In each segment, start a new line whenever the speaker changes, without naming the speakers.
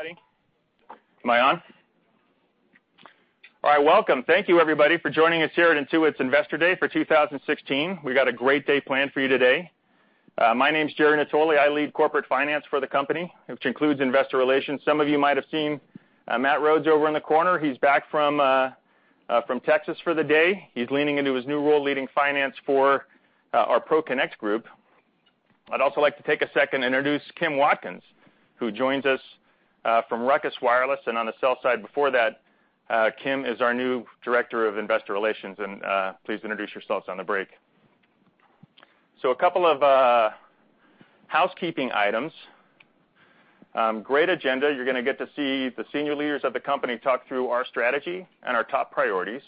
Everybody. Am I on? All right, welcome. Thank you everybody for joining us here at Intuit's Investor Day for 2016. We got a great day planned for you today. My name's Jerry Natoli. I lead corporate finance for the company, which includes investor relations. Some of you might have seen Matt Rhodes over in the corner. He's back from Texas for the day. He's leaning into his new role leading finance for our ProConnect Group. I'd also like to take a second and introduce Kim Watkins, who joins us from Ruckus Wireless and on the sell side before that. Kim is our new Director of Investor Relations, and please introduce yourselves on the break. A couple of housekeeping items. Great agenda. You're going to get to see the senior leaders of the company talk through our strategy and our top priorities.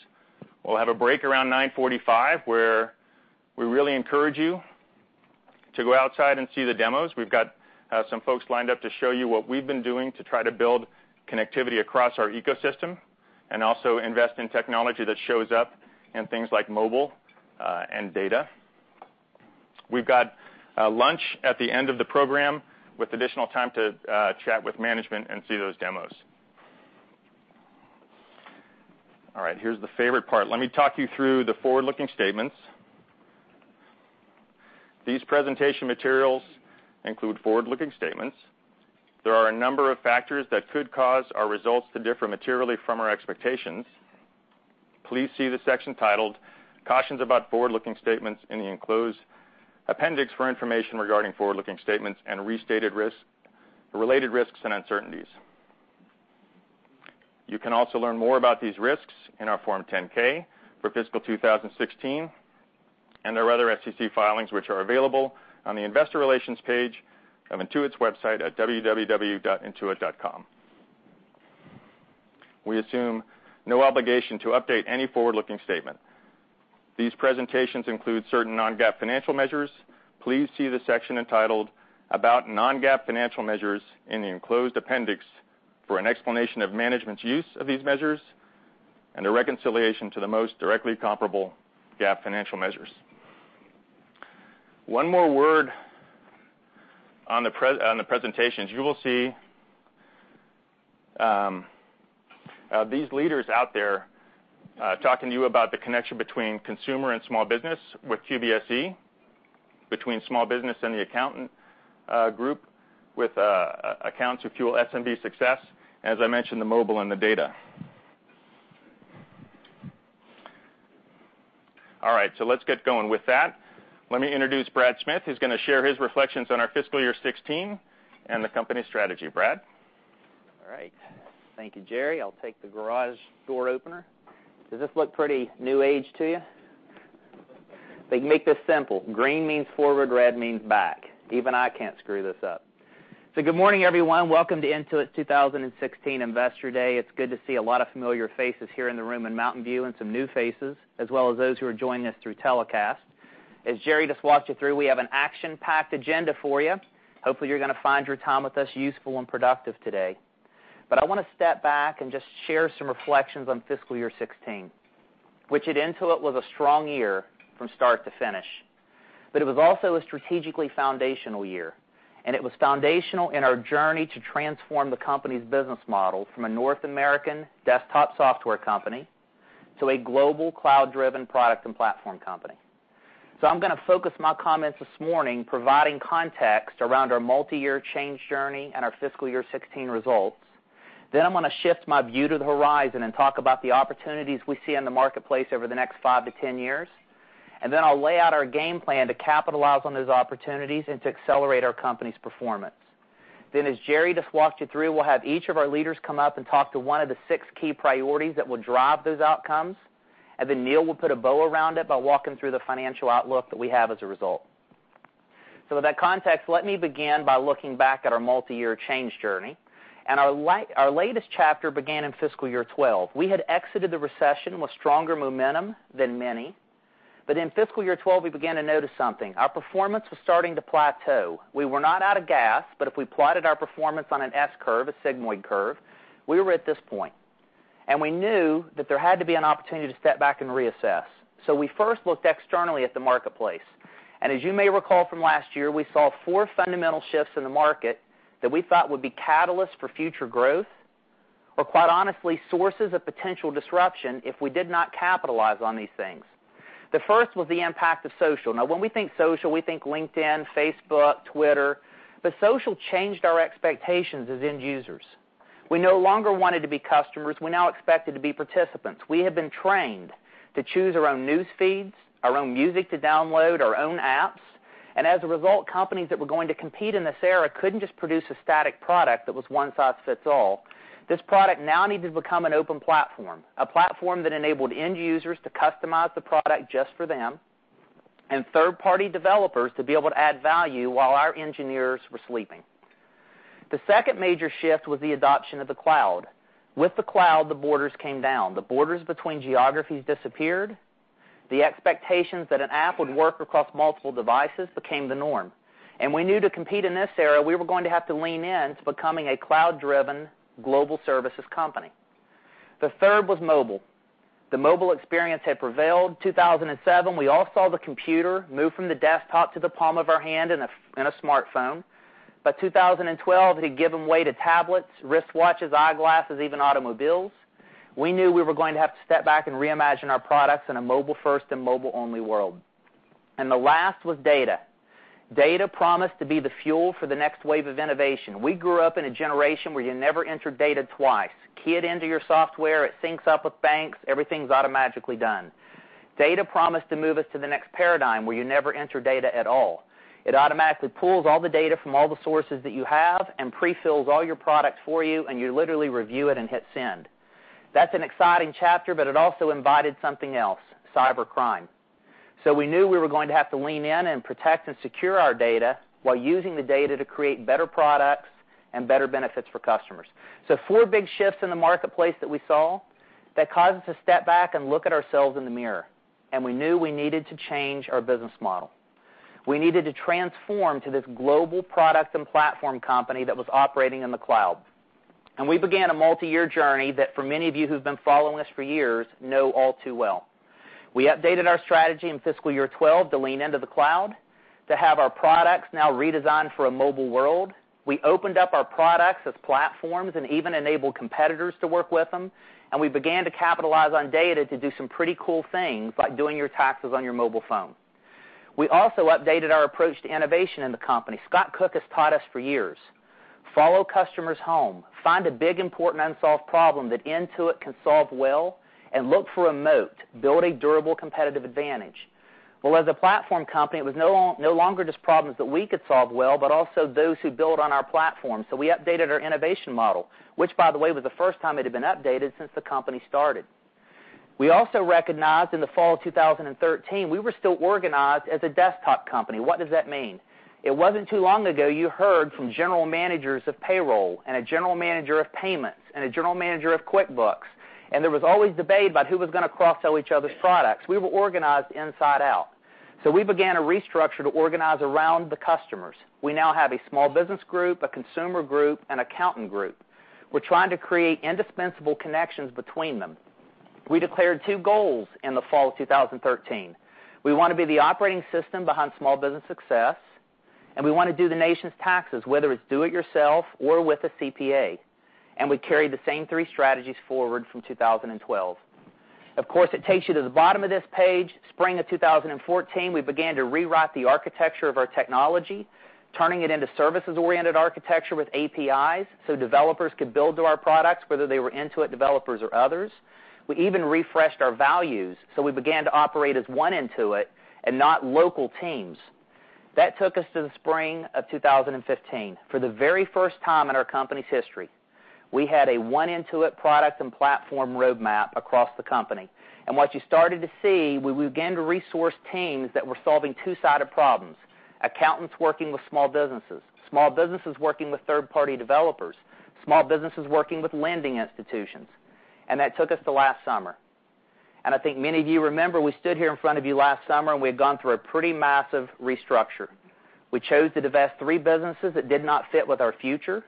We'll have a break around 9:45 where we really encourage you to go outside and see the demos. We've got some folks lined up to show you what we've been doing to try to build connectivity across our ecosystem and also invest in technology that shows up in things like mobile and data. We've got lunch at the end of the program with additional time to chat with management and see those demos. Here's the favorite part. Let me talk you through the forward-looking statements. These presentation materials include forward-looking statements. There are a number of factors that could cause our results to differ materially from our expectations. Please see the section titled Cautions about Forward-Looking Statements in the enclosed appendix for information regarding forward-looking statements and related risks and uncertainties. You can also learn more about these risks in our Form 10-K for fiscal 2016 and our other SEC filings, which are available on the investor relations page of Intuit's website at www.intuit.com. We assume no obligation to update any forward-looking statement. These presentations include certain non-GAAP financial measures. Please see the section entitled About Non-GAAP Financial Measures in the enclosed appendix for an explanation of management's use of these measures and a reconciliation to the most directly comparable GAAP financial measures. One more word on the presentations. You will see these leaders out there talking to you about the connection between consumer and small business with QBSE, between small business and the accountant group with accounts who fuel SMB success, and as I mentioned, the mobile and the data. Let's get going with that. Let me introduce Brad Smith, who's going to share his reflections on our fiscal year 2016 and the company strategy. Brad?
All right. Thank you, Jerry. I'll take the garage door opener. Does this look pretty new-age to you? They make this simple. Green means forward, red means back. Even I can't screw this up. Good morning, everyone. Welcome to Intuit 2016 Investor Day. It's good to see a lot of familiar faces here in the room in Mountain View and some new faces, as well as those who are joining us through telecast. As Jerry just walked you through, we have an action-packed agenda for you. Hopefully, you're going to find your time with us useful and productive today. I want to step back and just share some reflections on fiscal year 2016, which at Intuit was a strong year from start to finish, but it was also a strategically foundational year, and it was foundational in our journey to transform the company's business model from a North American desktop software company to a global cloud-driven product and platform company. I'm going to focus my comments this morning providing context around our multi-year change journey and our fiscal year 2016 results. I'm going to shift my view to the horizon and talk about the opportunities we see in the marketplace over the next 5 to 10 years. I'll lay out our game plan to capitalize on those opportunities and to accelerate our company's performance. As Jerry just walked you through, we'll have each of our leaders come up and talk to one of the six key priorities that will drive those outcomes. Neil will put a bow around it by walking through the financial outlook that we have as a result. With that context, let me begin by looking back at our multi-year change journey, and our latest chapter began in fiscal year 2012. We had exited the recession with stronger momentum than many, but in fiscal year 2012, we began to notice something. Our performance was starting to plateau. We were not out of gas, but if we plotted our performance on an S-curve, a sigmoid curve, we were at this point, and we knew that there had to be an opportunity to step back and reassess. We first looked externally at the marketplace, and as you may recall from last year, we saw four fundamental shifts in the market that we thought would be catalysts for future growth or, quite honestly, sources of potential disruption if we did not capitalize on these things. The first was the impact of social. When we think social, we think LinkedIn, Facebook, Twitter, but social changed our expectations as end users. We no longer wanted to be customers. We now expected to be participants. We had been trained to choose our own news feeds, our own music to download, our own apps, and as a result, companies that were going to compete in this era couldn't just produce a static product that was one-size-fits-all. This product now needed to become an open platform, a platform that enabled end users to customize the product just for them and third-party developers to be able to add value while our engineers were sleeping. The second major shift was the adoption of the cloud. With the cloud, the borders came down. The borders between geographies disappeared. The expectations that an app would work across multiple devices became the norm, and we knew to compete in this era, we were going to have to lean in to becoming a cloud-driven global services company. The third was mobile. The mobile experience had prevailed. 2007, we all saw the computer move from the desktop to the palm of our hand in a smartphone. By 2012, it had given way to tablets, wristwatches, eyeglasses, even automobiles. We knew we were going to have to step back and reimagine our products in a mobile-first and mobile-only world. The last was data. Data promised to be the fuel for the next wave of innovation. We grew up in a generation where you never enter data twice. Key it into your software, it syncs up with banks, everything's automatically done. Data promised to move us to the next paradigm where you never enter data at all. It automatically pulls all the data from all the sources that you have and pre-fills all your products for you, and you literally review it and hit send. That's an exciting chapter, but it also invited something else, cybercrime. We knew we were going to have to lean in and protect and secure our data while using the data to create better products and better benefits for customers. Four big shifts in the marketplace that we saw that caused us to step back and look at ourselves in the mirror, and we knew we needed to change our business model. We needed to transform to this global product and platform company that was operating in the cloud. We began a multi-year journey that, for many of you who've been following us for years, know all too well. We updated our strategy in fiscal year 2012 to lean into the cloud, to have our products now redesigned for a mobile world. We opened up our products as platforms and even enabled competitors to work with them, and we began to capitalize on data to do some pretty cool things, like doing your taxes on your mobile phone. We also updated our approach to innovation in the company. Scott Cook has taught us for years, follow customers home, find a big, important, unsolved problem that Intuit can solve well, and look for a moat. Build a durable, competitive advantage. As a platform company, it was no longer just problems that we could solve well, but also those who build on our platform. We updated our innovation model, which, by the way, was the first time it had been updated since the company started. We also recognized in the fall of 2013, we were still organized as a desktop company. What does that mean? It wasn't too long ago you heard from general managers of payroll, and a general manager of payments, and a general manager of QuickBooks, and there was always debate about who was going to cross-sell each other's products. We were organized inside-out. We began a restructure to organize around the customers. We now have a Small Business Group, a Consumer Group, an Accountant Group. We're trying to create indispensable connections between them. We declared two goals in the fall of 2013. We want to be the operating system behind small business success, and we want to do the nation's taxes, whether it's do-it-yourself or with a CPA. We carried the same three strategies forward from 2012. Of course, it takes you to the bottom of this page. Spring of 2014, we began to rewrite the architecture of our technology, turning it into service-oriented architecture with APIs so developers could build to our products, whether they were Intuit developers or others. We even refreshed our values. We began to operate as one Intuit and not local teams. That took us to the spring of 2015. For the very first time in our company's history, we had a one Intuit product and platform roadmap across the company. What you started to see, we began to resource teams that were solving two-sided problems. Accountants working with small businesses, small businesses working with third-party developers, small businesses working with lending institutions. That took us to last summer. I think many of you remember we stood here in front of you last summer, and we had gone through a pretty massive restructure. We chose to divest three businesses that did not fit with our future,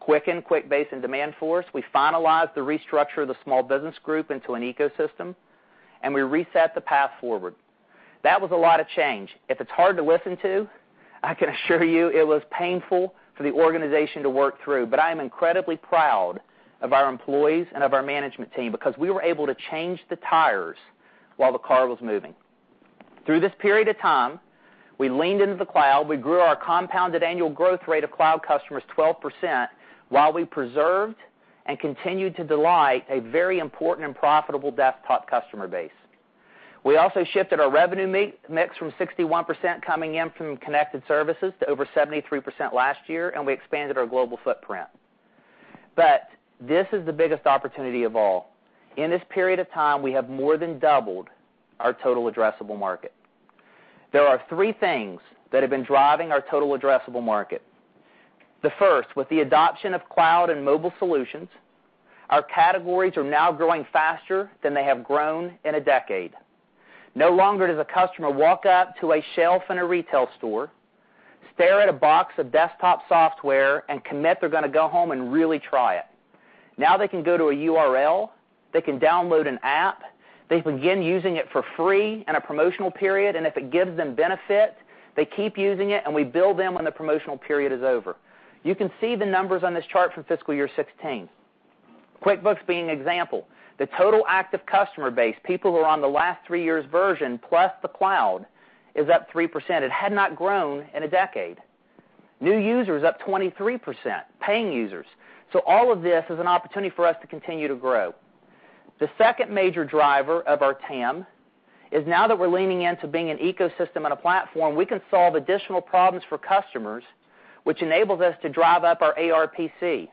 Quicken, QuickBase, and Demandforce. We finalized the restructure of the Small Business Group into an ecosystem. We reset the path forward. That was a lot of change. If it's hard to listen to, I can assure you it was painful for the organization to work through. I am incredibly proud of our employees and of our management team because we were able to change the tires while the car was moving. Through this period of time, we leaned into the cloud. We grew our compounded annual growth rate of cloud customers 12%, while we preserved and continued to delight a very important and profitable desktop customer base. We also shifted our revenue mix from 61% coming in from connected services to over 73% last year. We expanded our global footprint. This is the biggest opportunity of all. In this period of time, we have more than doubled our total addressable market. There are three things that have been driving our total addressable market. The first, with the adoption of cloud and mobile solutions, our categories are now growing faster than they have grown in a decade. No longer does a customer walk up to a shelf in a retail store, stare at a box of desktop software, and commit they're going to go home and really try it. Now they can go to a URL, they can download an app, they begin using it for free in a promotional period, and if it gives them benefit, they keep using it, and we bill them when the promotional period is over. You can see the numbers on this chart for fiscal year 2016. QuickBooks being an example. The total active customer base, people who are on the last three years' version, plus the cloud, is up 3%. It had not grown in a decade. New users up 23%, paying users. All of this is an opportunity for us to continue to grow. The second major driver of our TAM is now that we're leaning into being an ecosystem and a platform, we can solve additional problems for customers, which enables us to drive up our ARPC.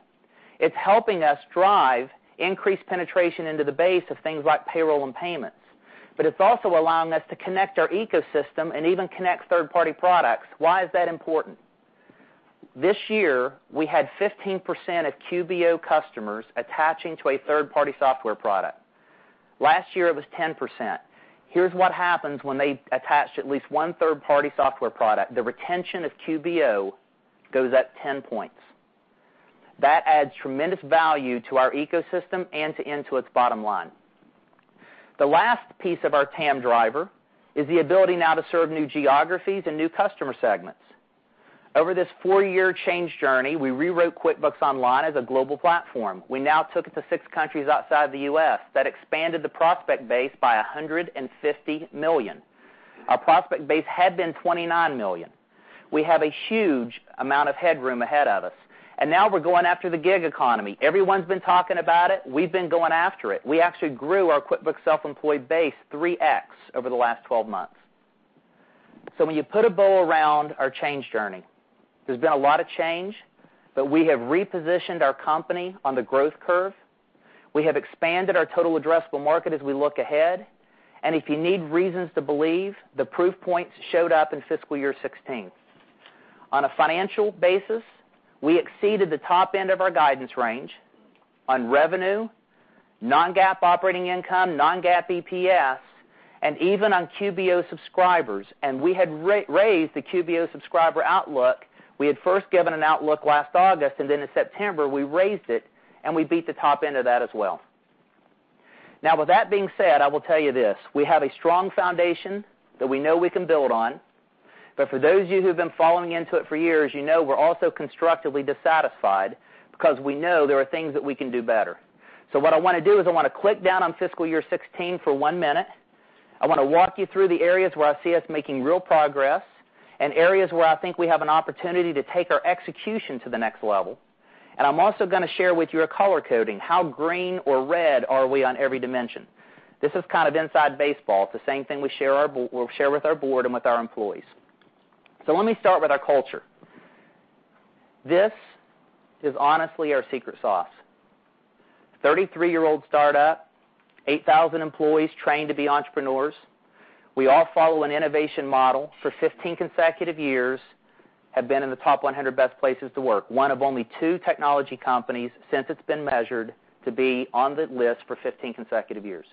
It's helping us drive increased penetration into the base of things like payroll and payments, but it's also allowing us to connect our ecosystem and even connect third-party products. Why is that important? This year, we had 15% of QBO customers attaching to a third-party software product. Last year, it was 10%. Here's what happens when they attach at least one third-party software product. The retention of QBO goes up 10 points. That adds tremendous value to our ecosystem and to Intuit's bottom line. The last piece of our TAM driver is the ability now to serve new geographies and new customer segments. Over this four-year change journey, we rewrote QuickBooks Online as a global platform. We now took it to six countries outside the U.S. That expanded the prospect base by 150 million. Our prospect base had been 29 million. We have a huge amount of headroom ahead of us, and now we're going after the gig economy. Everyone's been talking about it. We've been going after it. We actually grew our QuickBooks Self-Employed base 3x over the last 12 months. When you put a bow around our change journey, there's been a lot of change, but we have repositioned our company on the growth curve. We have expanded our total addressable market as we look ahead, and if you need reasons to believe, the proof points showed up in fiscal year 2016. On a financial basis, we exceeded the top end of our guidance range on revenue, non-GAAP operating income, non-GAAP EPS, and even on QBO subscribers, and we had raised the QBO subscriber outlook. We had first given an outlook last August, and then in September, we raised it, and we beat the top end of that as well. With that being said, I will tell you this. We have a strong foundation that we know we can build on. For those of you who've been following Intuit for years, you know we're also constructively dissatisfied because we know there are things that we can do better. What I want to do is I want to click down on fiscal year 2016 for one minute. I want to walk you through the areas where I see us making real progress and areas where I think we have an opportunity to take our execution to the next level. I'm also going to share with you our color-coding, how green or red are we on every dimension. This is kind of inside baseball. It's the same thing we'll share with our board and with our employees. Let me start with our culture. This is honestly our secret sauce. 33-year-old startup, 8,000 employees trained to be entrepreneurs. We all follow an innovation model. For 15 consecutive years have been in the top 100 best places to work, one of only two technology companies since it's been measured to be on the list for 15 consecutive years.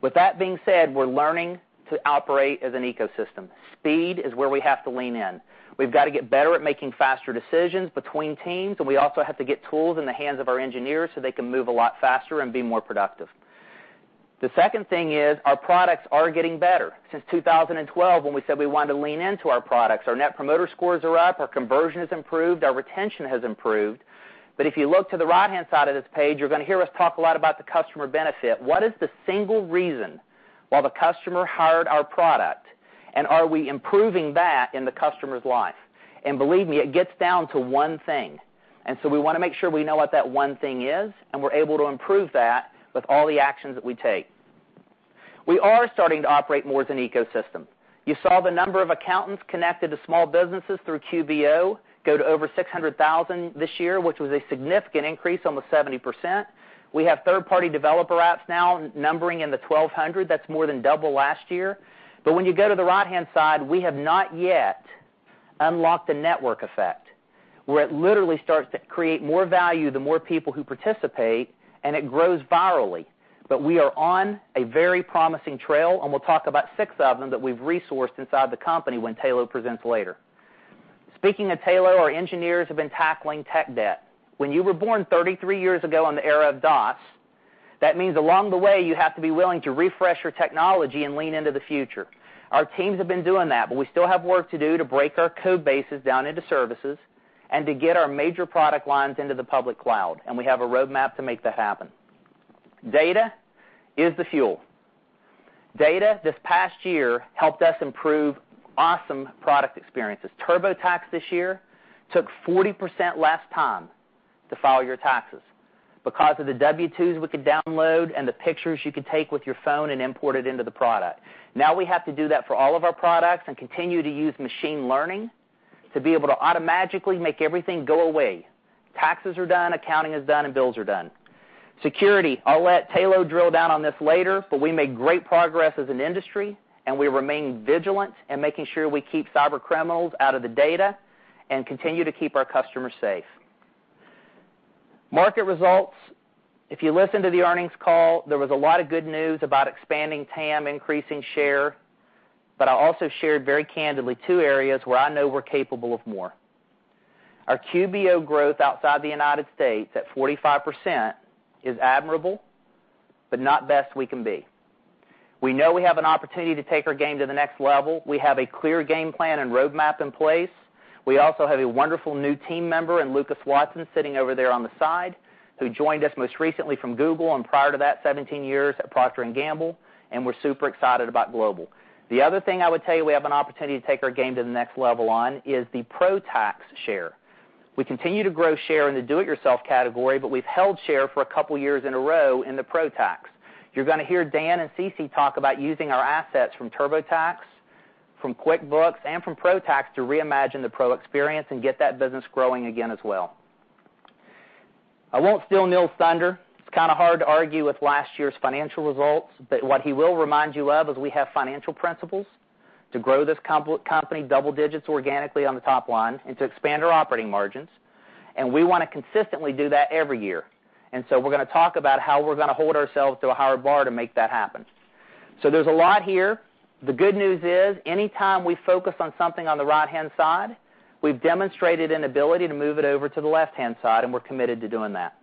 With that being said, we're learning to operate as an ecosystem. Speed is where we have to lean in. We've got to get better at making faster decisions between teams. We also have to get tools in the hands of our engineers so they can move a lot faster and be more productive. The second thing is our products are getting better. Since 2012, when we said we wanted to lean into our products, our Net Promoter Scores are up, our conversion has improved, our retention has improved. If you look to the right-hand side of this page, you're going to hear us talk a lot about the customer benefit. What is the single reason why the customer hired our product, and are we improving that in the customer's life? Believe me, it gets down to one thing. We want to make sure we know what that one thing is, and we're able to improve that with all the actions that we take. We are starting to operate more as an ecosystem. You saw the number of accountants connected to small businesses through QBO go to over 600,000 this year, which was a significant increase, almost 70%. We have third-party developer apps now numbering in the 1,200. That's more than double last year. When you go to the right-hand side, we have not yet unlocked the network effect, where it literally starts to create more value the more people who participate, and it grows virally. We are on a very promising trail, and we'll talk about six of them that we've resourced inside the company when Tayloe presents later. Speaking of Tayloe, our engineers have been tackling tech debt. When you were born 33 years ago on the era of DOS, that means along the way, you have to be willing to refresh your technology and lean into the future. Our teams have been doing that, but we still have work to do to break our code bases down into services and to get our major product lines into the public cloud. We have a roadmap to make that happen. Data is the fuel. Data, this past year, helped us improve awesome product experiences. TurboTax this year took 40% less time to file your taxes because of the W-2s we could download and the pictures you could take with your phone and import it into the product. Now we have to do that for all of our products and continue to use machine learning to be able to automatically make everything go away. Taxes are done, accounting is done, and bills are done. Security, I'll let Tayloe drill down on this later. We made great progress as an industry, and we remain vigilant in making sure we keep cybercriminals out of the data and continue to keep our customers safe. Market results. If you listened to the earnings call, there was a lot of good news about expanding TAM, increasing share. I also shared very candidly two areas where I know we're capable of more. Our QBO growth outside the U.S. at 45% is admirable, not best we can be. We know we have an opportunity to take our game to the next level. We have a clear game plan and roadmap in place. We also have a wonderful new team member in Lucas Watson, sitting over there on the side, who joined us most recently from Google, and prior to that, 17 years at Procter & Gamble, and we're super excited about global. The other thing I would tell you we have an opportunity to take our game to the next level on is the Pro Tax share. We continue to grow share in the do-it-yourself category, but we've held share for a couple years in a row in the Pro Tax. You're going to hear Dan and CeCe talk about using our assets from TurboTax, from QuickBooks, and from Pro Tax to reimagine the Pro experience and get that business growing again as well. I won't steal Neil's thunder. It's kind of hard to argue with last year's financial results, but what he will remind you of is we have financial principles to grow this company double digits organically on the top line and to expand our operating margins. We want to consistently do that every year. We're going to talk about how we're going to hold ourselves to a higher bar to make that happen. There's a lot here. The good news is, any time we focus on something on the right-hand side, we've demonstrated an ability to move it over to the left-hand side, and we're committed to doing that.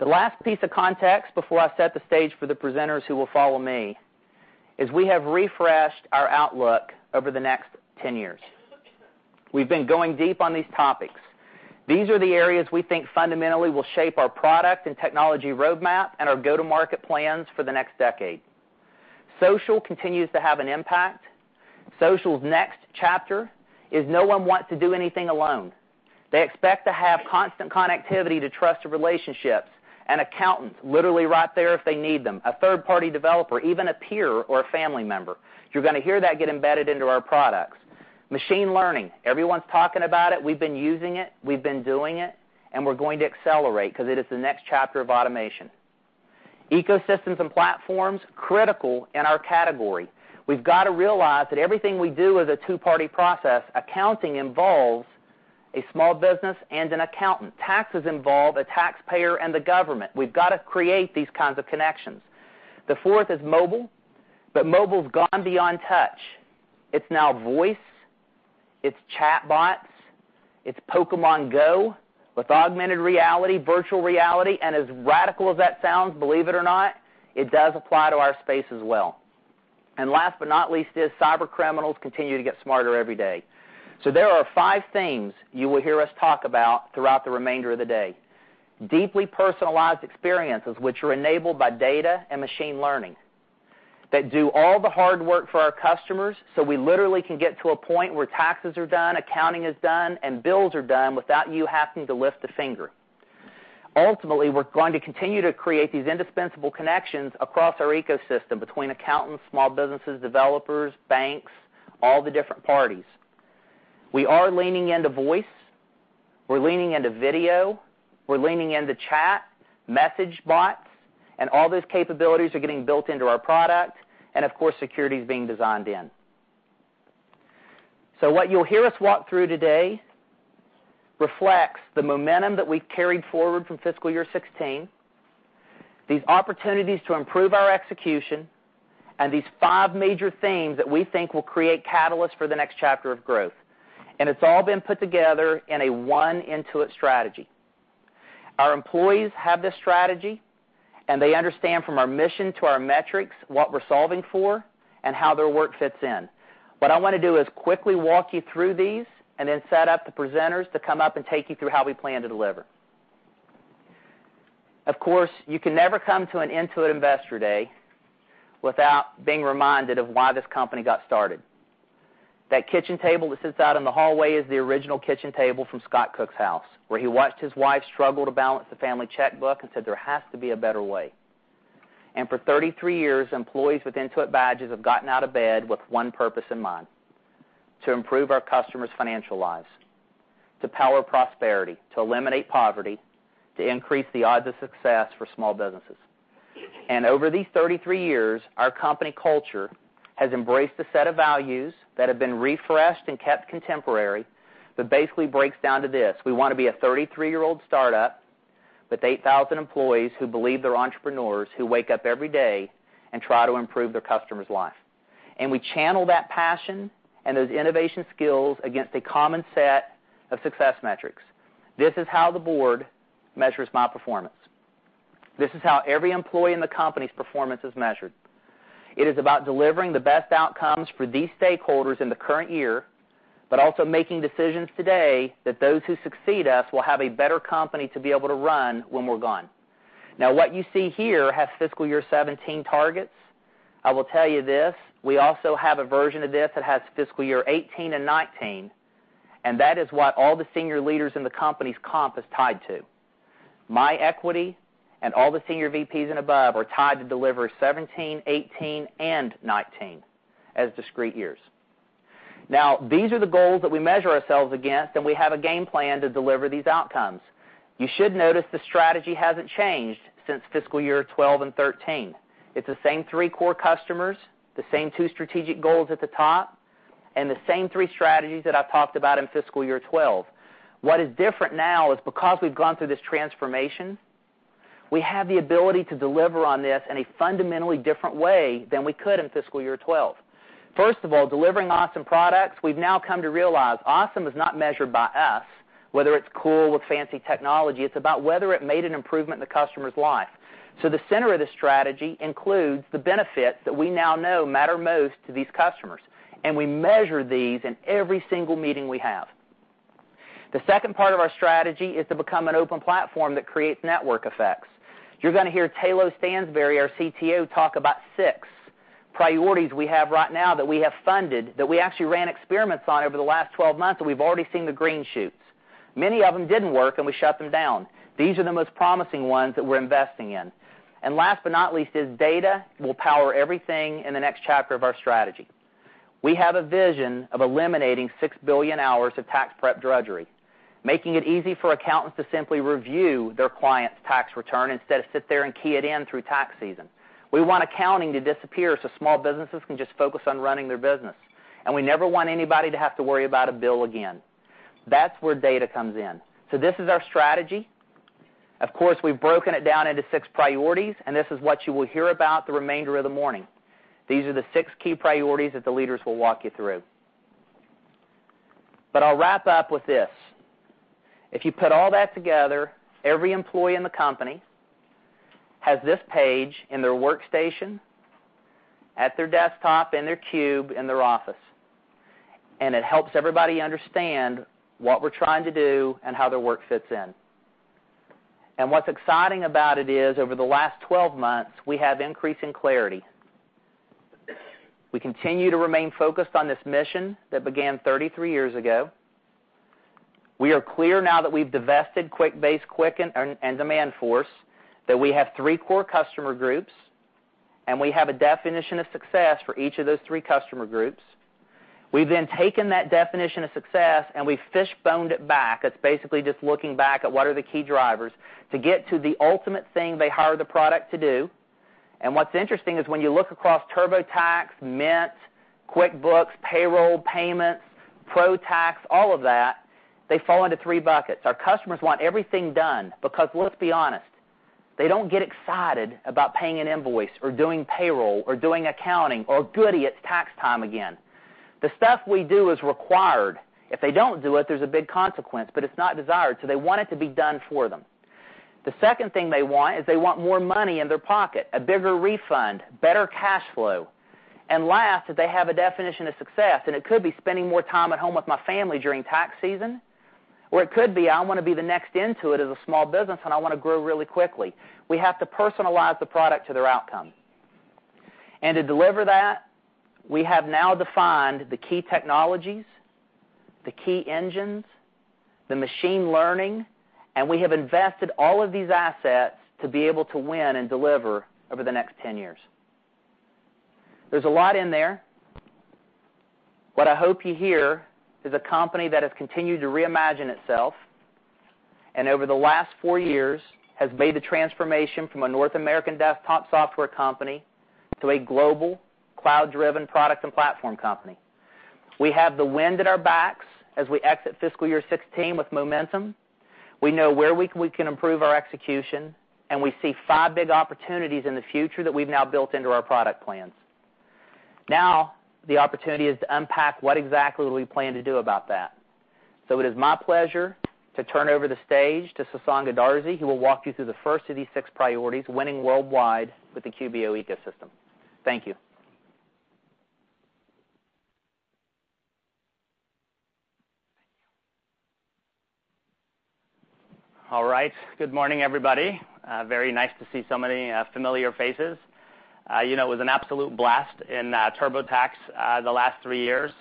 The last piece of context before I set the stage for the presenters who will follow me, is we have refreshed our outlook over the next 10 years. We've been going deep on these topics. These are the areas we think fundamentally will shape our product and technology roadmap and our go-to-market plans for the next decade. Social continues to have an impact. Social's next chapter is no one wants to do anything alone. They expect to have constant connectivity to trusted relationships. An accountant, literally right there if they need them, a third-party developer, even a peer or a family member. You're going to hear that get embedded into our products. Machine learning, everyone's talking about it, we've been using it, we've been doing it, and we're going to accelerate because it is the next chapter of automation. Ecosystems and platforms, critical in our category. We've got to realize that everything we do is a two-party process. Accounting involves a small business and an accountant. Taxes involve a taxpayer and the government. We've got to create these kinds of connections. The fourth is mobile, but mobile's gone beyond touch. It's now voice, it's chat bots, it's Pokémon Go, with augmented reality, virtual reality, and as radical as that sounds, believe it or not, it does apply to our space as well. Last but not least is cybercriminals continue to get smarter every day. There are five themes you will hear us talk about throughout the remainder of the day. Deeply personalized experiences, which are enabled by data and machine learning, that do all the hard work for our customers, so we literally can get to a point where taxes are done, accounting is done, and bills are done without you having to lift a finger. Ultimately, we're going to continue to create these indispensable connections across our ecosystem between accountants, small businesses, developers, banks, all the different parties. We are leaning into voice, we're leaning into video, we're leaning into chat, message bots, and all those capabilities are getting built into our product, and of course, security's being designed in. What you'll hear us walk through today reflects the momentum that we've carried forward from fiscal year 2016, these opportunities to improve our execution, and these five major themes that we think will create catalysts for the next chapter of growth. It's all been put together in a One Intuit strategy. Our employees have this strategy, and they understand from our mission to our metrics what we're solving for and how their work fits in. What I want to do is quickly walk you through these and then set up the presenters to come up and take you through how we plan to deliver. Of course, you can never come to an Intuit Investor Day without being reminded of why this company got started. That kitchen table that sits out in the hallway is the original kitchen table from Scott Cook's house, where he watched his wife struggle to balance the family checkbook and said, "There has to be a better way." For 33 years, employees with Intuit badges have gotten out of bed with one purpose in mind: To improve our customers' financial lives, to power prosperity, to eliminate poverty, to increase the odds of success for small businesses. Over these 33 years, our company culture has embraced a set of values that have been refreshed and kept contemporary, that basically breaks down to this: We want to be a 33-year-old startup with 8,000 employees who believe they're entrepreneurs, who wake up every day and try to improve their customer's life. We channel that passion and those innovation skills against a common set of success metrics. This is how the board measures my performance. This is how every employee in the company's performance is measured. It is about delivering the best outcomes for these stakeholders in the current year, but also making decisions today that those who succeed us will have a better company to be able to run when we're gone. What you see here has fiscal year 2017 targets. I will tell you this, we also have a version of this that has fiscal year 2018 and 2019, and that is what all the senior leaders in the company's comp is tied to. My equity and all the senior VPs and above are tied to deliver 2017, 2018, and 2019 as discrete years. These are the goals that we measure ourselves against, and we have a game plan to deliver these outcomes. You should notice the strategy hasn't changed since fiscal year 2012 and 2013. It's the same three core customers, the same two strategic goals at the top, and the same three strategies that I talked about in fiscal year 2012. What is different now is because we've gone through this transformation, we have the ability to deliver on this in a fundamentally different way than we could in fiscal year 2012. First of all, delivering awesome products, we've now come to realize awesome is not measured by us, whether it's cool with fancy technology, it's about whether it made an improvement in the customer's life. The center of the strategy includes the benefits that we now know matter most to these customers, and we measure these in every single meeting we have. The second part of our strategy is to become an open platform that creates network effects. You're going to hear Tayloe Stansbury, our CTO, talk about six priorities we have right now that we have funded, that we actually ran experiments on over the last 12 months, and we've already seen the green shoots. Many of them didn't work, and we shut them down. These are the most promising ones that we're investing in. Last but not least is data will power everything in the next chapter of our strategy. We have a vision of eliminating 6 billion hours of tax prep drudgery, making it easy for accountants to simply review their client's tax return instead of sit there and key it in through tax season. We want accounting to disappear so small businesses can just focus on running their business, and we never want anybody to have to worry about a bill again. That's where data comes in. This is our strategy. Of course, we've broken it down into 6 priorities, and this is what you will hear about the remainder of the morning. These are the 6 key priorities that the leaders will walk you through. I'll wrap up with this. If you put all that together, every employee in the company has this page in their workstation, at their desktop, in their cube, in their office, and it helps everybody understand what we're trying to do and how their work fits in. What's exciting about it is, over the last 12 months, we have increasing clarity. We continue to remain focused on this mission that began 33 years ago. We are clear now that we've divested QuickBase, Quicken, and Demandforce, that we have three core customer groups, and we have a definition of success for each of those three customer groups. We've taken that definition of success, and we fishboned it back. That's basically just looking back at what are the key drivers to get to the ultimate thing they hired the product to do. What's interesting is when you look across TurboTax, Mint, QuickBooks, Payroll, Payments, ProTax, all of that, they fall into three buckets. Our customers want everything done because let's be honest, they don't get excited about paying an invoice, or doing payroll, or doing accounting, or, "Goody, it's tax time again." The stuff we do is required. If they don't do it, there's a big consequence, but it's not desired, so they want it to be done for them. The second thing they want is they want more money in their pocket, a bigger refund, better cash flow. Last, that they have a definition of success, and it could be spending more time at home with my family during tax season, or it could be, I want to be the next Intuit as a small business, and I want to grow really quickly. We have to personalize the product to their outcome. To deliver that, we have now defined the key technologies, the key engines, the machine learning, and we have invested all of these assets to be able to win and deliver over the next 10 years. There's a lot in there. What I hope you hear is a company that has continued to reimagine itself, and over the last four years has made the transformation from a North American desktop software company to a global, cloud-driven product and platform company. We have the wind at our backs as we exit fiscal year 2016 with momentum. We know where we can improve our execution, and we see five big opportunities in the future that we've now built into our product plans. The opportunity is to unpack what exactly will we plan to do about that. It is my pleasure to turn over the stage to Sasan Goodarzi, who will walk you through the first of these six priorities, winning worldwide with the QBO ecosystem. Thank you.
All right. Good morning, everybody. Very nice to see so many familiar faces. It was an absolute blast in TurboTax the last three years.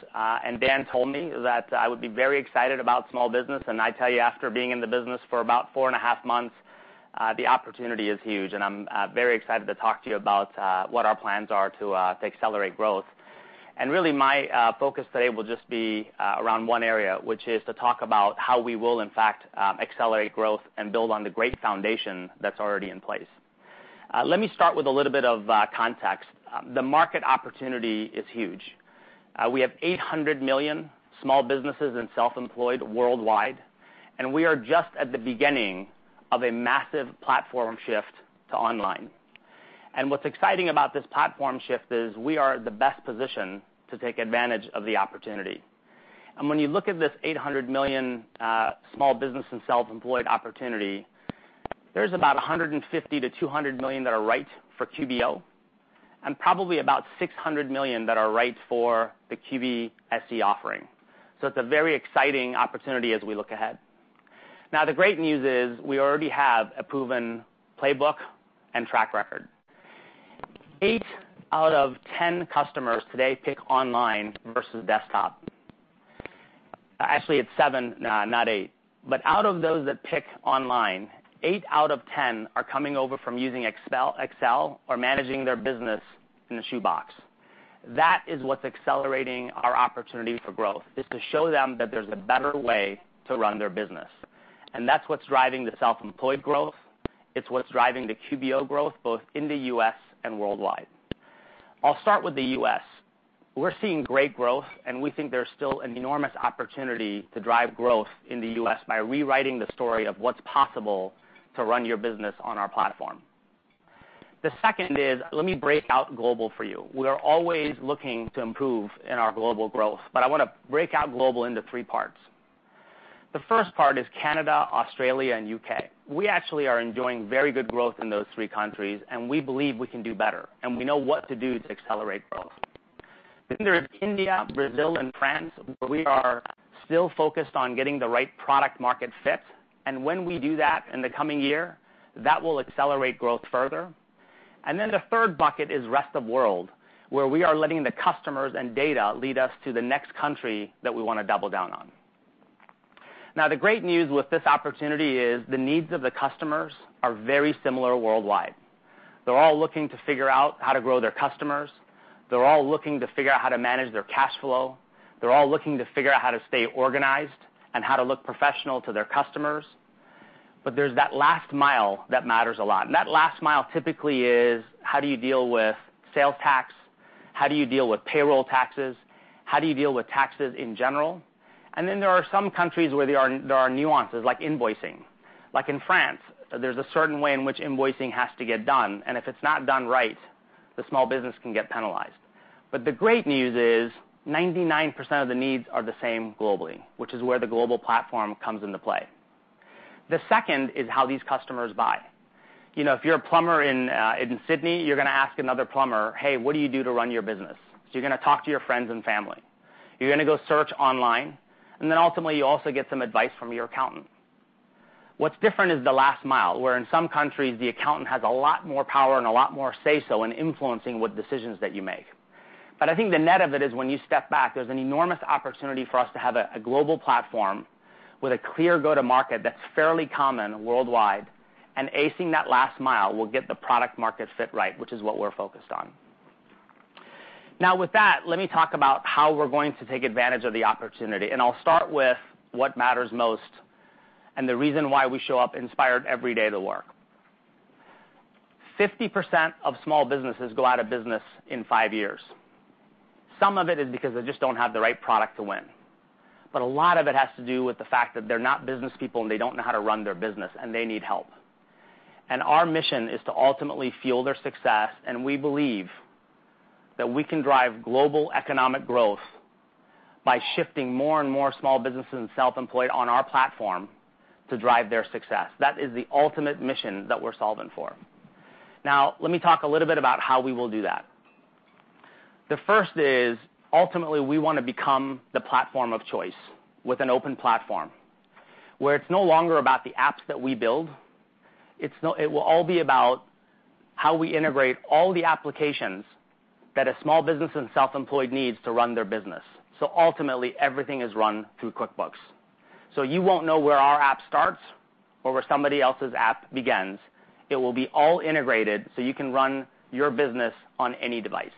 Dan told me that I would be very excited about small business, and I tell you, after being in the business for about four and a half months, the opportunity is huge, and I'm very excited to talk to you about what our plans are to accelerate growth. Really my focus today will just be around one area, which is to talk about how we will in fact accelerate growth and build on the great foundation that's already in place. Let me start with a little bit of context. The market opportunity is huge. We have 800 million small businesses and self-employed worldwide, and we are just at the beginning of a massive platform shift to online. What's exciting about this platform shift is we are at the best position to take advantage of the opportunity. When you look at this 800 million small business and self-employed opportunity, there's about 150 million-200 million that are right for QBO, and probably about 600 million that are right for the QBSE offering. It's a very exciting opportunity as we look ahead. The great news is we already have a proven playbook and track record. Eight out of 10 customers today pick online versus desktop. Actually, it's seven, not eight. Out of those that pick online, eight out of 10 are coming over from using Excel or managing their business in a shoebox. That is what's accelerating our opportunity for growth, is to show them that there's a better way to run their business. That's what's driving the self-employed growth. It's what's driving the QBO growth, both in the U.S. and worldwide. I'll start with the U.S. We're seeing great growth, and we think there's still an enormous opportunity to drive growth in the U.S. by rewriting the story of what's possible to run your business on our platform. The second is, let me break out global for you. We are always looking to improve in our global growth, but I want to break out global into three parts. The first part is Canada, Australia, and U.K. We actually are enjoying very good growth in those three countries, and we believe we can do better, and we know what to do to accelerate growth. Then there's India, Brazil, and France, where we are still focused on getting the right product-market fit, and when we do that in the coming year, that will accelerate growth further. The third bucket is rest of world, where we are letting the customers and data lead us to the next country that we want to double down on. Now, the great news with this opportunity is the needs of the customers are very similar worldwide. They're all looking to figure out how to grow their customers. They're all looking to figure out how to manage their cash flow. They're all looking to figure out how to stay organized and how to look professional to their customers. There's that last mile that matters a lot, and that last mile typically is, how do you deal with sales tax? How do you deal with payroll taxes? How do you deal with taxes in general? Then there are some countries where there are nuances, like invoicing. Like in France, there's a certain way in which invoicing has to get done, and if it's not done right, the small business can get penalized. The great news is 99% of the needs are the same globally, which is where the global platform comes into play. The second is how these customers buy. If you're a plumber in Sydney, you're going to ask another plumber, "Hey, what do you do to run your business?" You're going to talk to your friends and family. You're going to go search online, and then ultimately, you also get some advice from your accountant. What's different is the last mile, where in some countries, the accountant has a lot more power and a lot more say-so in influencing what decisions that you make. I think the net of it is when you step back, there's an enormous opportunity for us to have a global platform with a clear go-to market that's fairly common worldwide, and acing that last mile will get the product-market fit right, which is what we're focused on. Now with that, let me talk about how we're going to take advantage of the opportunity, and I'll start with what matters most and the reason why we show up inspired every day to work. 50% of small businesses go out of business in five years. Some of it is because they just don't have the right product to win, but a lot of it has to do with the fact that they're not business people, and they don't know how to run their business, and they need help. Our mission is to ultimately fuel their success. We believe that we can drive global economic growth by shifting more and more small businesses and self-employed on our platform to drive their success. That is the ultimate mission that we're solving for. Let me talk a little bit about how we will do that. The first is, ultimately, we want to become the platform of choice with an open platform, where it's no longer about the apps that we build. It will all be about how we integrate all the applications that a small business and self-employed needs to run their business. Ultimately, everything is run through QuickBooks. You won't know where our app starts or where somebody else's app begins. It will be all integrated so you can run your business on any device.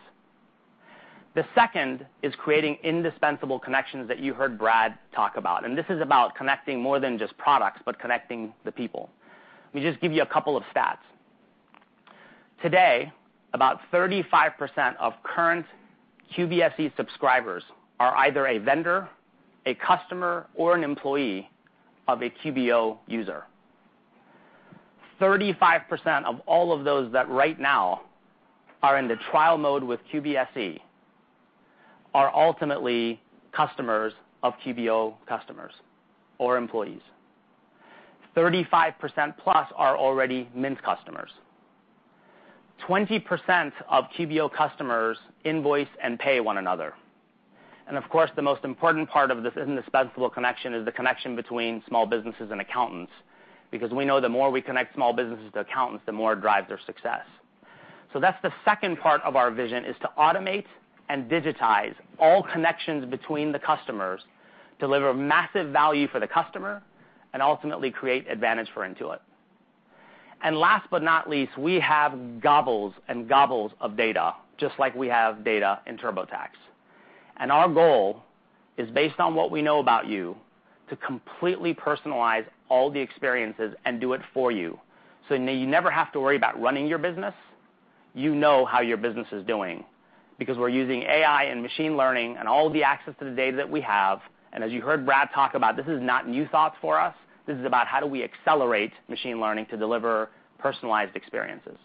The second is creating indispensable connections that you heard Brad talk about. This is about connecting more than just products but connecting the people. Let me just give you a couple of stats. Today, about 35% of current QBSE subscribers are either a vendor, a customer, or an employee of a QBO user. 35% of all of those that right now are in the trial mode with QBSE are ultimately customers of QBO customers or employees. 35% plus are already Mint customers. 20% of QBO customers invoice and pay one another. Of course, the most important part of this indispensable connection is the connection between small businesses and accountants because we know the more we connect small businesses to accountants, the more it drives their success. That's the second part of our vision is to automate and digitize all connections between the customers, deliver massive value for the customer, and ultimately create advantage for Intuit. Last but not least, we have gobs and gobs of data, just like we have data in TurboTax. Our goal is based on what we know about you to completely personalize all the experiences and do it for you, so you never have to worry about running your business. You know how your business is doing because we're using AI and machine learning and all the access to the data that we have. As you heard Brad talk about, this is not new thoughts for us. This is about how do we accelerate machine learning to deliver personalized experiences.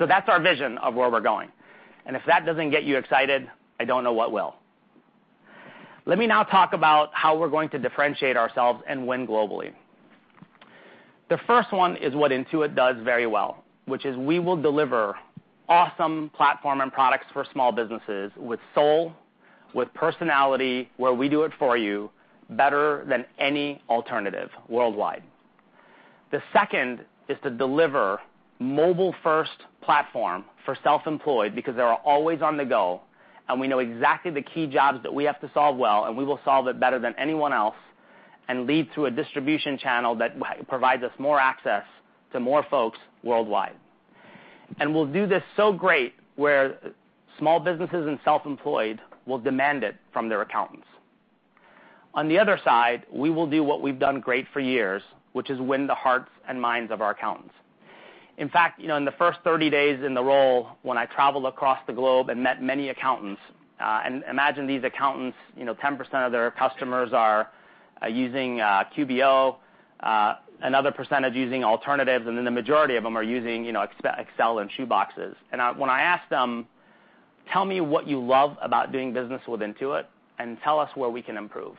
That's our vision of where we're going. If that doesn't get you excited, I don't know what will. Let me now talk about how we're going to differentiate ourselves and win globally. The first one is what Intuit does very well, which is we will deliver awesome platform and products for small businesses with soul, with personality, where we do it for you better than any alternative worldwide. The second is to deliver mobile-first platform for self-employed because they are always on the go. We know exactly the key jobs that we have to solve well. We will solve it better than anyone else and lead through a distribution channel that provides us more access to more folks worldwide. We'll do this so great where small businesses and self-employed will demand it from their accountants. On the other side, we will do what we've done great for years, which is win the hearts and minds of our accountants. In fact, in the first 30 days in the role, when I traveled across the globe and met many accountants, imagine these accountants, 10% of their customers are using QBO, another percentage using alternatives, the majority of them are using Excel and shoeboxes. When I ask them, "Tell me what you love about doing business with Intuit, and tell us where we can improve."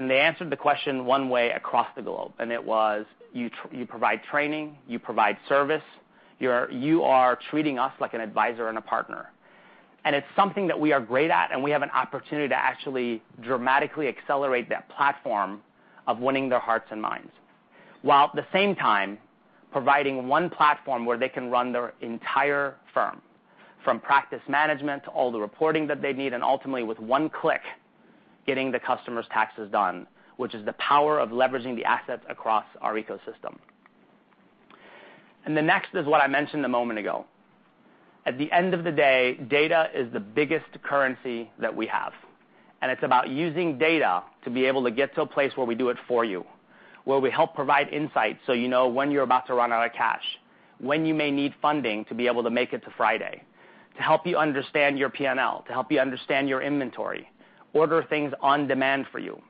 They answered the question one way across the globe, and it was, "You provide training. You provide service. You are treating us like an advisor and a partner." It's something that we are great at, and we have an opportunity to actually dramatically accelerate that platform of winning their hearts and minds, while at the same time, providing one platform where they can run their entire firm, from practice management to all the reporting that they need, and ultimately, with one click, getting the customer's taxes done, which is the power of leveraging the assets across our ecosystem. The next is what I mentioned a moment ago. At the end of the day, data is the biggest currency that we have. It's about using data to be able to get to a place where we do it for you, where we help provide insights so you know when you're about to run out of cash, when you may need funding to be able to make it to Friday, to help you understand your P&L, to help you understand your inventory, order things on demand for you.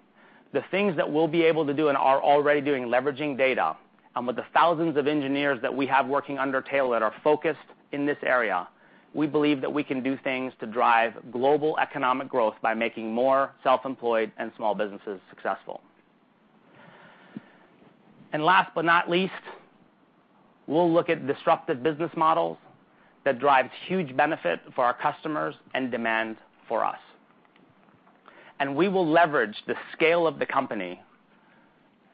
The things that we'll be able to do and are already doing, leveraging data, and with the thousands of engineers that we have working under Tayloe that are focused in this area. We believe that we can do things to drive global economic growth by making more self-employed and small businesses successful. Last but not least, we'll look at disruptive business models that drives huge benefit for our customers and demand for us. We will leverage the scale of the company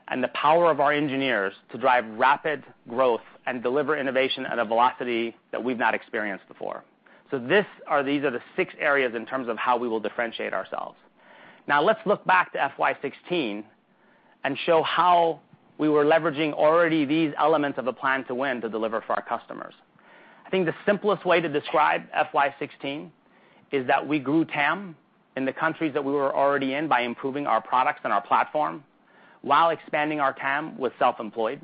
and the power of our engineers to drive rapid growth and deliver innovation at a velocity that we've not experienced before. These are the six areas in terms of how we will differentiate ourselves. Now let's look back to FY 2016 and show how we were leveraging already these elements of a plan to win to deliver for our customers. I think the simplest way to describe FY 2016 is that we grew TAM in the countries that we were already in by improving our products and our platform, while expanding our TAM with self-employed.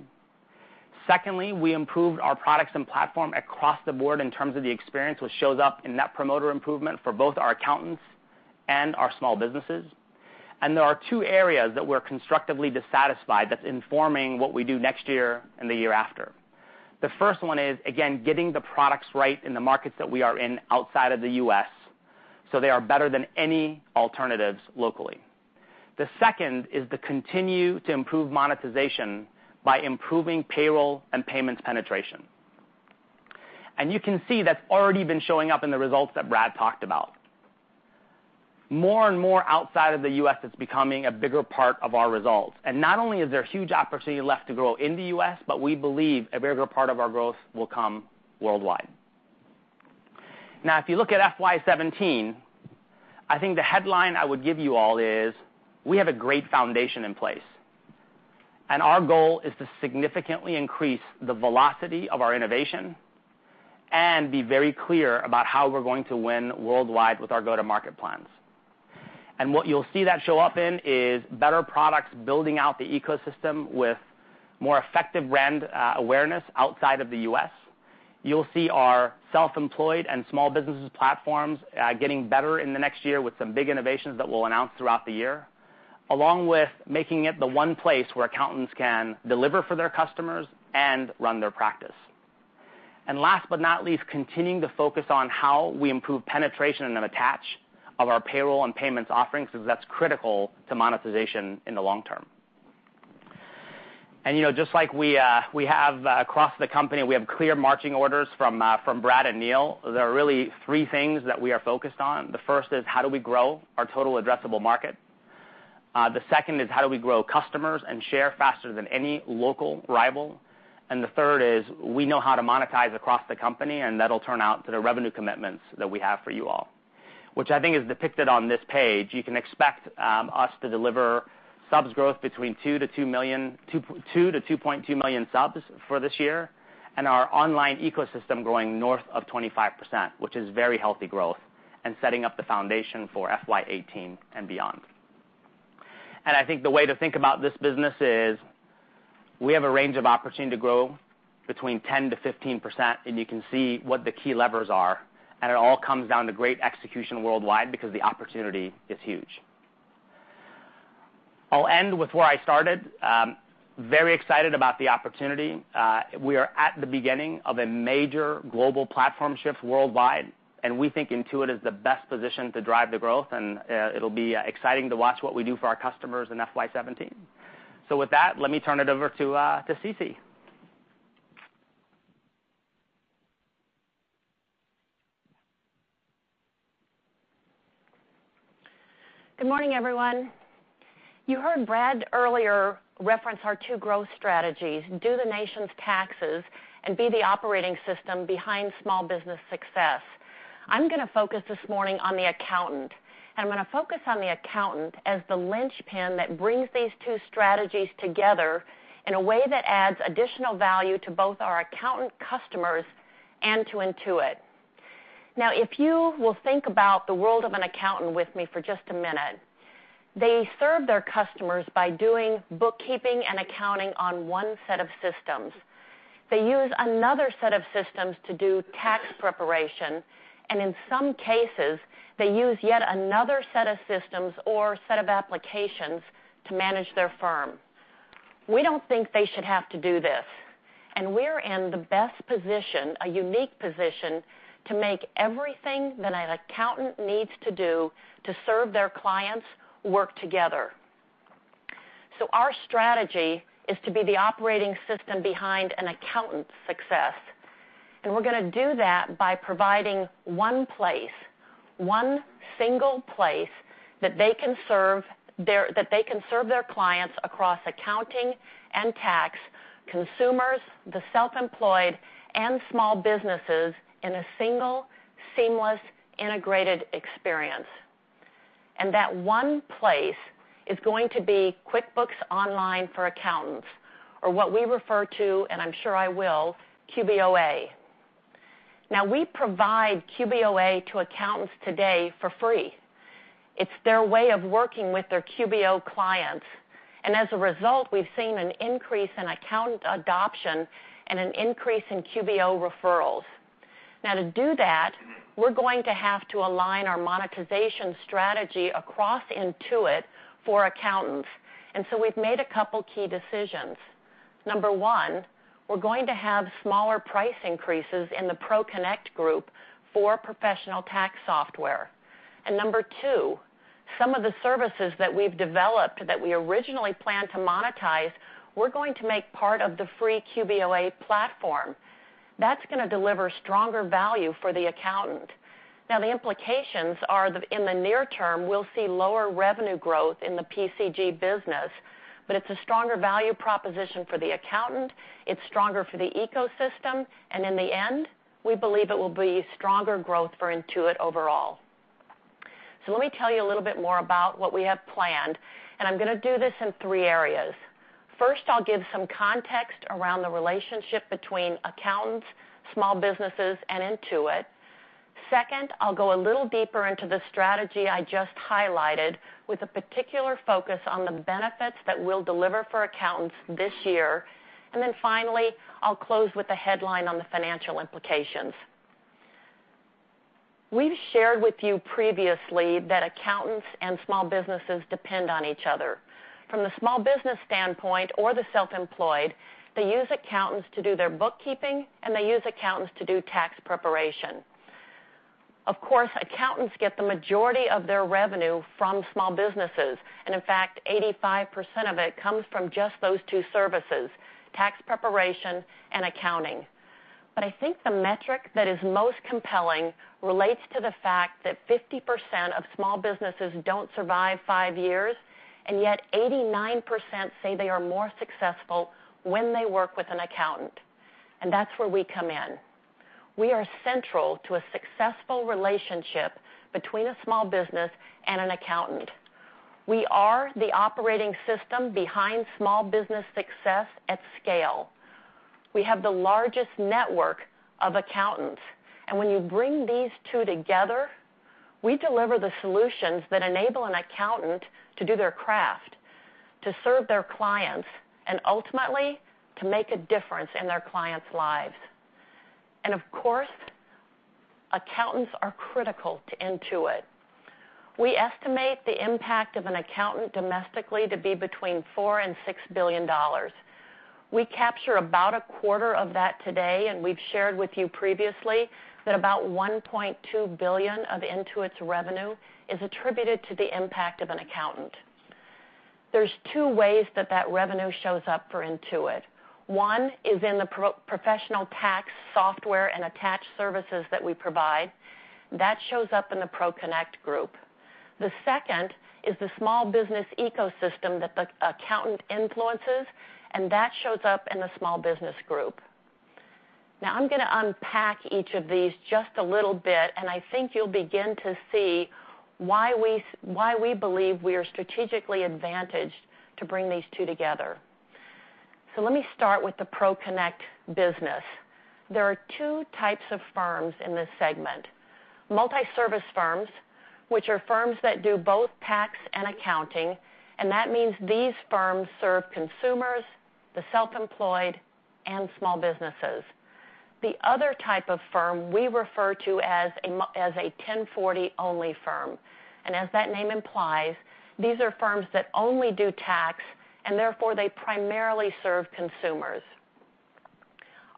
Secondly, we improved our products and platform across the board in terms of the experience, which shows up in Net Promoter improvement for both our accountants and our small businesses. There are two areas that we're constructively dissatisfied that's informing what we do next year and the year after. The first one is, again, getting the products right in the markets that we are in outside of the U.S., so they are better than any alternatives locally. The second is to continue to improve monetization by improving payroll and payments penetration. You can see that's already been showing up in the results that Brad talked about. More and more outside of the U.S., it's becoming a bigger part of our results. Not only is there huge opportunity left to grow in the U.S., but we believe a very good part of our growth will come worldwide. Now, if you look at FY 2017, I think the headline I would give you all is, we have a great foundation in place. Our goal is to significantly increase the velocity of our innovation and be very clear about how we're going to win worldwide with our go-to-market plans. What you'll see that show up in is better products building out the ecosystem with more effective brand awareness outside of the U.S. You'll see our self-employed and small businesses platforms getting better in the next year with some big innovations that we'll announce throughout the year, along with making it the one place where accountants can deliver for their customers and run their practice. Last but not least, continuing to focus on how we improve penetration and attach of our payroll and payments offerings, because that's critical to monetization in the long term. Just like we have across the company, we have clear marching orders from Brad and Neil. There are really three things that we are focused on. The first is how do we grow our total addressable market? The second is how do we grow customers and share faster than any local rival? The third is, we know how to monetize across the company, and that'll turn out to the revenue commitments that we have for you all, which I think is depicted on this page. You can expect us to deliver subs growth between 2 million-2.2 million subs for this year, and our online ecosystem growing north of 25%, which is very healthy growth, and setting up the foundation for FY 2018 and beyond. I think the way to think about this business is, we have a range of opportunity to grow between 10%-15%, you can see what the key levers are, and it all comes down to great execution worldwide because the opportunity is huge. I'll end with where I started. Very excited about the opportunity. We are at the beginning of a major global platform shift worldwide, we think Intuit is the best position to drive the growth, it'll be exciting to watch what we do for our customers in FY 2017. With that, let me turn it over to CeCe.
Good morning, everyone. You heard Brad earlier reference our two growth strategies, do the nation's taxes and be the operating system behind small business success. I'm going to focus this morning on the accountant. I'm going to focus on the accountant as the linchpin that brings these two strategies together in a way that adds additional value to both our accountant customers and to Intuit. If you will think about the world of an accountant with me for just a minute, they serve their customers by doing bookkeeping and accounting on one set of systems. They use another set of systems to do tax preparation, and in some cases, they use yet another set of systems or set of applications to manage their firm. We don't think they should have to do this, and we're in the best position, a unique position, to make everything that an accountant needs to do to serve their clients work together. Our strategy is to be the operating system behind an accountant's success, and we're going to do that by providing one place, one single place that they can serve their clients across accounting and tax, consumers, the self-employed, and small businesses in a single, seamless, integrated experience. That one place is going to be QuickBooks Online for accountants, or what we refer to, and I'm sure I will, QBOA. We provide QBOA to accountants today for free. It's their way of working with their QBO clients. As a result, we've seen an increase in accountant adoption and an increase in QBO referrals. To do that, we're going to have to align our monetization strategy across Intuit for accountants. We've made a couple key decisions. Number 1, we're going to have smaller price increases in the ProConnect Group for professional tax software. Number 2, some of the services that we've developed that we originally planned to monetize, we're going to make part of the free QBOA platform. That's going to deliver stronger value for the accountant. The implications are, in the near term, we'll see lower revenue growth in the PCG business. It's a stronger value proposition for the accountant, it's stronger for the ecosystem, and in the end, we believe it will be stronger growth for Intuit overall. Let me tell you a little bit more about what we have planned, and I'm going to do this in three areas. First, I'll give some context around the relationship between accountants, small businesses, and Intuit. Second, I'll go a little deeper into the strategy I just highlighted, with a particular focus on the benefits that we'll deliver for accountants this year. Finally, I'll close with a headline on the financial implications. We've shared with you previously that accountants and small businesses depend on each other. From the small business standpoint or the self-employed, they use accountants to do their bookkeeping, and they use accountants to do tax preparation. Of course, accountants get the majority of their revenue from small businesses, and in fact, 85% of it comes from just those two services, tax preparation and accounting. I think the metric that is most compelling relates to the fact that 50% of small businesses don't survive 5 years, yet 89% say they are more successful when they work with an accountant. That's where we come in. We are central to a successful relationship between a small business and an accountant. We are the operating system behind small business success at scale. We have the largest network of accountants. When you bring these two together, we deliver the solutions that enable an accountant to do their craft, to serve their clients, and ultimately, to make a difference in their clients' lives. Of course, accountants are critical to Intuit. We estimate the impact of an accountant domestically to be between $4 billion and $6 billion. We capture about a quarter of that today, we've shared with you previously that about $1.2 billion of Intuit's revenue is attributed to the impact of an accountant. There's two ways that that revenue shows up for Intuit. One is in the professional tax software and attached services that we provide. That shows up in the ProConnect Group. The second is the small business ecosystem that the accountant influences, that shows up in the Small Business Group. I'm going to unpack each of these just a little bit, I think you'll begin to see why we believe we are strategically advantaged to bring these two together. Let me start with the ProConnect business. There are 2 types of firms in this segment. Multi-service firms, which are firms that do both tax and accounting, that means these firms serve consumers, the self-employed, and small businesses. The other type of firm we refer to as a 1040-only firm. As that name implies, these are firms that only do tax, therefore, they primarily serve consumers.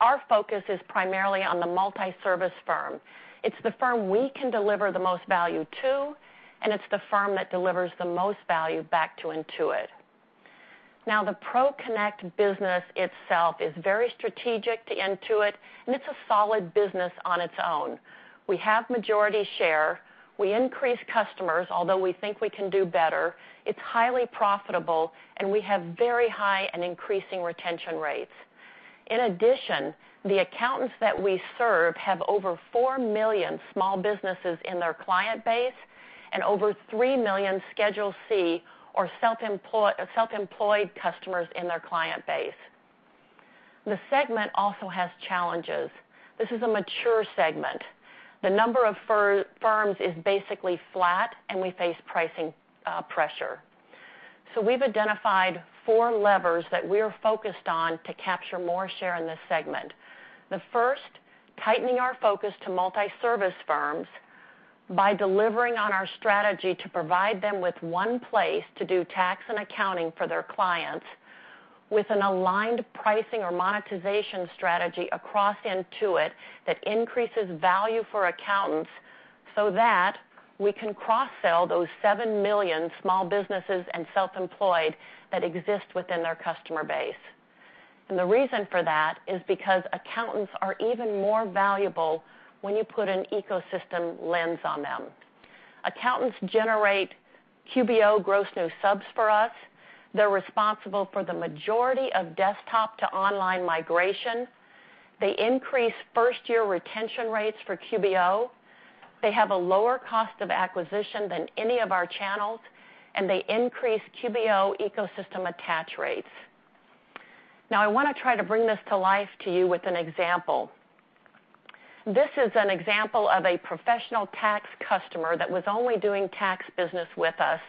Our focus is primarily on the multi-service firm. It's the firm we can deliver the most value to, it's the firm that delivers the most value back to Intuit. The ProConnect business itself is very strategic to Intuit, it's a solid business on its own. We have majority share, we increase customers, although we think we can do better, it's highly profitable, we have very high and increasing retention rates. In addition, the accountants that we serve have over 4 million small businesses in their client base and over 3 million Schedule C or self-employed customers in their client base. The segment also has challenges. This is a mature segment. The number of firms is basically flat, we face pricing pressure. We've identified 4 levers that we're focused on to capture more share in this segment. The first, tightening our focus to multi-service firms by delivering on our strategy to provide them with one place to do tax and accounting for their clients with an aligned pricing or monetization strategy across Intuit that increases value for accountants so that we can cross-sell those 7 million small businesses and self-employed that exist within their customer base. The reason for that is because accountants are even more valuable when you put an ecosystem lens on them. Accountants generate QBO gross new subs for us. They're responsible for the majority of desktop-to-online migration. They increase first-year retention rates for QBO. They have a lower cost of acquisition than any of our channels. They increase QBO ecosystem attach rates. I want to try to bring this to life to you with an example. This is an example of a professional tax customer that was only doing tax business with us.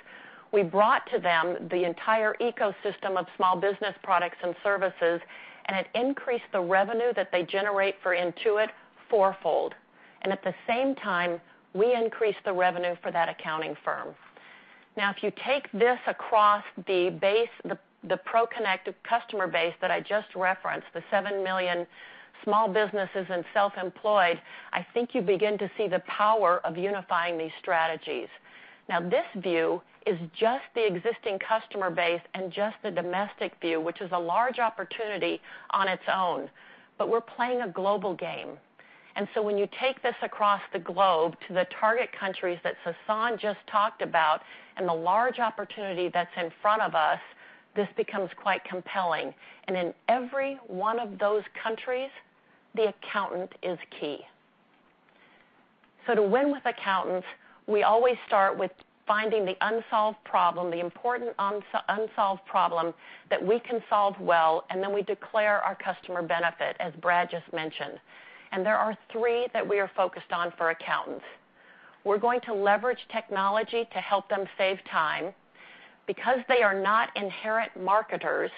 We brought to them the entire ecosystem of small business products and services, it increased the revenue that they generate for Intuit fourfold. At the same time, we increased the revenue for that accounting firm. If you take this across the ProConnect customer base that I just referenced, the 7 million small businesses and self-employed, I think you begin to see the power of unifying these strategies. This view is just the existing customer base and just the domestic view, which is a large opportunity on its own. We're playing a global game. When you take this across the globe to the target countries that Sasan just talked about and the large opportunity that's in front of us, this becomes quite compelling. In every one of those countries, the accountant is key. To win with accountants, we always start with finding the unsolved problem, the important unsolved problem that we can solve well, then we declare our customer benefit, as Brad just mentioned. There are three that we are focused on for accountants. We're going to leverage technology to help them save time. Because they are not inherent marketers,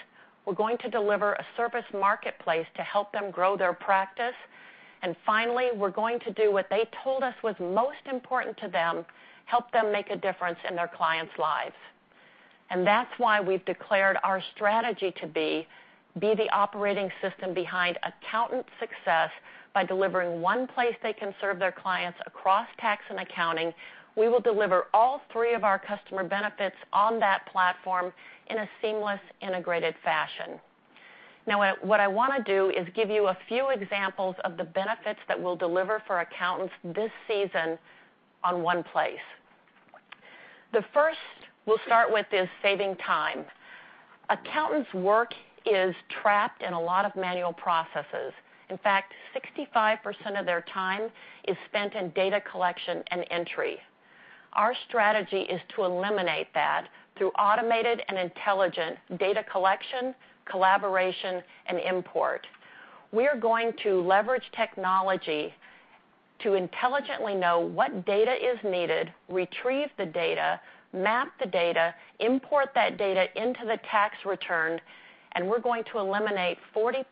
we're going to deliver a service marketplace to help them grow their practice. Finally, we're going to do what they told us was most important to them, help them make a difference in their clients' lives. That's why we've declared our strategy to be the operating system behind accountant success by delivering one place they can serve their clients across tax and accounting. We will deliver all three of our customer benefits on that platform in a seamless, integrated fashion. What I want to do is give you a few examples of the benefits that we'll deliver for accountants this season on one place. The first we'll start with is saving time. Accountants' work is trapped in a lot of manual processes. In fact, 65% of their time is spent in data collection and entry. Our strategy is to eliminate that through automated and intelligent data collection, collaboration, and import. We are going to leverage technology to intelligently know what data is needed, retrieve the data, map the data, import that data into the tax return, we're going to eliminate 40%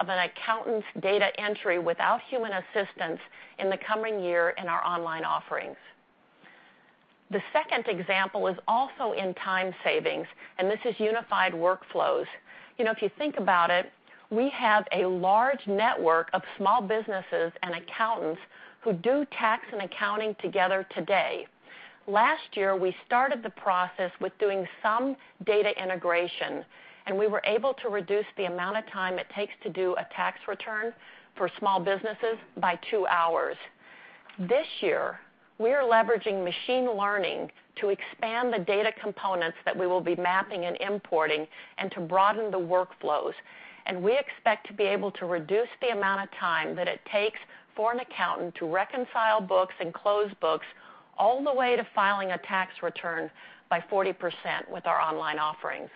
of an accountant's data entry without human assistance in the coming year in our online offerings. The second example is also in time savings, and this is unified workflows. If you think about it, we have a large network of small businesses and accountants who do tax and accounting together today. Last year, we started the process with doing some data integration, and we were able to reduce the amount of time it takes to do a tax return for small businesses by 2 hours. This year, we are leveraging machine learning to expand the data components that we will be mapping and importing and to broaden the workflows. We expect to be able to reduce the amount of time that it takes for an accountant to reconcile books and close books all the way to filing a tax return by 40% with our online offerings.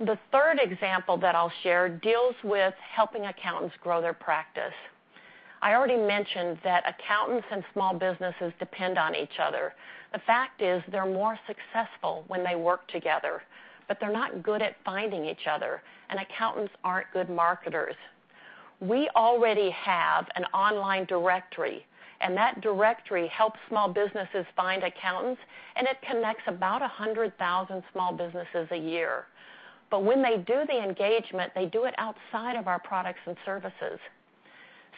The third example that I'll share deals with helping accountants grow their practice. I already mentioned that accountants and small businesses depend on each other. The fact is, they're more successful when they work together, but they're not good at finding each other, and accountants aren't good marketers. We already have an online directory, and that directory helps small businesses find accountants, and it connects about 100,000 small businesses a year. When they do the engagement, they do it outside of our products and services.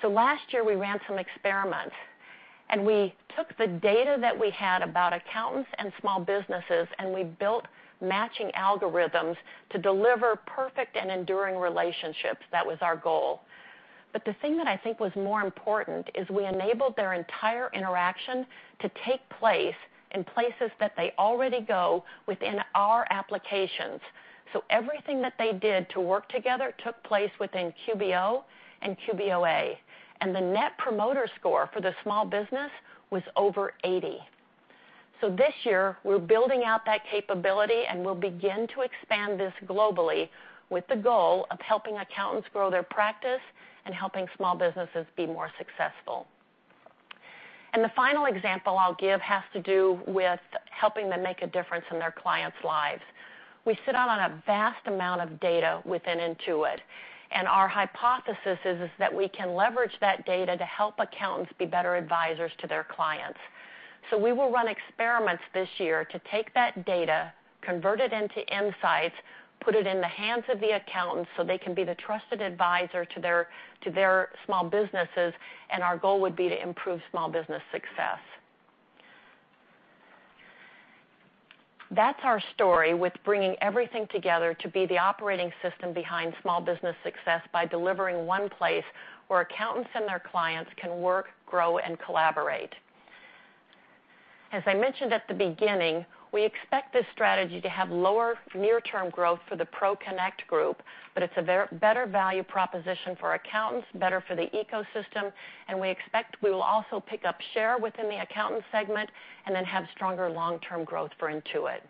Last year, we ran some experiments, and we took the data that we had about accountants and small businesses, and we built matching algorithms to deliver perfect and enduring relationships. That was our goal. The thing that I think was more important is we enabled their entire interaction to take place in places that they already go within our applications. Everything that they did to work together took place within QBO and QBOA, and the net promoter score for the small business was over 80. This year, we're building out that capability, and we'll begin to expand this globally with the goal of helping accountants grow their practice and helping small businesses be more successful. The final example I'll give has to do with helping them make a difference in their clients' lives. We sit on a vast amount of data within Intuit, our hypothesis is that we can leverage that data to help accountants be better advisors to their clients. We will run experiments this year to take that data, convert it into insights, put it in the hands of the accountants so they can be the trusted advisor to their small businesses, and our goal would be to improve small business success. That's our story with bringing everything together to be the operating system behind small business success by delivering one place where accountants and their clients can work, grow, and collaborate. As I mentioned at the beginning, we expect this strategy to have lower near-term growth for the ProConnect Group. It's a better value proposition for accountants, better for the ecosystem, and we expect we will also pick up share within the accountant segment and then have stronger long-term growth for Intuit.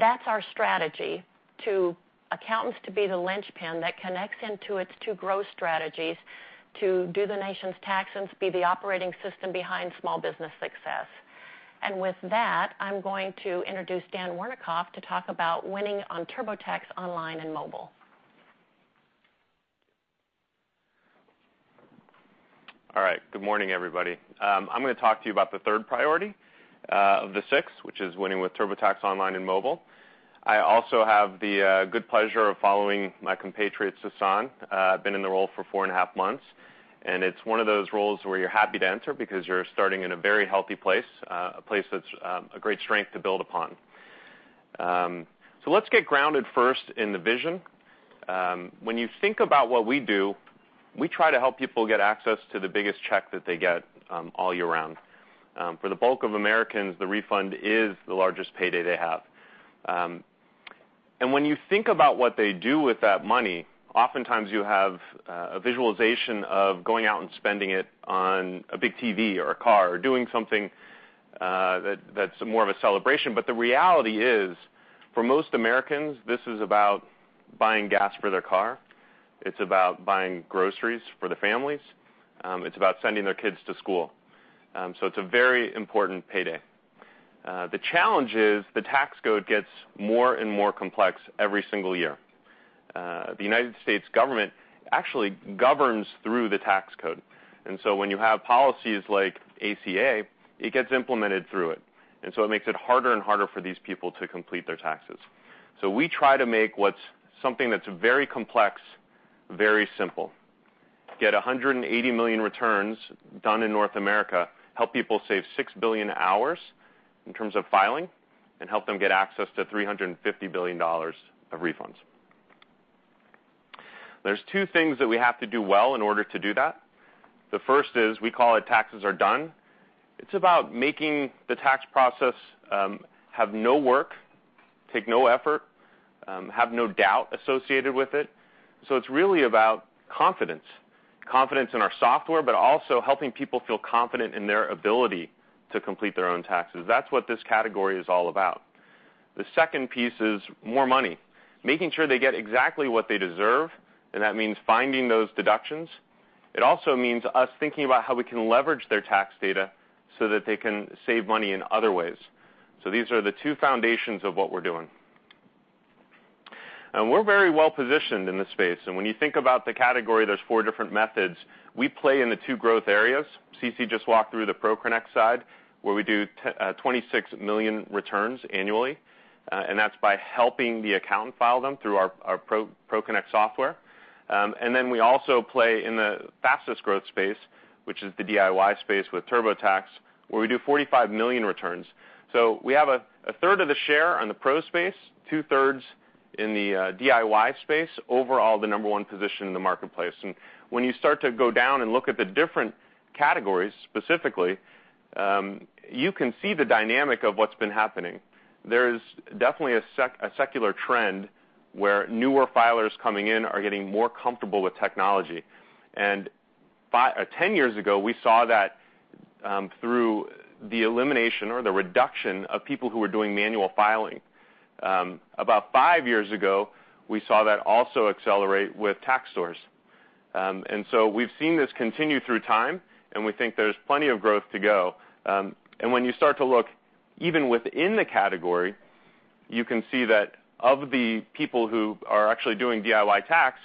That's our strategy, to accountants to be the linchpin that connects Intuit's two growth strategies to do the nation's taxes, be the operating system behind small business success. With that, I'm going to introduce Dan Wernikoff to talk about winning on TurboTax online and mobile.
All right. Good morning, everybody. I'm going to talk to you about the third priority of the six, which is winning with TurboTax online and mobile. I also have the good pleasure of following my compatriot, Sasan. Been in the role for four and a half months, and it's one of those roles where you're happy to enter because you're starting in a very healthy place, a place that's a great strength to build upon. Let's get grounded first in the vision. When you think about what we do, we try to help people get access to the biggest check that they get all year round. For the bulk of Americans, the refund is the largest payday they have. When you think about what they do with that money, oftentimes you have a visualization of going out and spending it on a big TV or a car, or doing something that's more of a celebration. The reality is, for most Americans, this is about buying gas for their car. It's about buying groceries for their families. It's about sending their kids to school. It's a very important payday. The challenge is the tax code gets more and more complex every single year. The U.S. government actually governs through the tax code, when you have policies like ACA, it gets implemented through it makes it harder and harder for these people to complete their taxes. We try to make something that's very complex, very simple. Get 180 million returns done in North America, help people save 6 billion hours in terms of filing, and help them get access to $350 billion of refunds. There's two things that we have to do well in order to do that. The first is, we call it taxes are done. It's about making the tax process have no work, take no effort, have no doubt associated with it. It's really about confidence. Confidence in our software, also helping people feel confident in their ability to complete their own taxes. That's what this category is all about. The second piece is more money, making sure they get exactly what they deserve, that means finding those deductions. It also means us thinking about how we can leverage their tax data so that they can save money in other ways. These are the two foundations of what we're doing. We're very well-positioned in this space, when you think about the category, there's four different methods. We play in the two growth areas. CeCe just walked through the ProConnect side, where we do 26 million returns annually, that's by helping the accountant file them through our ProConnect software. We also play in the fastest growth space, which is the DIY space with TurboTax, where we do 45 million returns. We have a third of the share on the pro space, two-thirds in the DIY space. Overall, the number one position in the marketplace. When you start to go down and look at the different categories specifically, you can see the dynamic of what's been happening. There's definitely a secular trend where newer filers coming in are getting more comfortable with technology. 10 years ago, we saw that through the elimination or the reduction of people who were doing manual filing. About five years ago, we saw that also accelerate with Tax Source. We've seen this continue through time, and we think there's plenty of growth to go. When you start to look even within the category, you can see that of the people who are actually doing DIY tax,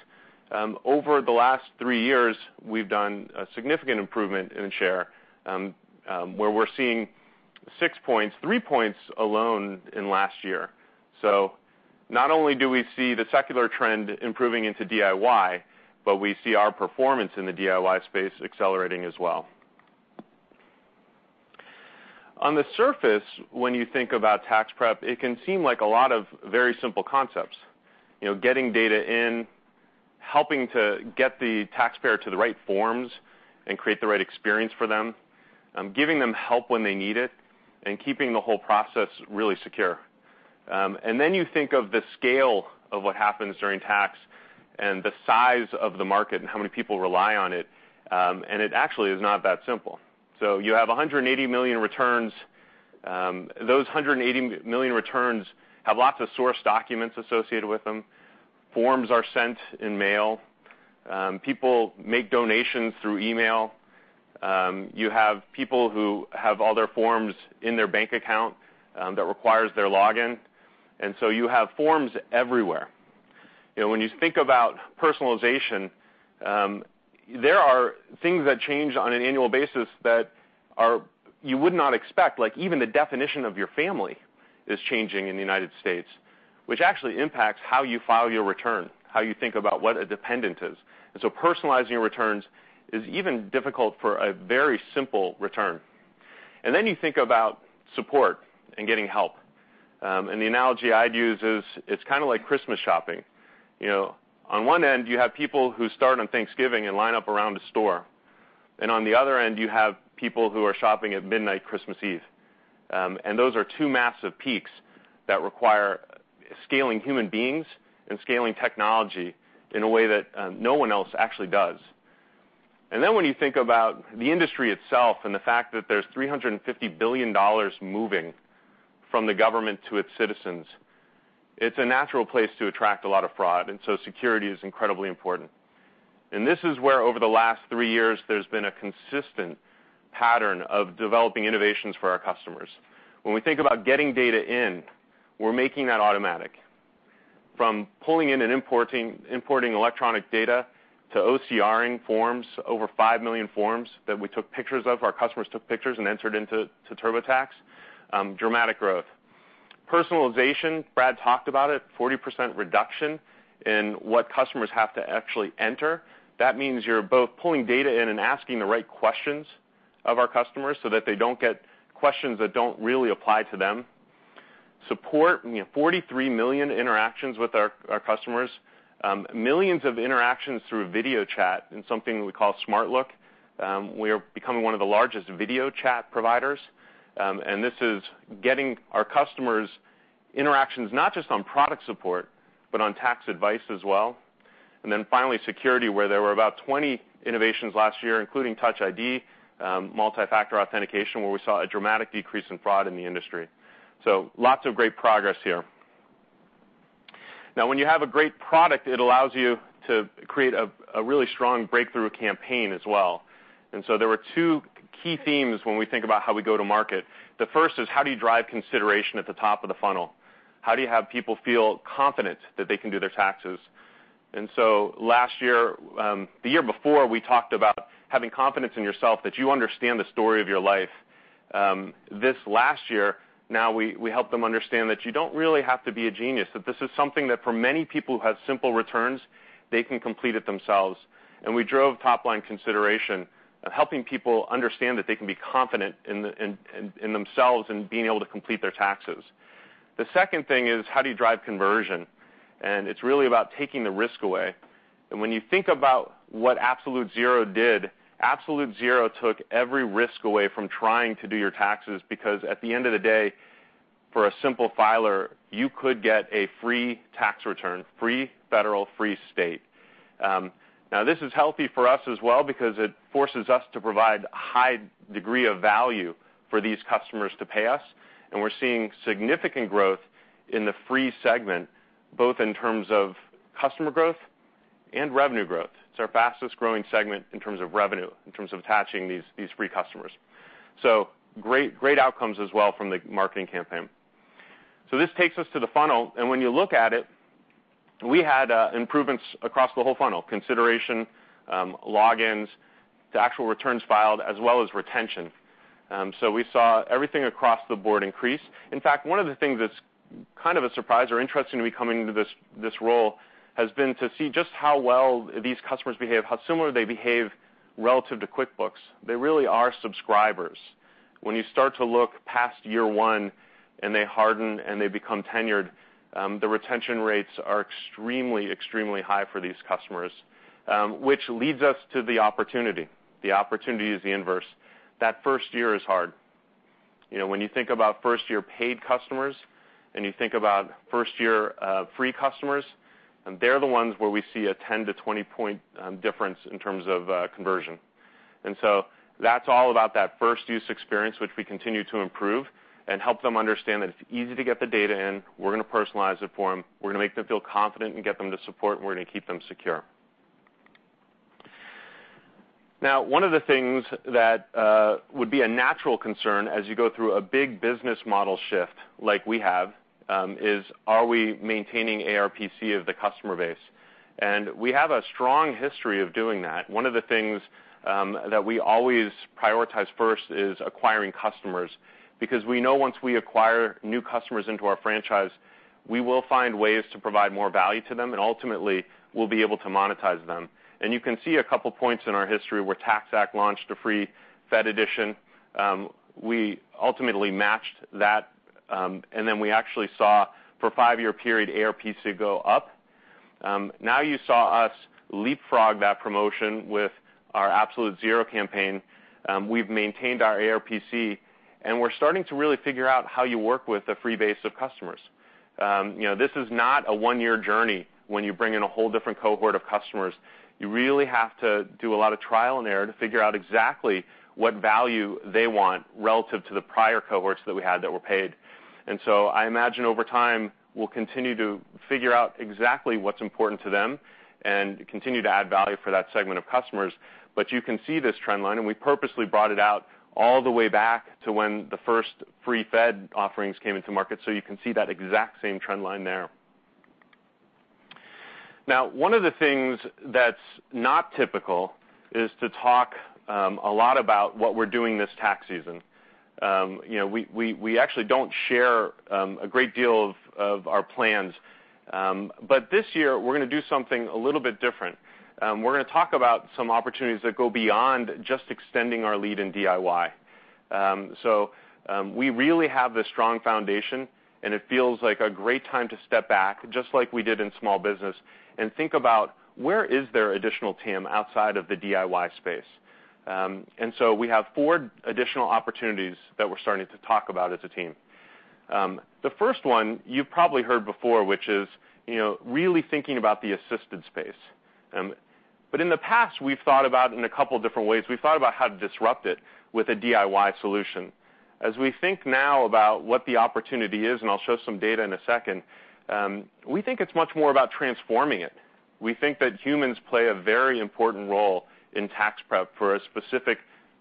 over the last three years, we've done a significant improvement in share, where we're seeing six points, three points alone in last year. Not only do we see the secular trend improving into DIY, but we see our performance in the DIY space accelerating as well. On the surface, when you think about tax prep, it can seem like a lot of very simple concepts. Getting data in, helping to get the taxpayer to the right forms and create the right experience for them, giving them help when they need it, and keeping the whole process really secure. Then you think of the scale of what happens during tax and the size of the market and how many people rely on it, and it actually is not that simple. So you have 180 million returns. Those 180 million returns have lots of source documents associated with them. Forms are sent in mail. People make donations through email. You have people who have all their forms in their bank account that requires their login. You have forms everywhere. When you think about personalization, there are things that change on an annual basis that you would not expect, like even the definition of your family is changing in the U.S., which actually impacts how you file your return, how you think about what a dependent is. So personalizing your returns is even difficult for a very simple return. Then you think about support and getting help. The analogy I'd use is, it's kind of like Christmas shopping. On one end, you have people who start on Thanksgiving and line up around a store. On the other end, you have people who are shopping at midnight Christmas Eve. Those are two massive peaks that require scaling human beings and scaling technology in a way that no one else actually does. When you think about the industry itself and the fact that there's $350 billion moving from the government to its citizens, it's a natural place to attract a lot of fraud. So security is incredibly important. This is where, over the last three years, there's been a consistent pattern of developing innovations for our customers. When we think about getting data in, we're making that automatic. From pulling in and importing electronic data to OCRing forms, 5 million forms that our customers took pictures of and entered into TurboTax, dramatic growth. Personalization, Brad talked about it, 40% reduction in what customers have to actually enter. That means you're both pulling data in and asking the right questions of our customers so that they don't get questions that don't really apply to them. Support, 43 million interactions with our customers. Millions of interactions through video chat in something we call SmartLook. We are becoming one of the largest video chat providers. This is getting our customers interactions, not just on product support, but on tax advice as well. Finally, security, where there were about 20 innovations last year, including Touch ID, multi-factor authentication, where we saw a dramatic decrease in fraud in the industry. Lots of great progress here. Now, when you have a great product, it allows you to create a really strong breakthrough campaign as well. There were two key themes when we think about how we go to market. The first is how do you drive consideration at the top of the funnel? How do you have people feel confident that they can do their taxes? The year before, we talked about having confidence in yourself that you understand the story of your life. This last year, now we help them understand that you don't really have to be a genius, that this is something that for many people who have simple returns, they can complete it themselves. We drove top-line consideration of helping people understand that they can be confident in themselves in being able to complete their taxes. The second thing is how do you drive conversion? It's really about taking the risk away. When you think about what Absolute Zero did, Absolute Zero took every risk away from trying to do your taxes, because at the end of the day, for a simple filer, you could get a free tax return, free federal, free state. Now, this is healthy for us as well because it forces us to provide a high degree of value for these customers to pay us. We're seeing significant growth in the free segment, both in terms of customer growth and revenue growth. It's our fastest-growing segment in terms of revenue, in terms of attaching these free customers. Great outcomes as well from the marketing campaign. This takes us to the funnel, and when you look at it, we had improvements across the whole funnel, consideration, logins, to actual returns filed, as well as retention. We saw everything across the board increase. In fact, one of the things that's kind of a surprise or interesting to me coming into this role has been to see just how well these customers behave, how similar they behave relative to QuickBooks. They really are subscribers. When you start to look past year one and they harden and they become tenured, the retention rates are extremely high for these customers, which leads us to the opportunity. The opportunity is the inverse. That first year is hard. When you think about first-year paid customers, and you think about first-year free customers, they're the ones where we see a 10- to 20-point difference in terms of conversion. That's all about that first-use experience, which we continue to improve and help them understand that it's easy to get the data in. We're going to personalize it for them. We're going to make them feel confident and get them the support, and we're going to keep them secure. One of the things that would be a natural concern as you go through a big business model shift, like we have, is are we maintaining ARPC of the customer base? We have a strong history of doing that. One of the things that we always prioritize first is acquiring customers, because we know once we acquire new customers into our franchise, we will find ways to provide more value to them, and ultimately, we'll be able to monetize them. You can see a couple points in our history where TaxAct launched a free Fed edition. We ultimately matched that, and then we actually saw for a five-year period, ARPC go up. You saw us leapfrog that promotion with our Absolute Zero campaign. We've maintained our ARPC, and we're starting to really figure out how you work with a free base of customers. This is not a one-year journey when you bring in a whole different cohort of customers. You really have to do a lot of trial and error to figure out exactly what value they want relative to the prior cohorts that we had that were paid. I imagine over time, we'll continue to figure out exactly what's important to them and continue to add value for that segment of customers. You can see this trend line, and we purposely brought it out all the way back to when the first free Fed offerings came into market. You can see that exact same trend line there. One of the things that's not typical is to talk a lot about what we're doing this tax season. We actually don't share a great deal of our plans. This year, we're going to do something a little bit different. We're going to talk about some opportunities that go beyond just extending our lead in DIY. We really have this strong foundation, and it feels like a great time to step back, just like we did in small business, and think about where is there additional TAM outside of the DIY space. We have four additional opportunities that we're starting to talk about as a team. The first one you've probably heard before, which is really thinking about the assisted space. In the past, we've thought about it in a couple of different ways. We've thought about how to disrupt it with a DIY solution. As we think now about what the opportunity is, and I'll show some data in a second, we think it's much more about transforming it. We think that humans play a very important role in tax prep for a specific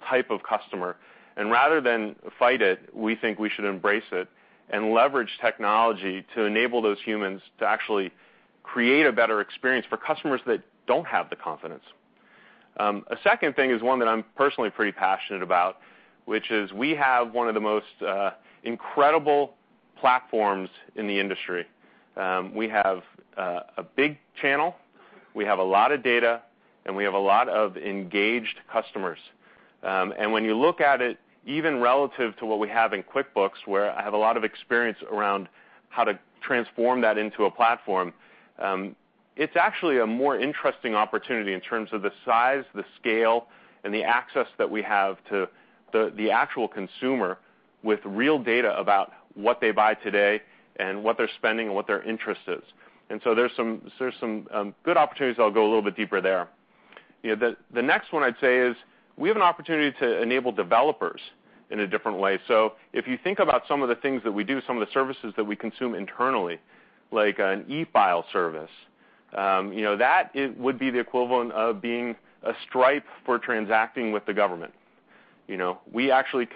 type of customer. Rather than fight it, we think we should embrace it and leverage technology to enable those humans to actually create a better experience for customers that don't have the confidence. A second thing is one that I'm personally pretty passionate about, which is we have one of the most incredible platforms in the industry. We have a big channel, we have a lot of data, and we have a lot of engaged customers. When you look at it, even relative to what we have in QuickBooks, where I have a lot of experience around how to transform that into a platform, it's actually a more interesting opportunity in terms of the size, the scale, and the access that we have to the actual consumer with real data about what they buy today and what they're spending and what their interest is. There's some good opportunities, I'll go a little bit deeper there. The next one I'd say is we have an opportunity to enable developers in a different way. If you think about some of the things that we do, some of the services that we consume internally, like an e-file service, that would be the equivalent of being a Stripe for transacting with the government. We actually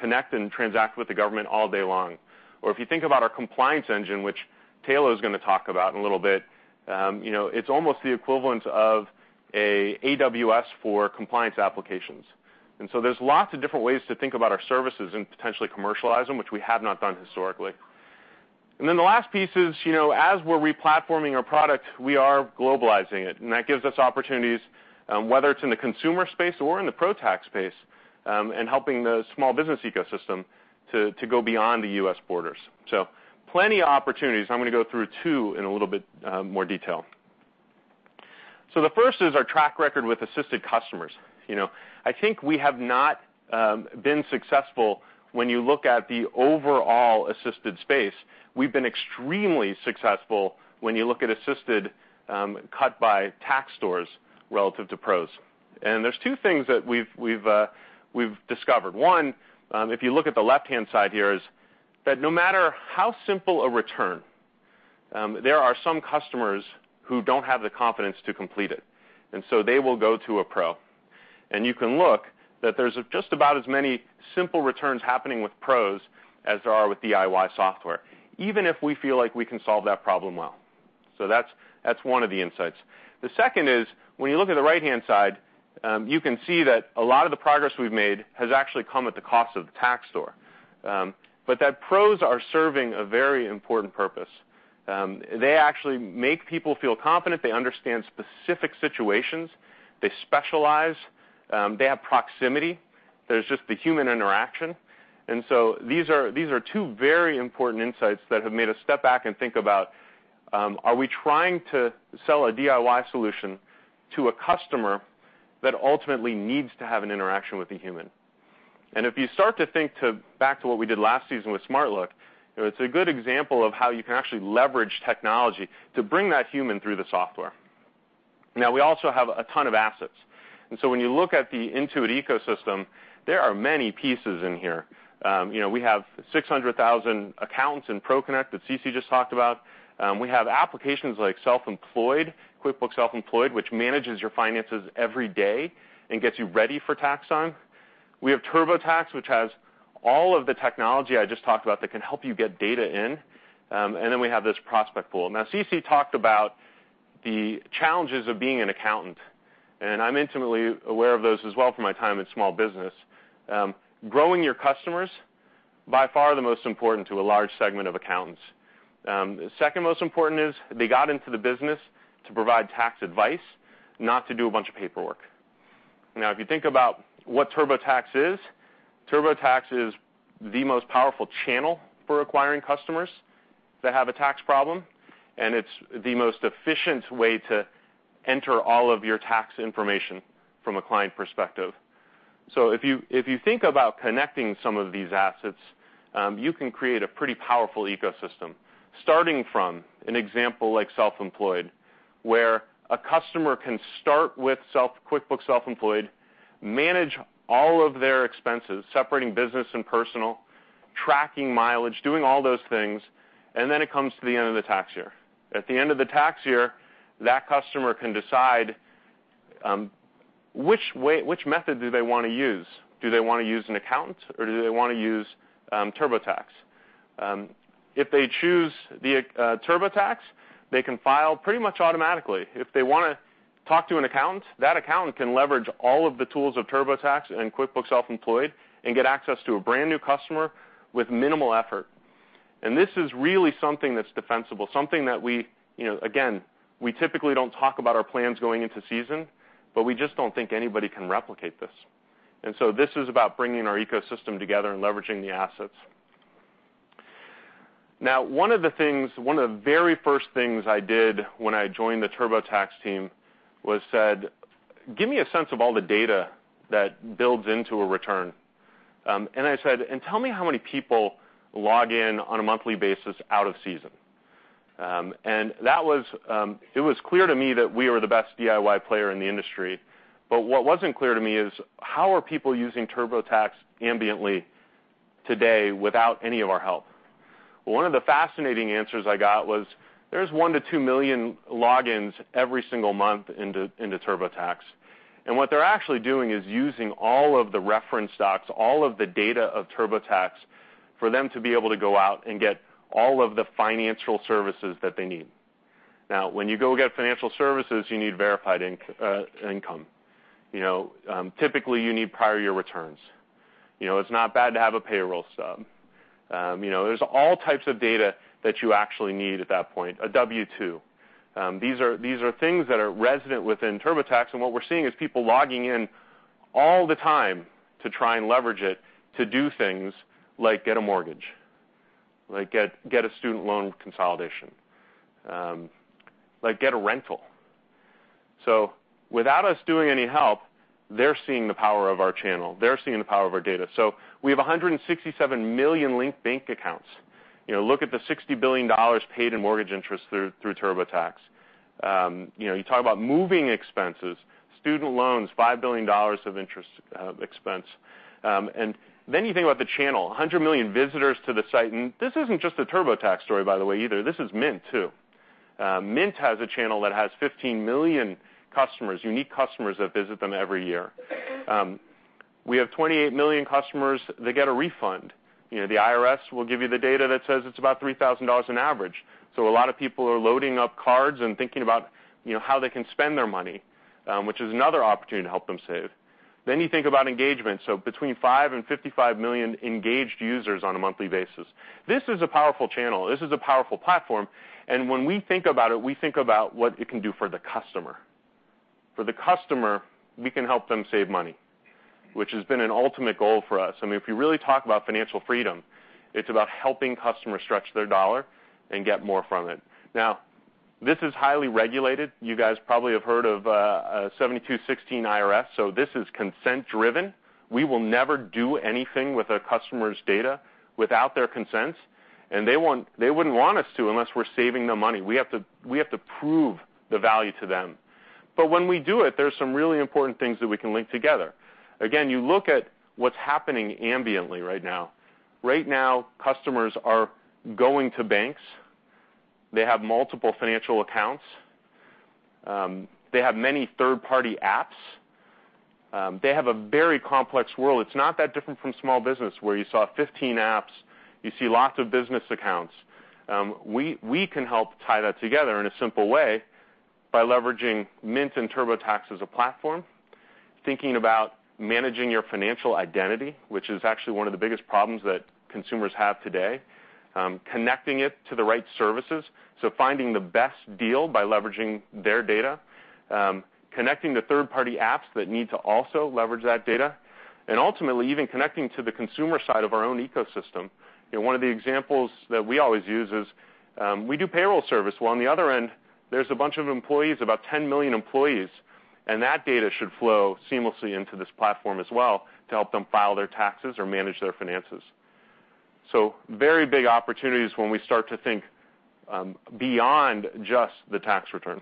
connect and transact with the government all day long. If you think about our compliance engine, which Tayloe is going to talk about in a little bit, it's almost the equivalent of a AWS for compliance applications. There's lots of different ways to think about our services and potentially commercialize them, which we have not done historically. The last piece is, as we're re-platforming our product, we are globalizing it. That gives us opportunities, whether it's in the consumer space or in the pro-tax space, and helping the small business ecosystem to go beyond the U.S. borders. Plenty of opportunities. I'm going to go through two in a little bit more detail. The first is our track record with assisted customers. I think we have not been successful when you look at the overall assisted space. We've been extremely successful when you look at assisted cut by tax stores relative to pros. There's two things that we've discovered. One, if you look at the left-hand side here, is that no matter how simple a return, there are some customers who don't have the confidence to complete it, and so they will go to a pro. You can look that there's just about as many simple returns happening with pros as there are with DIY software, even if we feel like we can solve that problem well. That's one of the insights. The second is, when you look at the right-hand side, you can see that a lot of the progress we've made has actually come at the cost of the tax store. That pros are serving a very important purpose. They actually make people feel confident. They understand specific situations. They specialize. They have proximity. There's just the human interaction. These are two very important insights that have made us step back and think about, are we trying to sell a DIY solution to a customer that ultimately needs to have an interaction with a human? If you start to think back to what we did last season with SmartLook, it's a good example of how you can actually leverage technology to bring that human through the software. Now, we also have a ton of assets. When you look at the Intuit ecosystem, there are many pieces in here. We have 600,000 accounts in ProConnect that CeCe just talked about. We have applications like QuickBooks Self-Employed, which manages your finances every day and gets you ready for tax time. We have TurboTax, which has all of the technology I just talked about that can help you get data in. We have this prospect pool. CeCe talked about the challenges of being an accountant, and I'm intimately aware of those as well from my time in small business. Growing your customers, by far the most important to a large segment of accountants. The second most important is they got into the business to provide tax advice, not to do a bunch of paperwork. If you think about what TurboTax is, TurboTax is the most powerful channel for acquiring customers that have a tax problem, and it's the most efficient way to enter all of your tax information from a client perspective. If you think about connecting some of these assets, you can create a pretty powerful ecosystem, starting from an example like Self-Employed, where a customer can start with QuickBooks Self-Employed, manage all of their expenses, separating business and personal, tracking mileage, doing all those things, and then it comes to the end of the tax year. At the end of the tax year, that customer can decide which method do they want to use. Do they want to use an accountant or do they want to use TurboTax? If they choose the TurboTax, they can file pretty much automatically. If they want to talk to an accountant, that accountant can leverage all of the tools of TurboTax and QuickBooks Self-Employed and get access to a brand new customer with minimal effort. This is really something that's defensible, something that we, again, we typically don't talk about our plans going into season, but we just don't think anybody can replicate this. This is about bringing our ecosystem together and leveraging the assets. One of the very first things I did when I joined the TurboTax team was said, "Give me a sense of all the data that builds into a return." I said, "Tell me how many people log in on a monthly basis out of season." It was clear to me that we were the best DIY player in the industry, but what wasn't clear to me is how are people using TurboTax ambiently today without any of our help. One of the fascinating answers I got was there's 1 million to 2 million logins every single month into TurboTax, and what they're actually doing is using all of the reference docs, all of the data of TurboTax for them to be able to go out and get all of the financial services that they need. When you go get financial services, you need verified income. Typically, you need prior year returns. It's not bad to have a payroll stub. There's all types of data that you actually need at that point, a W-2. These are things that are resident within TurboTax, and what we're seeing is people logging in all the time to try and leverage it to do things like get a mortgage, like get a student loan consolidation, like get a rental. Without us doing any help, they're seeing the power of our channel. They're seeing the power of our data. We have 167 million linked bank accounts. Look at the $60 billion paid in mortgage interest through TurboTax. You talk about moving expenses, student loans, $5 billion of interest expense. You think about the channel, 100 million visitors to the site. This isn't just a TurboTax story, by the way, either. This is Mint too. Mint has a channel that has 15 million customers, unique customers that visit them every year. We have 28 million customers that get a refund. The IRS will give you the data that says it's about $3,000 on average. A lot of people are loading up cards and thinking about how they can spend their money, which is another opportunity to help them save. You think about engagement. Between five and 55 million engaged users on a monthly basis. This is a powerful channel. This is a powerful platform. When we think about it, we think about what it can do for the customer. For the customer, we can help them save money, which has been an ultimate goal for us. I mean, if you really talk about financial freedom, it's about helping customers stretch their dollar and get more from it. This is highly regulated. You guys probably have heard of 7216 IRS. This is consent-driven. We will never do anything with a customer's data without their consent, and they wouldn't want us to unless we're saving them money. We have to prove the value to them. When we do it, there's some really important things that we can link together. Again, you look at what's happening ambiently right now. Right now, customers are going to banks. They have multiple financial accounts. They have many third-party apps. They have a very complex world. It's not that different from small business where you saw 15 apps. You see lots of business accounts. We can help tie that together in a simple way by leveraging Mint and TurboTax as a platform, thinking about managing your financial identity, which is actually one of the biggest problems that consumers have today, connecting it to the right services, finding the best deal by leveraging their data, connecting to third-party apps that need to also leverage that data, and ultimately even connecting to the consumer side of our own ecosystem. One of the examples that we always use is, we do payroll service. Well, on the other end, there's a bunch of employees, about 10 million employees. That data should flow seamlessly into this platform as well to help them file their taxes or manage their finances. Very big opportunities when we start to think beyond just the tax return.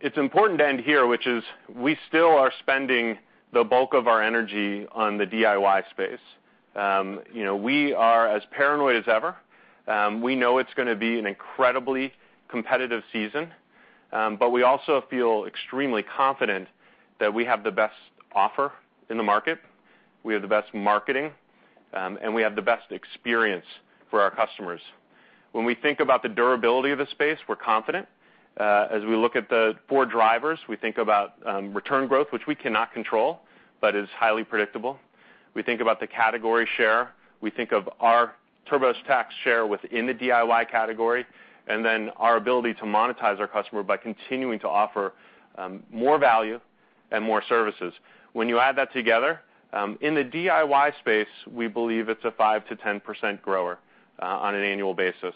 It's important to end here, which is we still are spending the bulk of our energy on the DIY space. We are as paranoid as ever. We know it's going to be an incredibly competitive season. We also feel extremely confident that we have the best offer in the market, we have the best marketing, and we have the best experience for our customers. When we think about the durability of the space, we're confident. As we look at the four drivers, we think about return growth, which we cannot control but is highly predictable. We think about the category share. We think of our TurboTax share within the DIY category, then our ability to monetize our customer by continuing to offer more value and more services. When you add that together, in the DIY space, we believe it's a 5%-10% grower on an annual basis.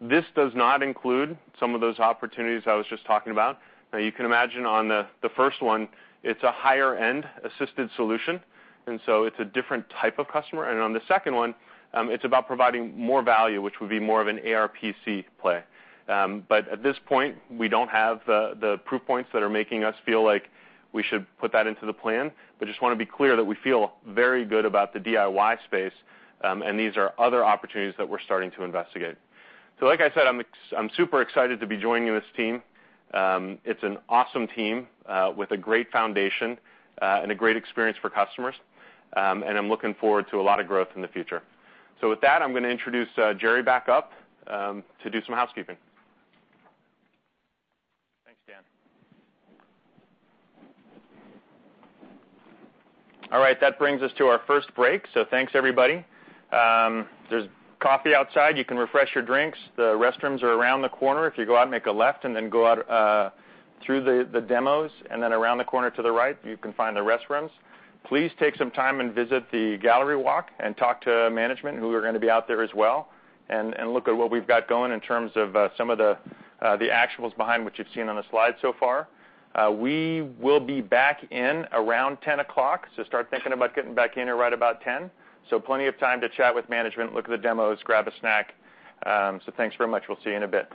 This does not include some of those opportunities I was just talking about. Now you can imagine on the first one, it's a higher-end assisted solution, it's a different type of customer. On the second one, it's about providing more value, which would be more of an ARPC play. At this point, we don't have the proof points that are making us feel like we should put that into the plan, just want to be clear that we feel very good about the DIY space, these are other opportunities that we're starting to investigate. Like I said, I'm super excited to be joining this team. It's an awesome team with a great foundation and a great experience for customers, I'm looking forward to a lot of growth in the future. With that, I'm going to introduce Jerry back up to do some housekeeping.
All right. That brings us to our first break. Thanks everybody. There's coffee outside. You can refresh your drinks. The restrooms are around the corner. If you go out and make a left, go out through the demos, around the corner to the right, you can find the restrooms. Please take some time and visit the gallery walk and talk to management who are going to be out there as well, look at what we've got going in terms of some of the actuals behind what you've seen on the slide so far. We will be back in around 10:00 A.M. Start thinking about getting back in here right about 10:00 A.M. Plenty of time to chat with management, look at the demos, grab a snack. Thanks very much. We'll see you in a bit.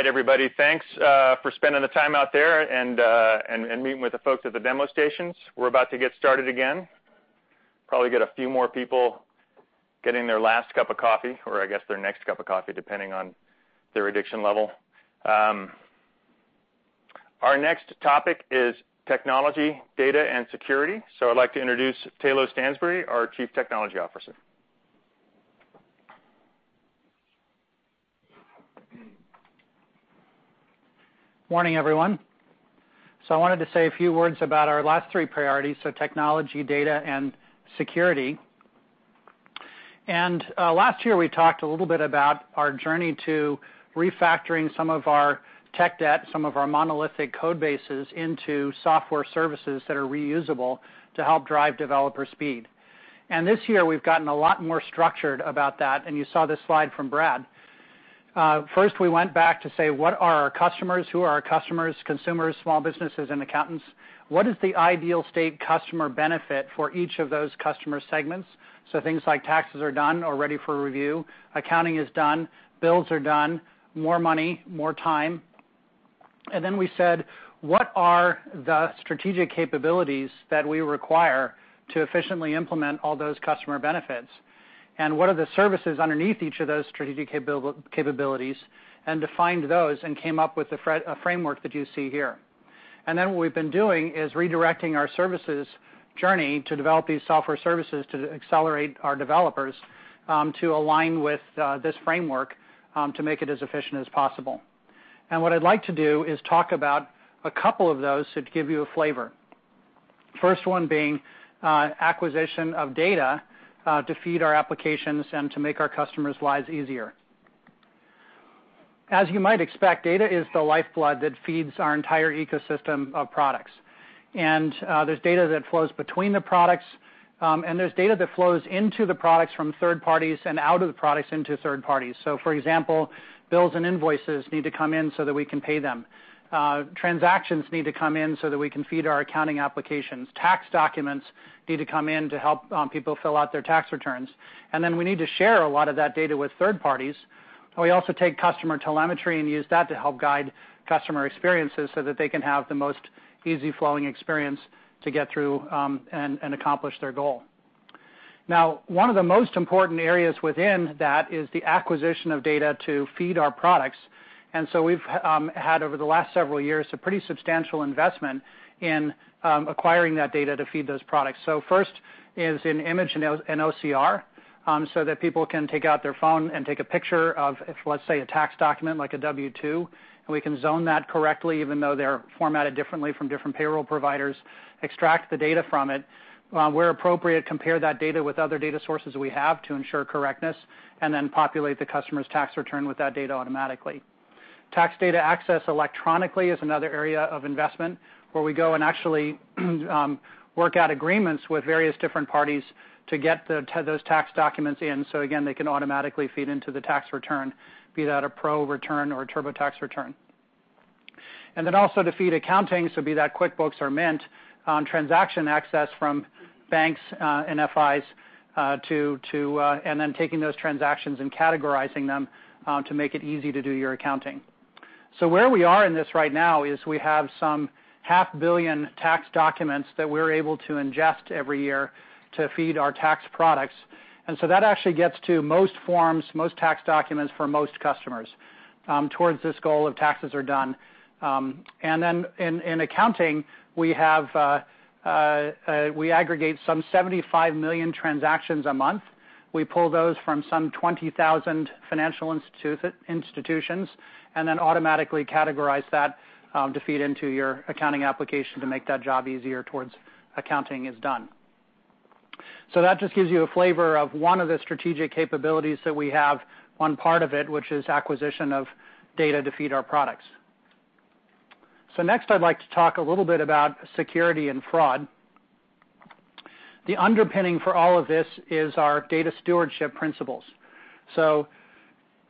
All right, bro, I'm going to call it a night.
Okay, bro. I'll talk to you later. Have a good one.
Cheers.
All right, everybody. Thanks for spending the time out there and meeting with the folks at the demo stations. We're about to get started again. Probably get a few more people getting their last cup of coffee, or I guess their next cup of coffee, depending on their addiction level. Our next topic is technology, data, and security. I'd like to introduce Tayloe Stansbury, our Chief Technology Officer.
Morning, everyone. I wanted to say a few words about our last three priorities, technology, data, and security. Last year, we talked a little bit about our journey to refactoring some of our tech debt, some of our monolithic code bases into software services that are reusable to help drive developer speed. This year, we've gotten a lot more structured about that, and you saw this slide from Brad. First, we went back to say, what are our customers? Who are our customers, consumers, small businesses, and accountants? What is the ideal state customer benefit for each of those customer segments? Things like taxes are done or ready for review, accounting is done, bills are done, more money, more time. We said, what are the strategic capabilities that we require to efficiently implement all those customer benefits? What are the services underneath each of those strategic capabilities? Defined those and came up with a framework that you see here. What we've been doing is redirecting our services journey to develop these software services to accelerate our developers to align with this framework to make it as efficient as possible. What I'd like to do is talk about a couple of those to give you a flavor. First one being acquisition of data to feed our applications and to make our customers' lives easier. As you might expect, data is the lifeblood that feeds our entire ecosystem of products. There's data that flows between the products, and there's data that flows into the products from third parties and out of the products into third parties. For example, bills and invoices need to come in so that we can pay them. Transactions need to come in so that we can feed our accounting applications. Tax documents need to come in to help people fill out their tax returns. We need to share a lot of that data with third parties. We also take customer telemetry and use that to help guide customer experiences so that they can have the most easy flowing experience to get through and accomplish their goal. One of the most important areas within that is the acquisition of data to feed our products. We've had over the last several years, a pretty substantial investment in acquiring that data to feed those products. First is in image and OCR, so that people can take out their phone and take a picture of, let's say, a tax document like a W-2, and we can zone that correctly, even though they're formatted differently from different payroll providers, extract the data from it. Where appropriate, compare that data with other data sources we have to ensure correctness, and then populate the customer's tax return with that data automatically. Tax data access electronically is another area of investment where we go and actually work out agreements with various different parties to get those tax documents in. Again, they can automatically feed into the tax return, be that a pro return or a TurboTax return. Also to feed accounting, so be that QuickBooks or Mint, transaction access from banks, NFIs, and then taking those transactions and categorizing them to make it easy to do your accounting. Where we are in this right now is we have some 0.5 billion tax documents that we're able to ingest every year to feed our tax products. That actually gets to most forms, most tax documents for most customers towards this goal of taxes are done. In accounting, we aggregate some 75 million transactions a month. We pull those from some 20,000 financial institutions, and then automatically categorize that to feed into your accounting application to make that job easier towards accounting is done. That just gives you a flavor of one of the strategic capabilities that we have, one part of it, which is acquisition of data to feed our products. Next, I'd like to talk a little bit about security and fraud. The underpinning for all of this is our data stewardship principles.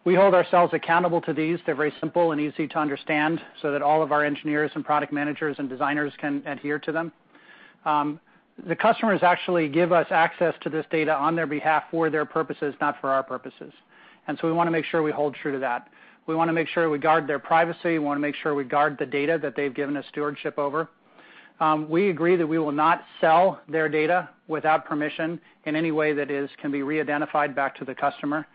We hold ourselves accountable to these. They're very simple and easy to understand so that all of our engineers and product managers and designers can adhere to them. The customers actually give us access to this data on their behalf for their purposes, not for our purposes. We want to make sure we hold true to that. We want to make sure we guard their privacy. We want to make sure we guard the data that they've given us stewardship over. We agree that we will not sell their data without permission in any way that can be re-identified back to the customer.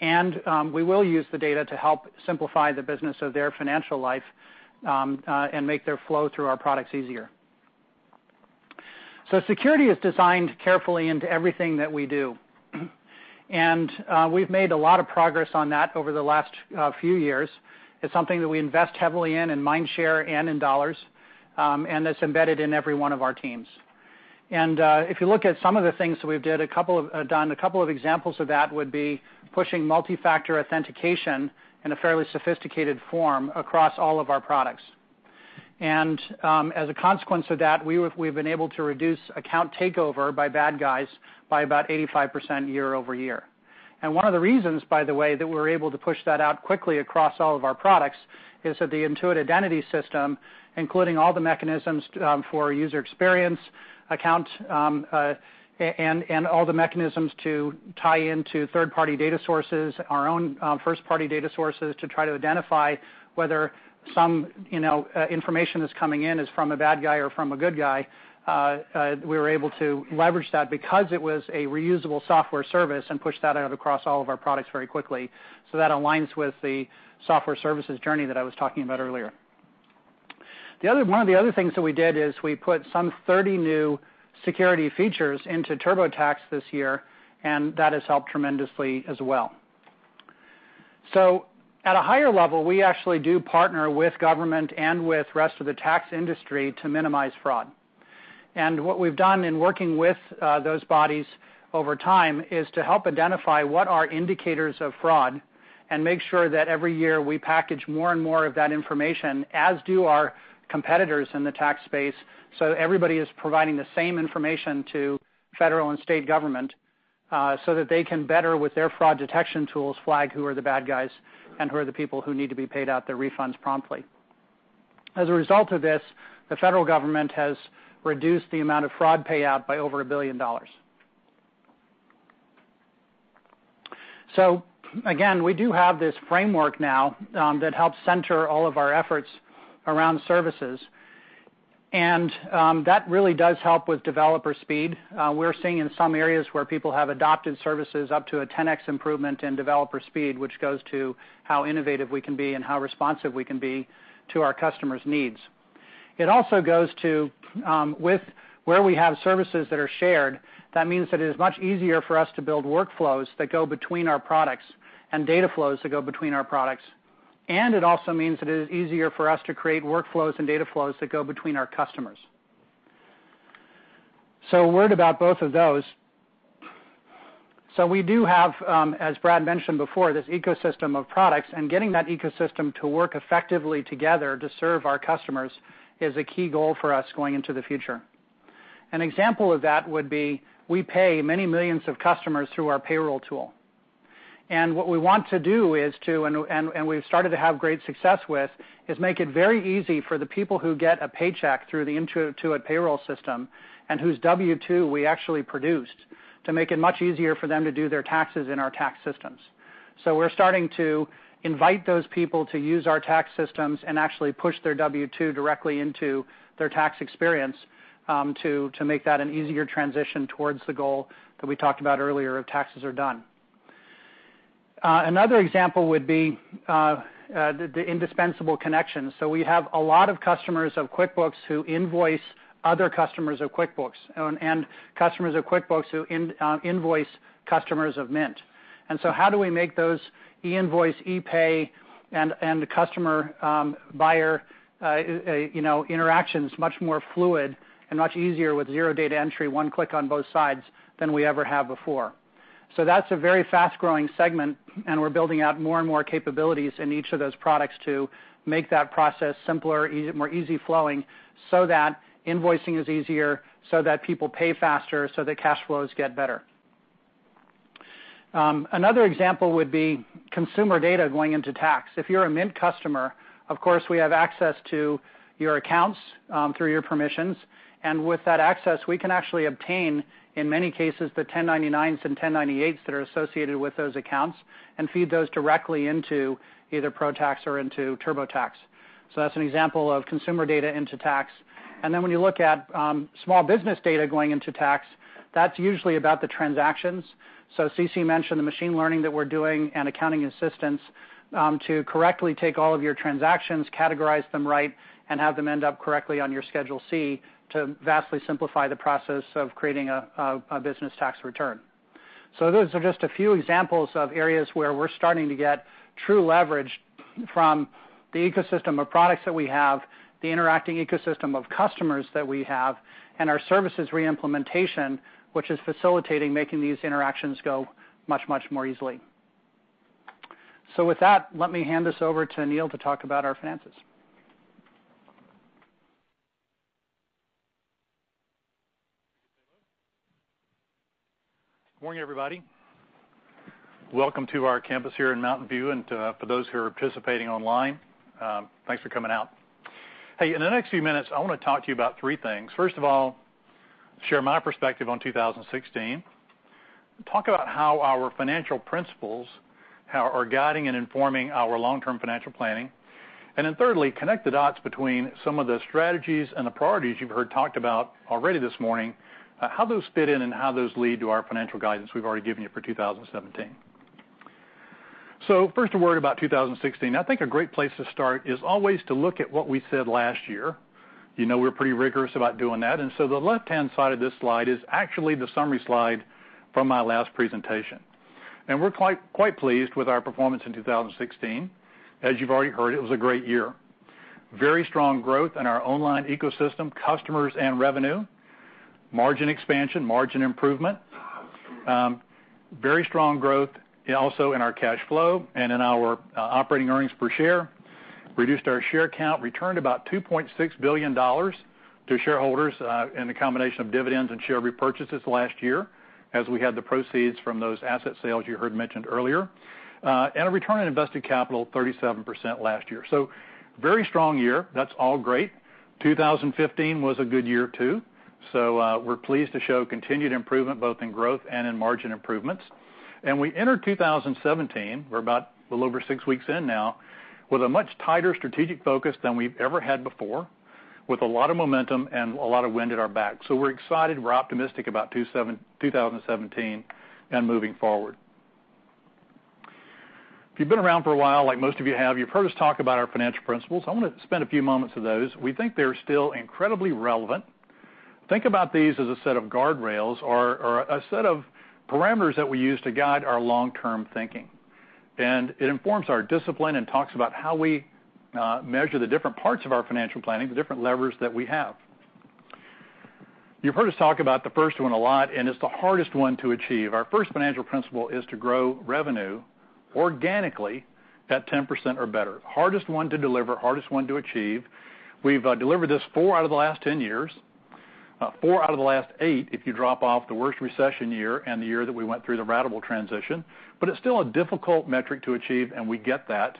We will use the data to help simplify the business of their financial life, and make their flow through our products easier. Security is designed carefully into everything that we do. We've made a lot of progress on that over the last few years. It's something that we invest heavily in mind share and in dollars. It's embedded in every one of our teams. If you look at some of the things that we've done, a couple of examples of that would be pushing multi-factor authentication in a fairly sophisticated form across all of our products. As a consequence of that, we've been able to reduce account takeover by bad guys by about 85% year-over-year. One of the reasons, by the way, that we're able to push that out quickly across all of our products is that the Intuit identity system, including all the mechanisms for user experience, account, and all the mechanisms to tie into third-party data sources, our own first-party data sources to try to identify whether some information that's coming in is from a bad guy or from a good guy, we were able to leverage that because it was a reusable software service and push that out across all of our products very quickly. That aligns with the software services journey that I was talking about earlier. One of the other things that we did is we put some 30 new security features into TurboTax this year, and that has helped tremendously as well. At a higher level, we actually do partner with government and with the rest of the tax industry to minimize fraud. What we've done in working with those bodies over time is to help identify what are indicators of fraud and make sure that every year we package more and more of that information, as do our competitors in the tax space, so everybody is providing the same information to federal and state government, so that they can better, with their fraud detection tools, flag who are the bad guys and who are the people who need to be paid out their refunds promptly. As a result of this, the federal government has reduced the amount of fraud payout by over $1 billion. Again, we do have this framework now that helps center all of our efforts around services. That really does help with developer speed. We're seeing in some areas where people have adopted services up to a 10X improvement in developer speed, which goes to how innovative we can be and how responsive we can be to our customers' needs. It also goes to, with where we have services that are shared, that means that it is much easier for us to build workflows that go between our products and data flows that go between our products. It also means that it is easier for us to create workflows and data flows that go between our customers. A word about both of those. We do have, as Brad mentioned before, this ecosystem of products and getting that ecosystem to work effectively together to serve our customers is a key goal for us going into the future. An example of that would be we pay many millions of customers through our payroll tool. What we want to do is make it very easy for the people who get a paycheck through the Intuit payroll system and whose W-2 we actually produced to make it much easier for them to do their taxes in our tax systems. We're starting to invite those people to use our tax systems and actually push their W-2 directly into their tax experience, to make that an easier transition towards the goal that we talked about earlier of taxes are done. Another example would be the indispensable connection. We have a lot of customers of QuickBooks who invoice other customers of QuickBooks, and customers of QuickBooks who invoice customers of Mint. How do we make those e-invoice, ePay and the customer-buyer interactions much more fluid and much easier with zero data entry, one click on both sides, than we ever have before? That's a very fast-growing segment, and we're building out more and more capabilities in each of those products to make that process simpler, more easy flowing, so that invoicing is easier, so that people pay faster, so that cash flows get better. Another example would be consumer data going into tax. If you're a Mint customer, of course, we have access to your accounts, through your permissions. With that access, we can actually obtain, in many cases, the 1099s and 1098s that are associated with those accounts and feed those directly into either ProTax or into TurboTax. That's an example of consumer data into tax. When you look at small business data going into tax, that's usually about the transactions. CeCe mentioned the machine learning that we're doing and accounting assistance, to correctly take all of your transactions, categorize them right, and have them end up correctly on your Schedule C to vastly simplify the process of creating a business tax return. Those are just a few examples of areas where we're starting to get true leverage from the ecosystem of products that we have, the interacting ecosystem of customers that we have, and our services re-implementation, which is facilitating making these interactions go much, much more easily. With that, let me hand this over to Neil to talk about our finances.
Morning, everybody. Welcome to our campus here in Mountain View, and for those who are participating online, thanks for coming out. Hey, in the next few minutes, I want to talk to you about three things. First of all, share my perspective on 2016, talk about how our financial principles are guiding and informing our long-term financial planning, then thirdly, connect the dots between some of the strategies and the priorities you've heard talked about already this morning, how those fit in and how those lead to our financial guidance we've already given you for 2017. First, a word about 2016. I think a great place to start is always to look at what we said last year. You know we're pretty rigorous about doing that, the left-hand side of this slide is actually the summary slide from my last presentation. We're quite pleased with our performance in 2016. As you've already heard, it was a great year. Very strong growth in our online ecosystem, customers, and revenue. Margin expansion, margin improvement. Very strong growth also in our cash flow and in our operating earnings per share. Reduced our share count, returned about $2.6 billion to shareholders in the combination of dividends and share repurchases last year, as we had the proceeds from those asset sales you heard mentioned earlier. A return on invested capital, 37% last year. Very strong year. That's all great. 2015 was a good year, too. We're pleased to show continued improvement both in growth and in margin improvements. We entered 2017, we're about a little over six weeks in now, with a much tighter strategic focus than we've ever had before, with a lot of momentum and a lot of wind at our back. We're excited, we're optimistic about 2017 and moving forward. If you've been around for a while, like most of you have, you've heard us talk about our financial principles. I want to spend a few moments to those. We think they're still incredibly relevant. Think about these as a set of guardrails or a set of parameters that we use to guide our long-term thinking. It informs our discipline and talks about how we measure the different parts of our financial planning, the different levers that we have. You've heard us talk about the first one a lot, and it's the hardest one to achieve. Our first financial principle is to grow revenue organically at 10% or better. Hardest one to deliver, hardest one to achieve. We've delivered this four out of the last 10 years, four out of the last eight, if you drop off the worst recession year and the year that we went through the ratable transition. It's still a difficult metric to achieve, and we get that.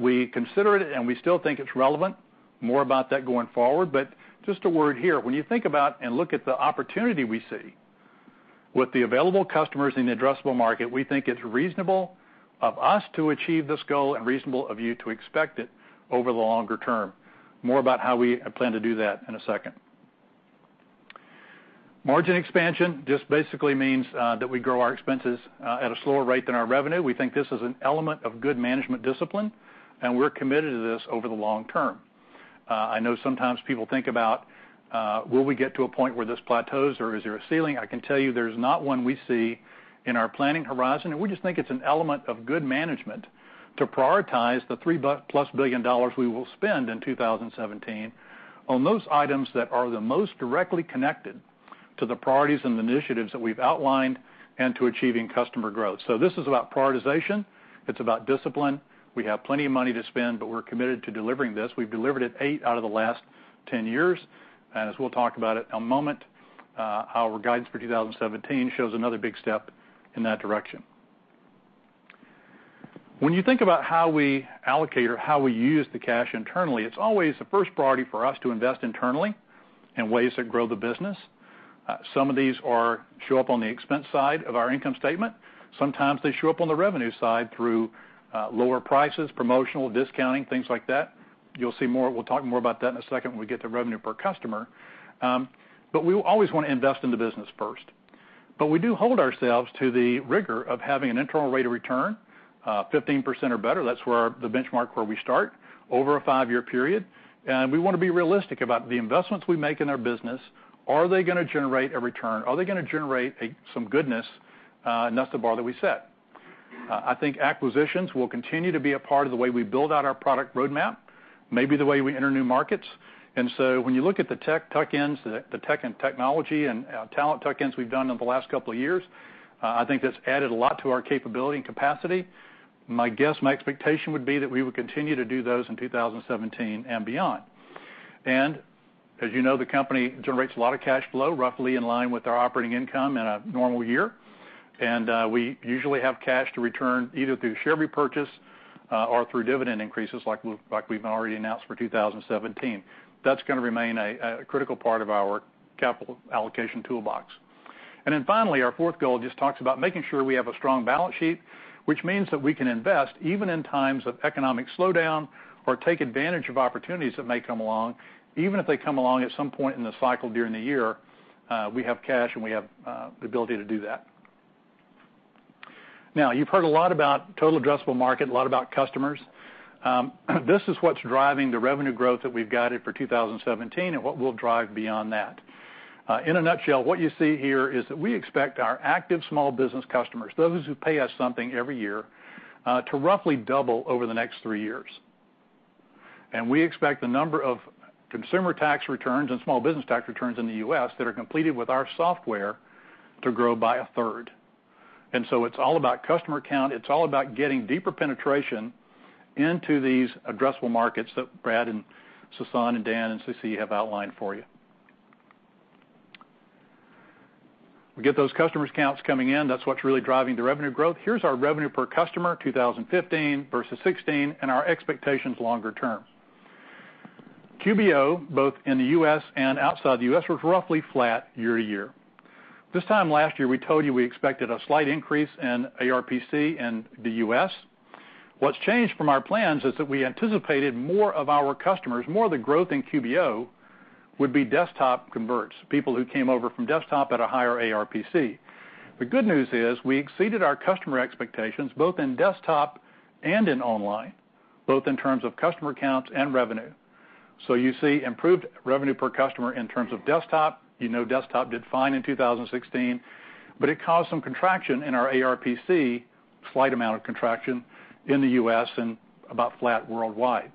We consider it, and we still think it's relevant. More about that going forward, but just a word here. When you think about and look at the opportunity we see with the available customers in the addressable market, we think it's reasonable of us to achieve this goal and reasonable of you to expect it over the longer term. More about how we plan to do that in a second. Margin expansion just basically means that we grow our expenses at a slower rate than our revenue. We think this is an element of good management discipline, and we're committed to this over the long term. I know sometimes people think about will we get to a point where this plateaus or is there a ceiling? I can tell you there's not one we see in our planning horizon, and we just think it's an element of good management to prioritize the $3-plus billion we will spend in 2017 on those items that are the most directly connected to the priorities and initiatives that we've outlined and to achieving customer growth. This is about prioritization. It's about discipline. We have plenty of money to spend, but we're committed to delivering this. We've delivered it eight out of the last 10 years. As we'll talk about in a moment, our guidance for 2017 shows another big step in that direction. When you think about how we allocate or how we use the cash internally, it's always the first priority for us to invest internally in ways that grow the business. Some of these show up on the expense side of our income statement. Sometimes they show up on the revenue side through lower prices, promotional, discounting, things like that. We'll talk more about that in a second when we get to revenue per customer. We always want to invest in the business first. We do hold ourselves to the rigor of having an internal rate of return, 15% or better. That's the benchmark where we start over a five-year period. We want to be realistic about the investments we make in our business. Are they going to generate a return? Are they going to generate some goodness? That's the bar that we set. I think acquisitions will continue to be a part of the way we build out our product roadmap, maybe the way we enter new markets. When you look at the tech tuck-ins, the tech and technology and talent tuck-ins we've done over the last couple of years, I think that's added a lot to our capability and capacity. My guess, my expectation would be that we would continue to do those in 2017 and beyond. As you know, the company generates a lot of cash flow, roughly in line with our operating income in a normal year, and we usually have cash to return, either through share repurchase or through dividend increases like we've already announced for 2017. That's going to remain a critical part of our capital allocation toolbox. Finally, our fourth goal just talks about making sure we have a strong balance sheet, which means that we can invest even in times of economic slowdown or take advantage of opportunities that may come along, even if they come along at some point in the cycle during the year, we have cash and we have the ability to do that. Now, you've heard a lot about total addressable market, a lot about customers. This is what's driving the revenue growth that we've guided for 2017 and what we'll drive beyond that. In a nutshell, what you see here is that we expect our active small business customers, those who pay us something every year, to roughly double over the next three years. We expect the number of consumer tax returns and small business tax returns in the U.S. that are completed with our software to grow by a third. It's all about customer count. It's all about getting deeper penetration into these addressable markets that Brad and Sasan and Dan and CeCe have outlined for you. We get those customers counts coming in. That's what's really driving the revenue growth. Here's our revenue per customer 2015 versus 2016, and our expectations longer term. QBO, both in the U.S. and outside the U.S., was roughly flat year to year. This time last year, we told you we expected a slight increase in ARPC in the U.S. What's changed from our plans is that we anticipated more of our customers, more of the growth in QBO, would be desktop converts, people who came over from desktop at a higher ARPC. The good news is we exceeded our customer expectations both in desktop and in online, both in terms of customer counts and revenue. You see improved revenue per customer in terms of desktop. You know desktop did fine in 2016, but it caused some contraction in our ARPC, slight amount of contraction in the U.S. and about flat worldwide.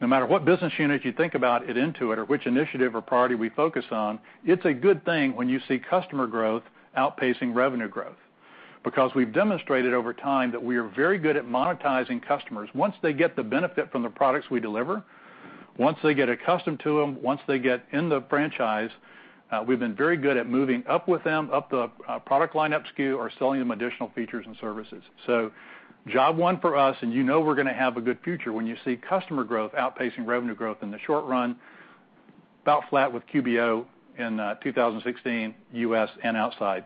No matter what business unit you think about at Intuit or which initiative or priority we focus on, it's a good thing when you see customer growth outpacing revenue growth. We've demonstrated over time that we are very good at monetizing customers. Once they get the benefit from the products we deliver, once they get accustomed to them, once they get in the franchise, we've been very good at moving up with them, up the product line-up SKU or selling them additional features and services. Job one for us, and you know we're going to have a good future when you see customer growth outpacing revenue growth in the short run, about flat with QBO in 2016, U.S. and outside.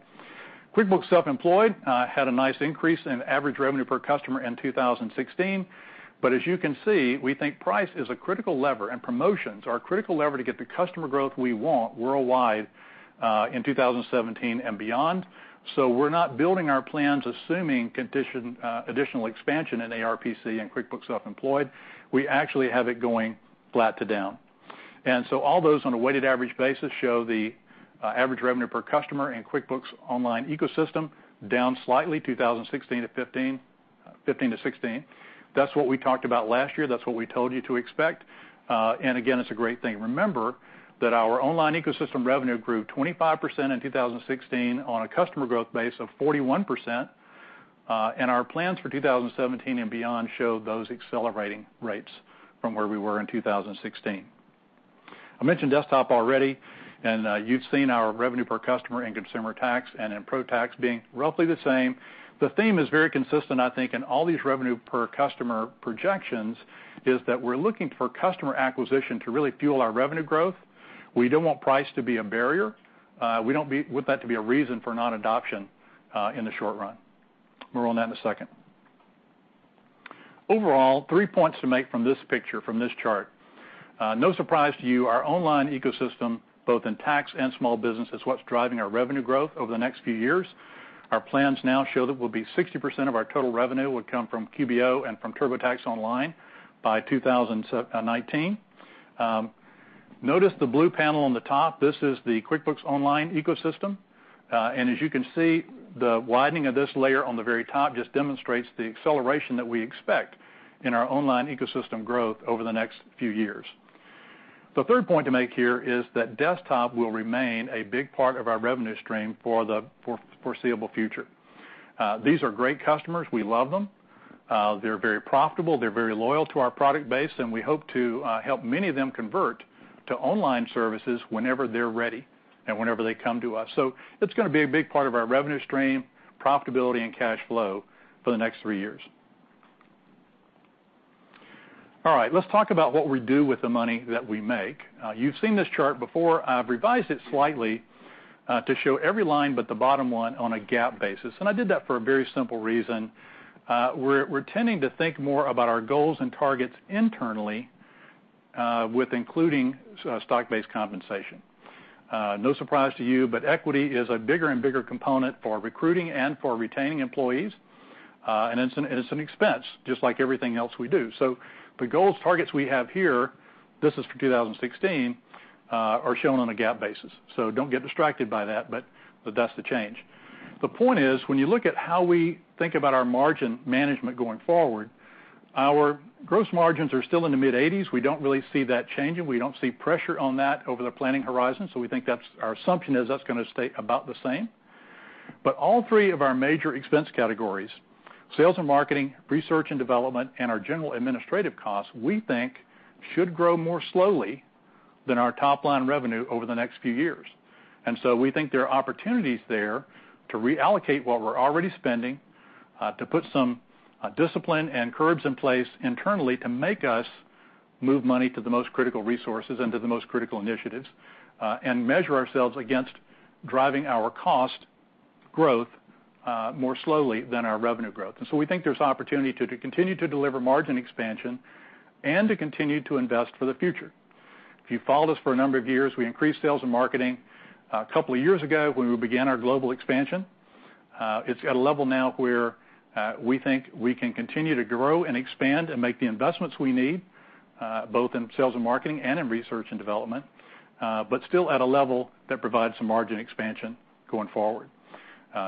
QuickBooks Self-Employed had a nice increase in average revenue per customer in 2016. As you can see, we think price is a critical lever, and promotions are a critical lever to get the customer growth we want worldwide in 2017 and beyond. We're not building our plans assuming additional expansion in ARPC and QuickBooks Self-Employed. We actually have it going flat to down. All those on a weighted average basis show the average revenue per customer in QuickBooks Online ecosystem down slightly 2016 to 2015 to 2016. That's what we talked about last year. That's what we told you to expect. Again, it's a great thing. Remember that our online ecosystem revenue grew 25% in 2016 on a customer growth base of 41%, and our plans for 2017 and beyond show those accelerating rates from where we were in 2016. I mentioned Desktop already, and you've seen our revenue per customer in Consumer Tax and in ProTax being roughly the same. The theme is very consistent, I think, in all these revenue per customer projections, is that we're looking for customer acquisition to really fuel our revenue growth. We don't want price to be a barrier. We don't want that to be a reason for non-adoption in the short run. More on that in a second. Overall, three points to make from this picture, from this chart. No surprise to you, our online ecosystem, both in Tax and Small Business, is what's driving our revenue growth over the next few years. Our plans now show that will be 60% of our total revenue will come from QBO and from TurboTax Online by 2019. Notice the blue panel on the top. This is the QuickBooks Online ecosystem. As you can see, the widening of this layer on the very top just demonstrates the acceleration that we expect in our online ecosystem growth over the next few years. The third point to make here is that Desktop will remain a big part of our revenue stream for the foreseeable future. These are great customers. We love them. They're very profitable. They're very loyal to our product base, and we hope to help many of them convert to online services whenever they're ready and whenever they come to us. It's going to be a big part of our revenue stream, profitability, and cash flow for the next three years. All right. Let's talk about what we do with the money that we make. You've seen this chart before. I've revised it slightly to show every line but the bottom one on a GAAP basis. I did that for a very simple reason. We're tending to think more about our goals and targets internally, with including stock-based compensation. No surprise to you, but equity is a bigger and bigger component for recruiting and for retaining employees. It's an expense, just like everything else we do. The goals, targets we have here, this is for 2016, are shown on a GAAP basis. Don't get distracted by that, but that's the change. The point is, when you look at how we think about our margin management going forward, our gross margins are still in the mid-80s. We don't really see that changing. We don't see pressure on that over the planning horizon. Our assumption is that's going to stay about the same. All three of our major expense categories, sales and marketing, research and development, and our general administrative costs, we think should grow more slowly than our top-line revenue over the next few years. We think there are opportunities there to reallocate what we're already spending, to put some discipline and curbs in place internally to make us move money to the most critical resources and to the most critical initiatives, and measure ourselves against driving our cost growth more slowly than our revenue growth. We think there's opportunity to continue to deliver margin expansion and to continue to invest for the future. If you've followed us for a number of years, we increased sales and marketing a couple of years ago when we began our global expansion. It's at a level now where we think we can continue to grow and expand and make the investments we need, both in sales and marketing and in research and development, but still at a level that provides some margin expansion going forward.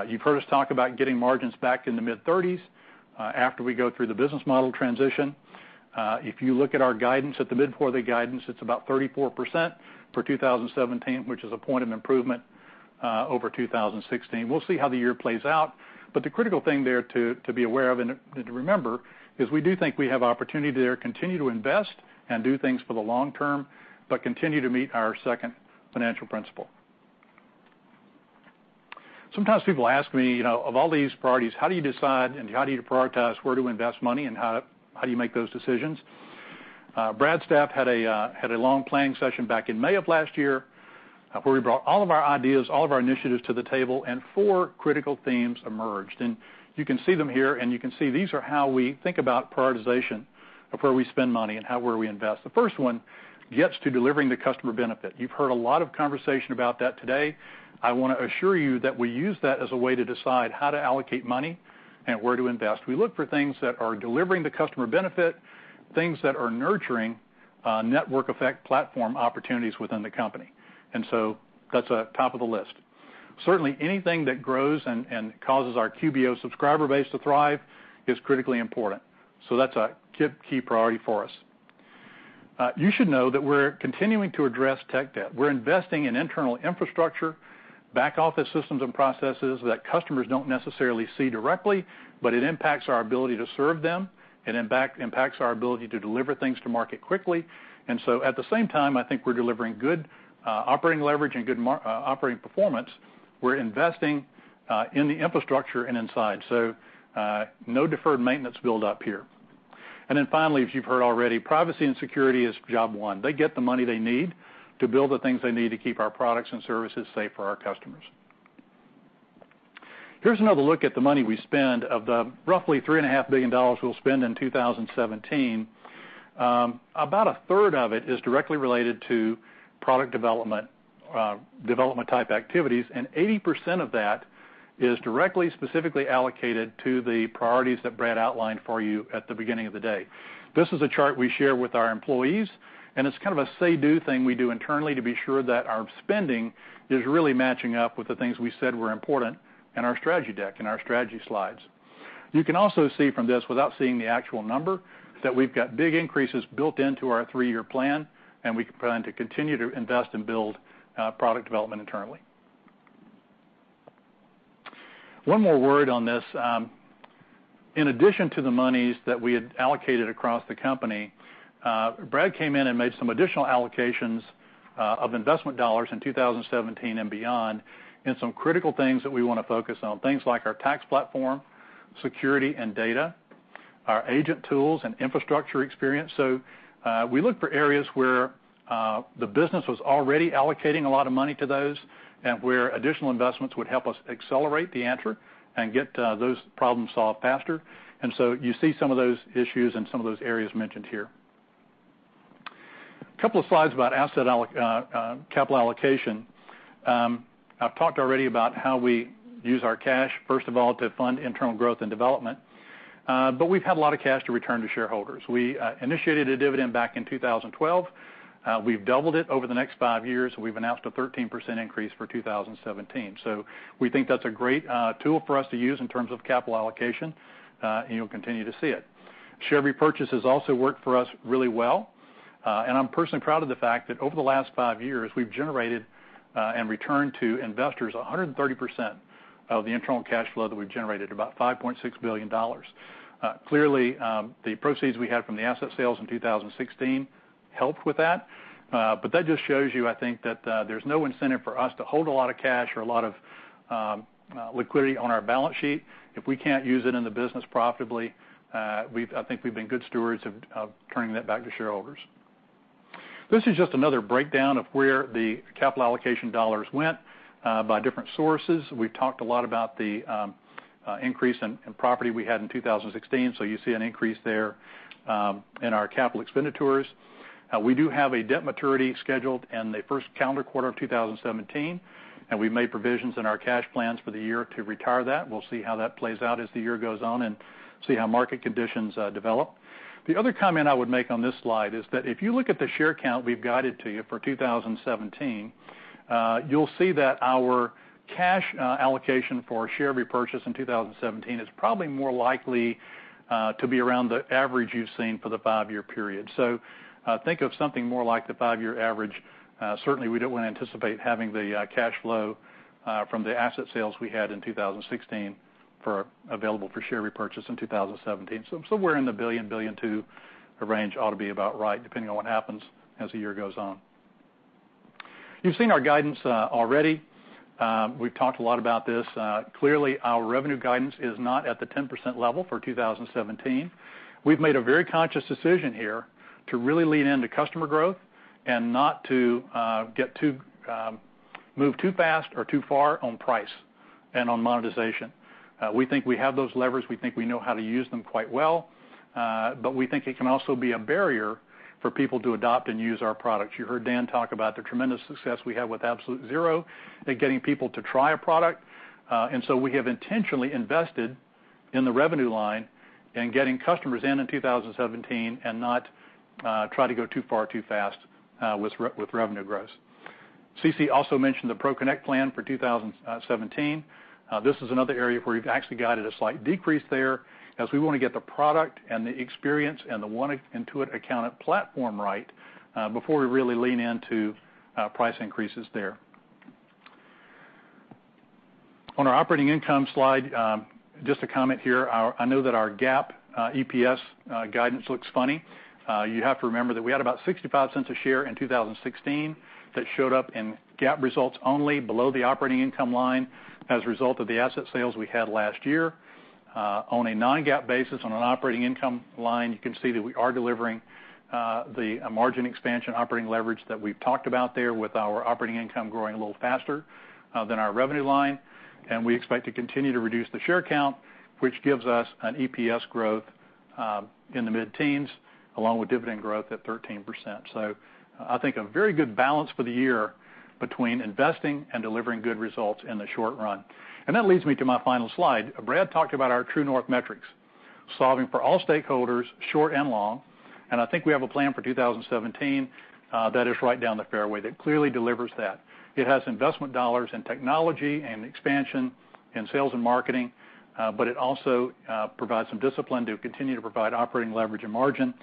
You've heard us talk about getting margins back in the mid-30s after we go through the business model transition. If you look at our guidance, at the mid-quarter guidance, it's about 34% for 2017, which is a point of improvement over 2016. We'll see how the year plays out. The critical thing there to be aware of and to remember is we do think we have opportunity there to continue to invest and do things for the long term, but continue to meet our second financial principle. Sometimes people ask me, "Of all these priorities, how do you decide and how do you prioritize where to invest money and how do you make those decisions?" Brad's staff had a long planning session back in May of last year, where we brought all of our ideas, all of our initiatives to the table, and four critical themes emerged. You can see them here, you can see these are how we think about prioritization of where we spend money and where we invest. The first one gets to delivering the customer benefit. You've heard a lot of conversation about that today. I want to assure you that we use that as a way to decide how to allocate money and where to invest. We look for things that are delivering the customer benefit, things that are nurturing network effect platform opportunities within the company. That's top of the list. Certainly, anything that grows and causes our QBO subscriber base to thrive is critically important. That's a key priority for us. You should know that we're continuing to address tech debt. We're investing in internal infrastructure, back office systems, and processes that customers don't necessarily see directly, but it impacts our ability to serve them, it impacts our ability to deliver things to market quickly. At the same time, I think we're delivering good operating leverage and good operating performance. We're investing in the infrastructure and inside, so no deferred maintenance build-up here. Finally, as you've heard already, privacy and security is job one. They get the money they need to build the things they need to keep our products and services safe for our customers. Here's another look at the money we spend. Of the roughly $3.5 billion we'll spend in 2017, about a third of it is directly related to product development type activities, and 80% of that is directly, specifically allocated to the priorities that Brad outlined for you at the beginning of the day. This is a chart we share with our employees, and it's kind of a say/do thing we do internally to be sure that our spending is really matching up with the things we said were important in our strategy deck, in our strategy slides. You can also see from this, without seeing the actual number, that we've got big increases built into our three-year plan, and we plan to continue to invest and build product development internally. One more word on this. In addition to the monies that we had allocated across the company, Brad came in and made some additional allocations of investment dollars in 2017 and beyond in some critical things that we want to focus on, things like our tax platform, security and data, our agent tools and infrastructure experience. We look for areas where the business was already allocating a lot of money to those, and where additional investments would help us accelerate the answer and get those problems solved faster. You see some of those issues and some of those areas mentioned here. Two slides about capital allocation. I've talked already about how we use our cash, first of all, to fund internal growth and development. We've had a lot of cash to return to shareholders. We initiated a dividend back in 2012. We've doubled it over the next five years, we've announced a 13% increase for 2017. We think that's a great tool for us to use in terms of capital allocation, and you'll continue to see it. Share repurchases also work for us really well. I'm personally proud of the fact that over the last five years, we've generated and returned to investors 130% of the internal cash flow that we've generated, about $5.6 billion. Clearly, the proceeds we had from the asset sales in 2016 helped with that. That just shows you, I think, there's no incentive for us to hold a lot of cash or a lot of liquidity on our balance sheet if we can't use it in the business profitably. I think we've been good stewards of returning that back to shareholders. This is just another breakdown of where the capital allocation dollars went by different sources. We've talked a lot about the increase in property we had in 2016, so you see an increase there in our capital expenditures. We do have a debt maturity scheduled in the first calendar quarter of 2017, and we've made provisions in our cash plans for the year to retire that. We'll see how that plays out as the year goes on and see how market conditions develop. The other comment I would make on this slide is that if you look at the share count we've guided to you for 2017, you'll see that our cash allocation for share repurchase in 2017 is probably more likely to be around the average you've seen for the five-year period. Think of something more like the five-year average. Certainly, we don't anticipate having the cash flow from the asset sales we had in 2016 available for share repurchase in 2017. Somewhere in the $1 billion two range ought to be about right, depending on what happens as the year goes on. You've seen our guidance already. We've talked a lot about this. Clearly, our revenue guidance is not at the 10% level for 2017. We've made a very conscious decision here to really lean into customer growth and not to move too fast or too far on price and on monetization. We think we have those levers. We think we know how to use them quite well. We think it can also be a barrier for people to adopt and use our products. You heard Dan talk about the tremendous success we have with Absolute Zero in getting people to try a product. We have intentionally invested in the revenue line in getting customers in in 2017, and not try to go too far, too fast with revenue growth. CeCe also mentioned the ProConnect plan for 2017. This is another area where we've actually guided a slight decrease there, as we want to get the product and the experience and the one Intuit account platform right before we really lean into price increases there. On our operating income slide, just a comment here. I know that our GAAP EPS guidance looks funny. You have to remember that we had about $0.65 a share in 2016 that showed up in GAAP results only below the operating income line as a result of the asset sales we had last year. On a non-GAAP basis, on an operating income line, you can see that we are delivering the margin expansion operating leverage that we've talked about there with our operating income growing a little faster than our revenue line. We expect to continue to reduce the share count, which gives us an EPS growth in the mid-teens, along with dividend growth at 13%. I think a very good balance for the year between investing and delivering good results in the short run. That leads me to my final slide. Brad talked about our True North metrics. Solving for all stakeholders, short and long, I think we have a plan for 2017 that is right down the fairway, that clearly delivers that. It has investment dollars in technology and expansion in sales and marketing, but it also provides some discipline to continue to provide operating leverage and margin,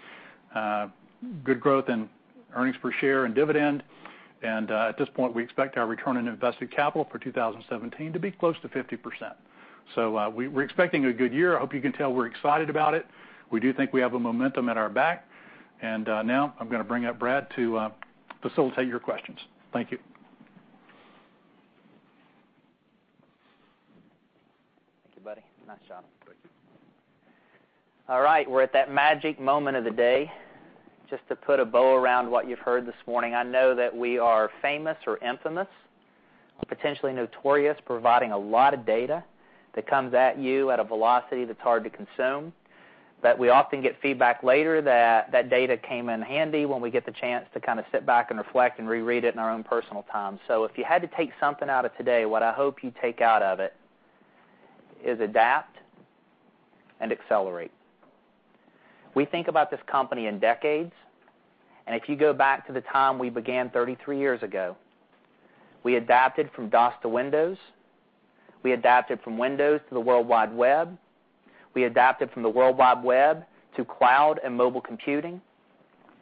good growth in earnings per share and dividend. At this point, we expect our return on invested capital for 2017 to be close to 50%. We're expecting a good year. I hope you can tell we're excited about it. We do think we have a momentum at our back. Now I'm going to bring up Brad to facilitate your questions. Thank you.
Thank you, buddy. Nice job.
Thank you.
All right. We're at that magic moment of the day just to put a bow around what you've heard this morning. I know that we are famous or infamous, potentially notorious, providing a lot of data that comes at you at a velocity that's hard to consume. We often get feedback later that that data came in handy when we get the chance to kind of sit back and reflect and reread it in our own personal time. If you had to take something out of today, what I hope you take out of it is adapt and accelerate. We think about this company in decades, and if you go back to the time we began 33 years ago, we adapted from DOS to Windows. We adapted from Windows to the World Wide Web. We adapted from the World Wide Web to cloud and mobile computing.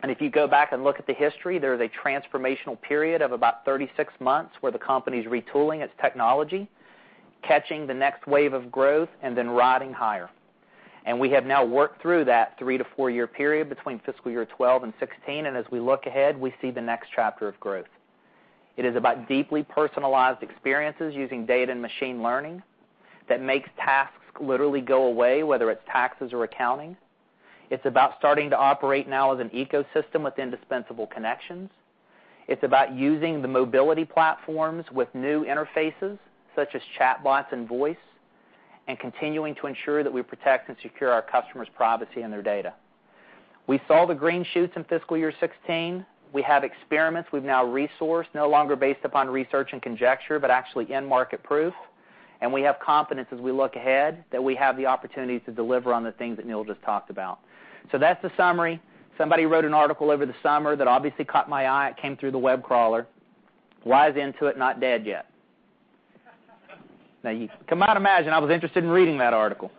If you go back and look at the history, there is a transformational period of about 36 months where the company's retooling its technology, catching the next wave of growth, and then riding higher. We have now worked through that three to four-year period between fiscal year 2012 and 2016, and as we look ahead, we see the next chapter of growth. It is about deeply personalized experiences using data and machine learning that makes tasks literally go away, whether it's taxes or accounting. It's about starting to operate now as an ecosystem with indispensable connections. It's about using the mobility platforms with new interfaces, such as chatbots and voice, and continuing to ensure that we protect and secure our customers' privacy and their data. We saw the green shoots in fiscal year 2016. We have experiments we've now resourced, no longer based upon research and conjecture, but actually in-market proof. We have confidence as we look ahead that we have the opportunity to deliver on the things that Neil just talked about. That's the summary. Somebody wrote an article over the summer that obviously caught my eye. It came through the web crawler, "Why is Intuit not dead yet?" You might imagine I was interested in reading that article.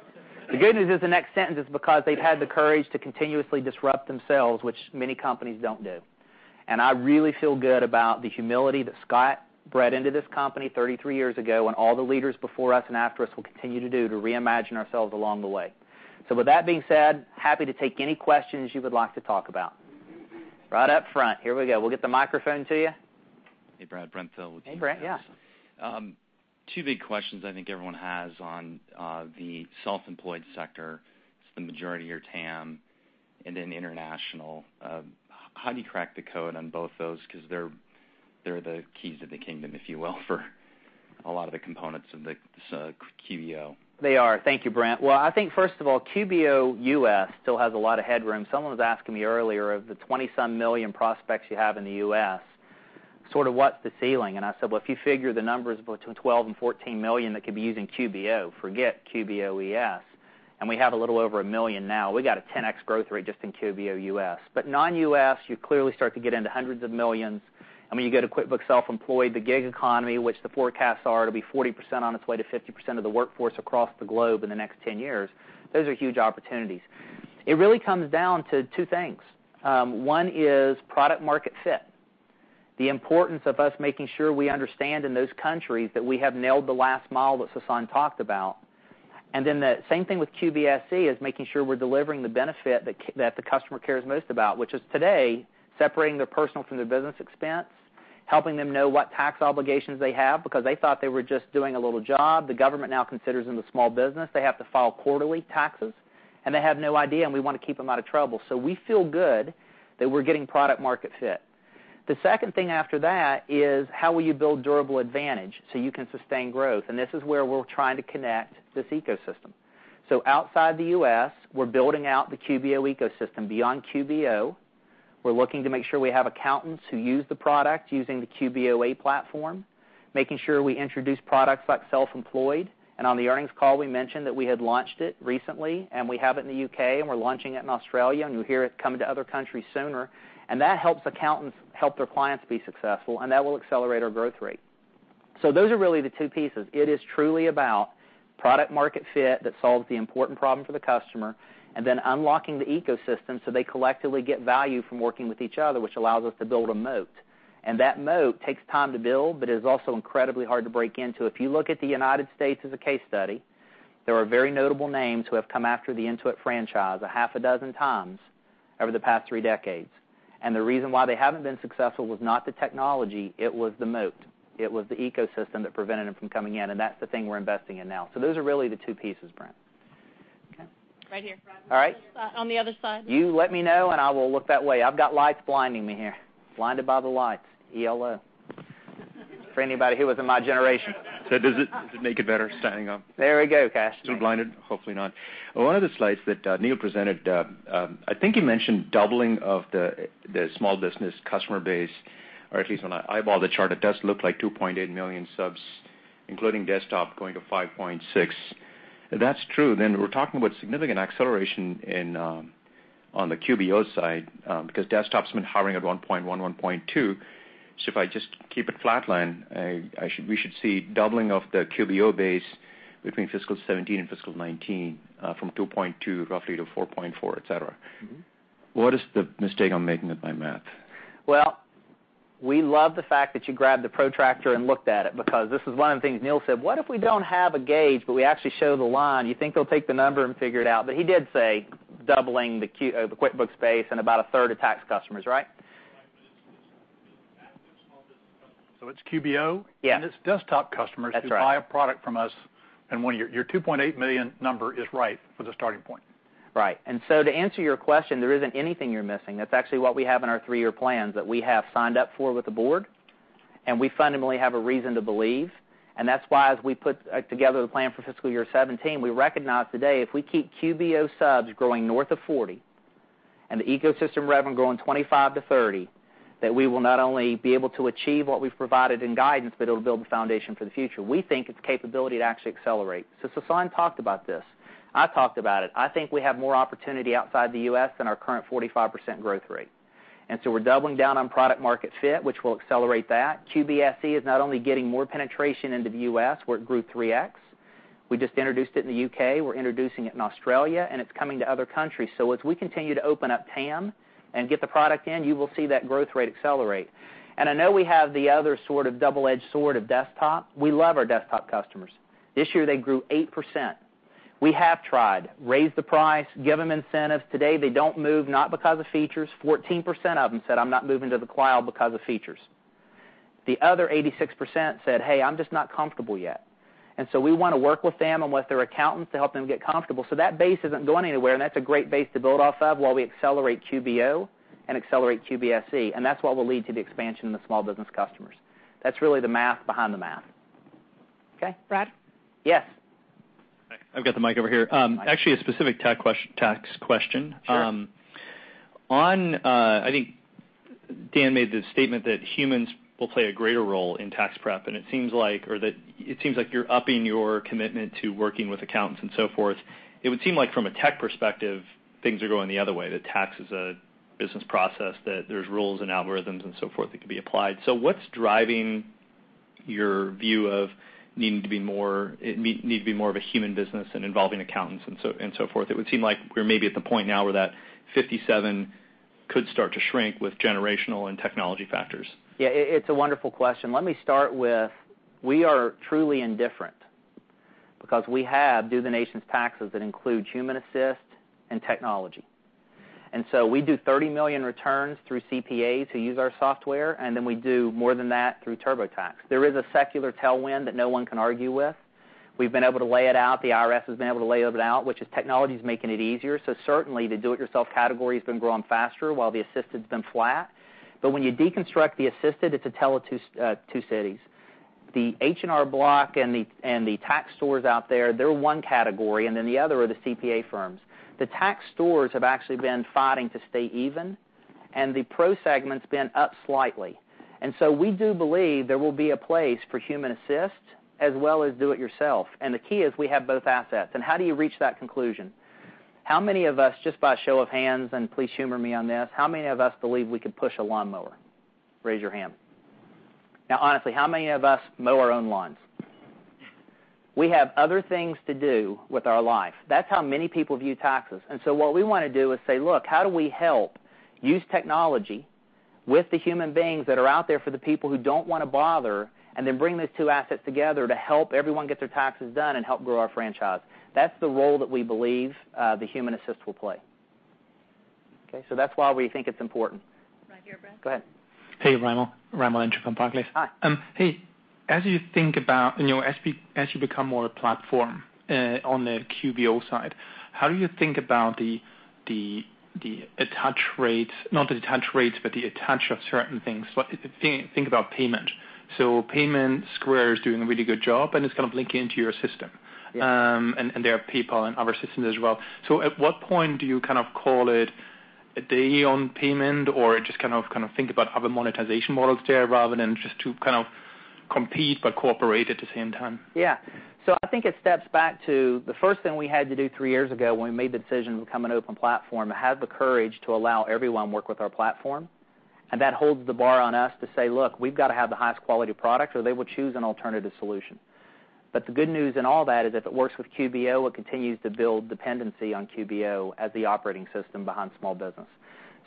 The good news is the next sentence is because they've had the courage to continuously disrupt themselves, which many companies don't do. I really feel good about the humility that Scott bred into this company 33 years ago, and all the leaders before us and after us will continue to do, to reimagine ourselves along the way. With that being said, happy to take any questions you would like to talk about. Right up front. Here we go. We'll get the microphone to you.
Hey, Brad. Brent Thill with.
Hey, Brent. Yeah.
Two big questions I think everyone has on the self-employed sector, it's the majority of your TAM, then international. How do you crack the code on both those? They're the keys to the kingdom, if you will, for a lot of the components of this QBO.
They are. Thank you, Brent. Well, I think, first of all, QBO U.S. still has a lot of headroom. Someone was asking me earlier, of the 20-some million prospects you have in the U.S., sort of what's the ceiling? I said, "Well, if you figure the numbers between 12 and 14 million that could be using QBO, forget QBO ES, we have a little over 1 million now. We got a 10x growth rate just in QBO U.S." Non-U.S., you clearly start to get into hundreds of millions. You go to QuickBooks Self-Employed, the gig economy, which the forecasts are to be 40% on its way to 50% of the workforce across the globe in the next 10 years. Those are huge opportunities. It really comes down to two things. One is product market fit, the importance of us making sure we understand in those countries that we have nailed the last mile that Sasan talked about. The same thing with QBSE, is making sure we're delivering the benefit that the customer cares most about, which is today separating their personal from their business expense, helping them know what tax obligations they have because they thought they were just doing a little job, the government now considers them a small business. They have to file quarterly taxes, and they have no idea, and we want to keep them out of trouble. We feel good that we're getting product market fit. The second thing after that is how will you build durable advantage so you can sustain growth? This is where we're trying to connect this ecosystem. Outside the U.S., we're building out the QBO ecosystem. Beyond QBO, we're looking to make sure we have accountants who use the product using the QBOA platform, making sure we introduce products like Self-Employed. On the earnings call, we mentioned that we had launched it recently, and we have it in the U.K., and we're launching it in Australia, and you'll hear it coming to other countries sooner. That helps accountants help their clients be successful, and that will accelerate our growth rate. Those are really the two pieces. It is truly about product market fit that solves the important problem for the customer, and then unlocking the ecosystem so they collectively get value from working with each other, which allows us to build a moat. That moat takes time to build, but is also incredibly hard to break into. If you look at the United States as a case study, there are very notable names who have come after the Intuit franchise a half a dozen times over the past three decades. The reason why they haven't been successful was not the technology, it was the moat. It was the ecosystem that prevented them from coming in, and that's the thing we're investing in now. Those are really the two pieces, Brent.
Okay.
Right here, Brad.
All right.
On the other side.
You let me know, and I will look that way. I've got lights blinding me here. Blinded by the lights, ELO. For anybody who was in my generation.
Does it make it better standing up?
There we go, Kash.
Still blinded? Hopefully not. On one of the slides that Neil presented, I think you mentioned doubling of the small business customer base, or at least when I eyeball the chart, it does look like 2.8 million subs Including desktop going to 5.6. If that's true, we're talking about significant acceleration on the QBO side, because desktop's been hovering at 1.1.2. If I just keep it flat line, we should see doubling of the QBO base between fiscal 2017 and fiscal 2019, from 2.2 roughly to 4.4, et cetera. What is the mistake I'm making with my math?
Well, we love the fact that you grabbed the protractor and looked at it, because this is one of the things Neil said, "What if we don't have a gauge, but we actually show the line? You think they'll take the number and figure it out?" He did say doubling the QuickBooks base and about a third of tax customers, right? Right, it's small business customers. It's QBO. Yeah, it's desktop customers. That's right, who buy a product from us, and your $2.8 million number is right for the starting point. Right. To answer your question, there isn't anything you're missing. That's actually what we have in our three-year plans that we have signed up for with the board, and we fundamentally have a reason to believe. That's why as we put together the plan for fiscal year 2017, we recognized today if we keep QBO subs growing north of 40%, and the ecosystem revenue growing 25%-30%, that we will not only be able to achieve what we've provided in guidance, but it'll build the foundation for the future. We think it's capability to actually accelerate. Sasan talked about this. I talked about it. I think we have more opportunity outside the U.S. than our current 45% growth rate. We're doubling down on product market fit, which will accelerate that. QBSE is not only getting more penetration into the U.S., where it grew 3x. We just introduced it in the U.K., we're introducing it in Australia, and it's coming to other countries. As we continue to open up TAM and get the product in, you will see that growth rate accelerate. I know we have the other sort of double-edged sword of desktop. We love our desktop customers. This year, they grew 8%. We have tried. Raise the price, give them incentives. Today, they don't move, not because of features. 14% of them said, "I'm not moving to the cloud because of features." The other 86% said, "Hey, I'm just not comfortable yet." We want to work with them and with their accountants to help them get comfortable. That base isn't going anywhere, and that's a great base to build off of while we accelerate QBO and accelerate QBSE, and that's what will lead to the expansion in the small business customers. That's really the math behind the math. Okay?
Brad? Yes.
I've got the mic over here. Actually, a specific tax question.
Sure.
I think Dan made the statement that humans will play a greater role in tax prep, and it seems like you're upping your commitment to working with accountants and so forth. It would seem like from a tech perspective, things are going the other way, that tax is a business process, that there's rules and algorithms and so forth that can be applied. What's driving your view of it needing to be more of a human business and involving accountants and so forth? It would seem like we're maybe at the point now where that 57 could start to shrink with generational and technology factors.
It's a wonderful question. Let me start with, we are truly indifferent because we have Do the Nation's Taxes that includes human assist and technology. We do 30 million returns through CPAs who use our software, and then we do more than that through TurboTax. There is a secular tailwind that no one can argue with. We've been able to lay it out, the IRS has been able to lay it out, which is technology's making it easier. Certainly, the do-it-yourself category's been growing faster while the assisted's been flat. When you deconstruct the assisted, it's a tale of two cities. The H&R Block and the tax stores out there, they're one category, and then the other are the CPA firms. The tax stores have actually been fighting to stay even, the pro segment's been up slightly. We do believe there will be a place for human assist as well as do it yourself. The key is we have both assets. How do you reach that conclusion? How many of us, just by show of hands, and please humor me on this, how many of us believe we could push a lawnmower? Raise your hand. Honestly, how many of us mow our own lawns? We have other things to do with our life. That's how many people view taxes. What we want to do is say, look, how do we help use technology with the human beings that are out there for the people who don't want to bother, and then bring those two assets together to help everyone get their taxes done and help grow our franchise? That's the role that we believe the human assist will play. Okay? That's why we think it's important.
Right here, Brad.
Go ahead.
Hey, Raimo. Raimo from Barclays.
Hi.
Hey. As you become more a platform on the QBO side, how do you think about the attach rates, not the attach rates, but the attach of certain things? Think about payment. Payment, Square is doing a really good job, and it's kind of linking into your system.
Yeah.
There are people in other systems as well. At what point do you kind of call it a day on payment, or just kind of think about other monetization models there rather than just to kind of compete but cooperate at the same time?
Yeah. I think it steps back to the first thing we had to do three years ago when we made the decision to become an open platform, have the courage to allow everyone work with our platform. That holds the bar on us to say, look, we've got to have the highest quality product, or they will choose an alternative solution. The good news in all that is if it works with QBO, it continues to build dependency on QBO as the operating system behind small business.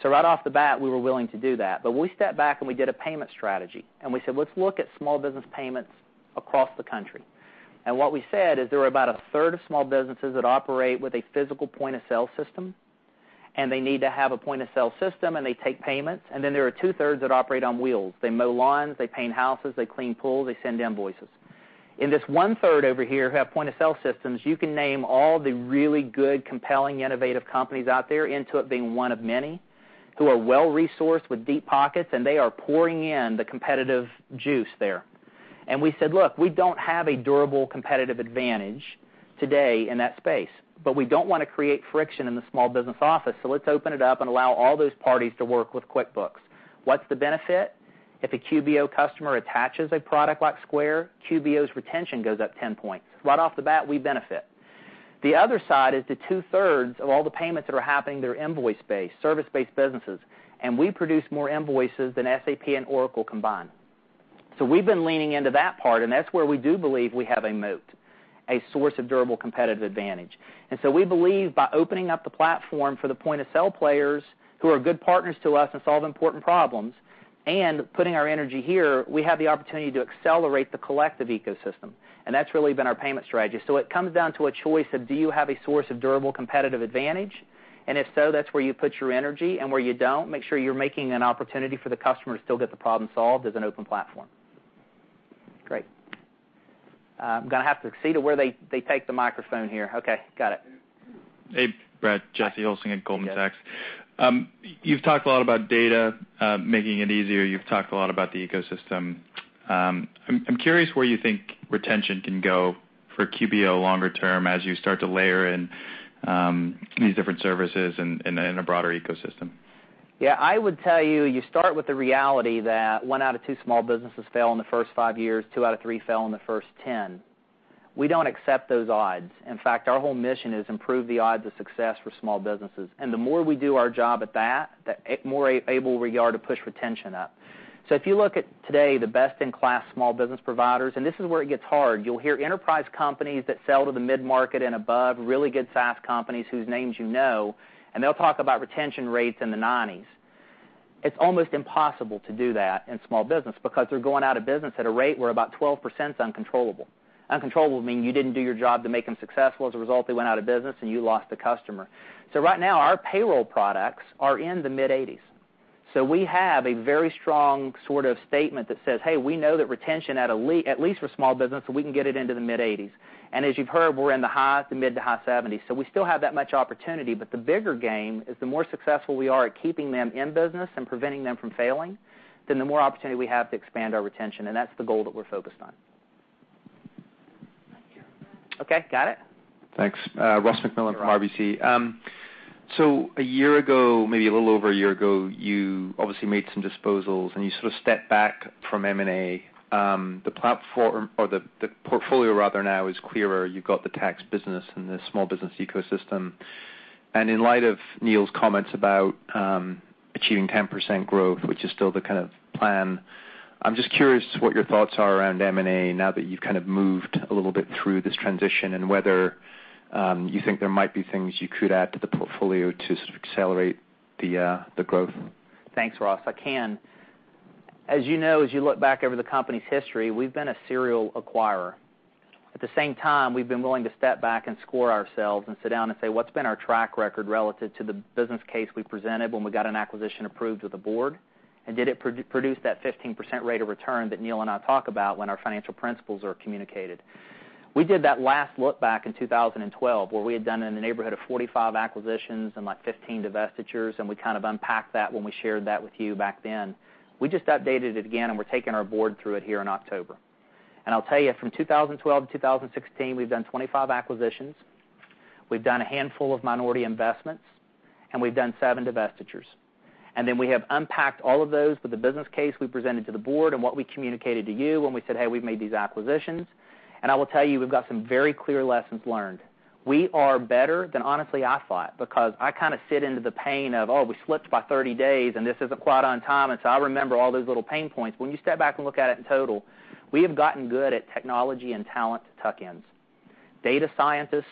Right off the bat, we were willing to do that. We stepped back and we did a payment strategy, and we said, "Let's look at small business payments across the country." What we said is there are about a third of small businesses that operate with a physical point-of-sale system, and they need to have a point-of-sale system, and they take payments. There are two thirds that operate on wheels. They mow lawns, they paint houses, they clean pools, they send invoices. In this one third over here who have point-of-sale systems, you can name all the really good, compelling, innovative companies out there, Intuit being one of many, who are well-resourced with deep pockets, they are pouring in the competitive juice there. We said, look, we don't have a durable competitive advantage today in that space, we don't want to create friction in the small business office, let's open it up and allow all those parties to work with QuickBooks. What's the benefit? If a QBO customer attaches a product like Square, QBO's retention goes up 10 points. Right off the bat, we benefit. The other side is the two thirds of all the payments that are happening that are invoice-based, service-based businesses, and we produce more invoices than SAP and Oracle combined. We've been leaning into that part, that's where we do believe we have a moat, a source of durable competitive advantage. We believe by opening up the platform for the point-of-sale players who are good partners to us and solve important problems, and putting our energy here, we have the opportunity to accelerate the collective ecosystem. That's really been our payment strategy. It comes down to a choice of do you have a source of durable competitive advantage? If so, that's where you put your energy, and where you don't, make sure you're making an opportunity for the customer to still get the problem solved as an open platform. Great. I'm going to have to see to where they take the microphone here. Okay, got it.
Hey, Brad. Jesse Hulsing at Goldman Sachs.
Yes.
You've talked a lot about data, making it easier. You've talked a lot about the ecosystem. I'm curious where you think retention can go for QBO longer term as you start to layer in these different services and in a broader ecosystem.
I would tell you start with the reality that one out of two small businesses fail in the first five years, two out of three fail in the first 10. We don't accept those odds. In fact, our whole mission is improve the odds of success for small businesses. The more we do our job at that, the more able we are to push retention up. If you look at today, the best-in-class small business providers, and this is where it gets hard, you'll hear enterprise companies that sell to the mid-market and above, really good, fast companies whose names you know, and they'll talk about retention rates in the 90s. It's almost impossible to do that in small business because they're going out of business at a rate where about 12% is uncontrollable. Uncontrollable meaning you didn't do your job to make them successful. As a result, they went out of business, and you lost the customer. Right now, our payroll products are in the mid-80s. We have a very strong sort of statement that says, "Hey, we know that retention, at least for small business, we can get it into the mid-80s." As you've heard, we're in the mid to high 70s, we still have that much opportunity. The bigger game is the more successful we are at keeping them in business and preventing them from failing, then the more opportunity we have to expand our retention, and that's the goal that we're focused on. Okay. Got it.
Thanks. Ross MacMillan from RBC.
Yes.
A year ago, maybe a little over a year ago, you obviously made some disposals, and you sort of stepped back from M&A. The platform or the portfolio rather now is clearer. You've got the tax business and the small business ecosystem. In light of Neil's comments about achieving 10% growth, which is still the kind of plan, I'm just curious what your thoughts are around M&A now that you've kind of moved a little bit through this transition and whether you think there might be things you could add to the portfolio to sort of accelerate the growth.
Thanks, Ross. I can. As you know, as you look back over the company's history, we've been a serial acquirer. At the same time, we've been willing to step back and score ourselves and sit down and say, what's been our track record relative to the business case we presented when we got an acquisition approved with the board? Did it produce that 15% rate of return that Neil and I talk about when our financial principles are communicated? We did that last look back in 2012, where we had done in the neighborhood of 45 acquisitions and 15 divestitures, we kind of unpacked that when we shared that with you back then. We just updated it again, we're taking our board through it here in October. I'll tell you, from 2012 to 2016, we've done 25 acquisitions. We've done a handful of minority investments, we've done seven divestitures. We have unpacked all of those with the business case we presented to the board and what we communicated to you when we said, "Hey, we've made these acquisitions." I will tell you, we've got some very clear lessons learned. We are better than honestly I thought, because I kind of sit into the pain of, oh, we slipped by 30 days, and this isn't quite on time, and so I remember all those little pain points. When you step back and look at it in total, we have gotten good at technology and talent tuck-ins. Data scientists,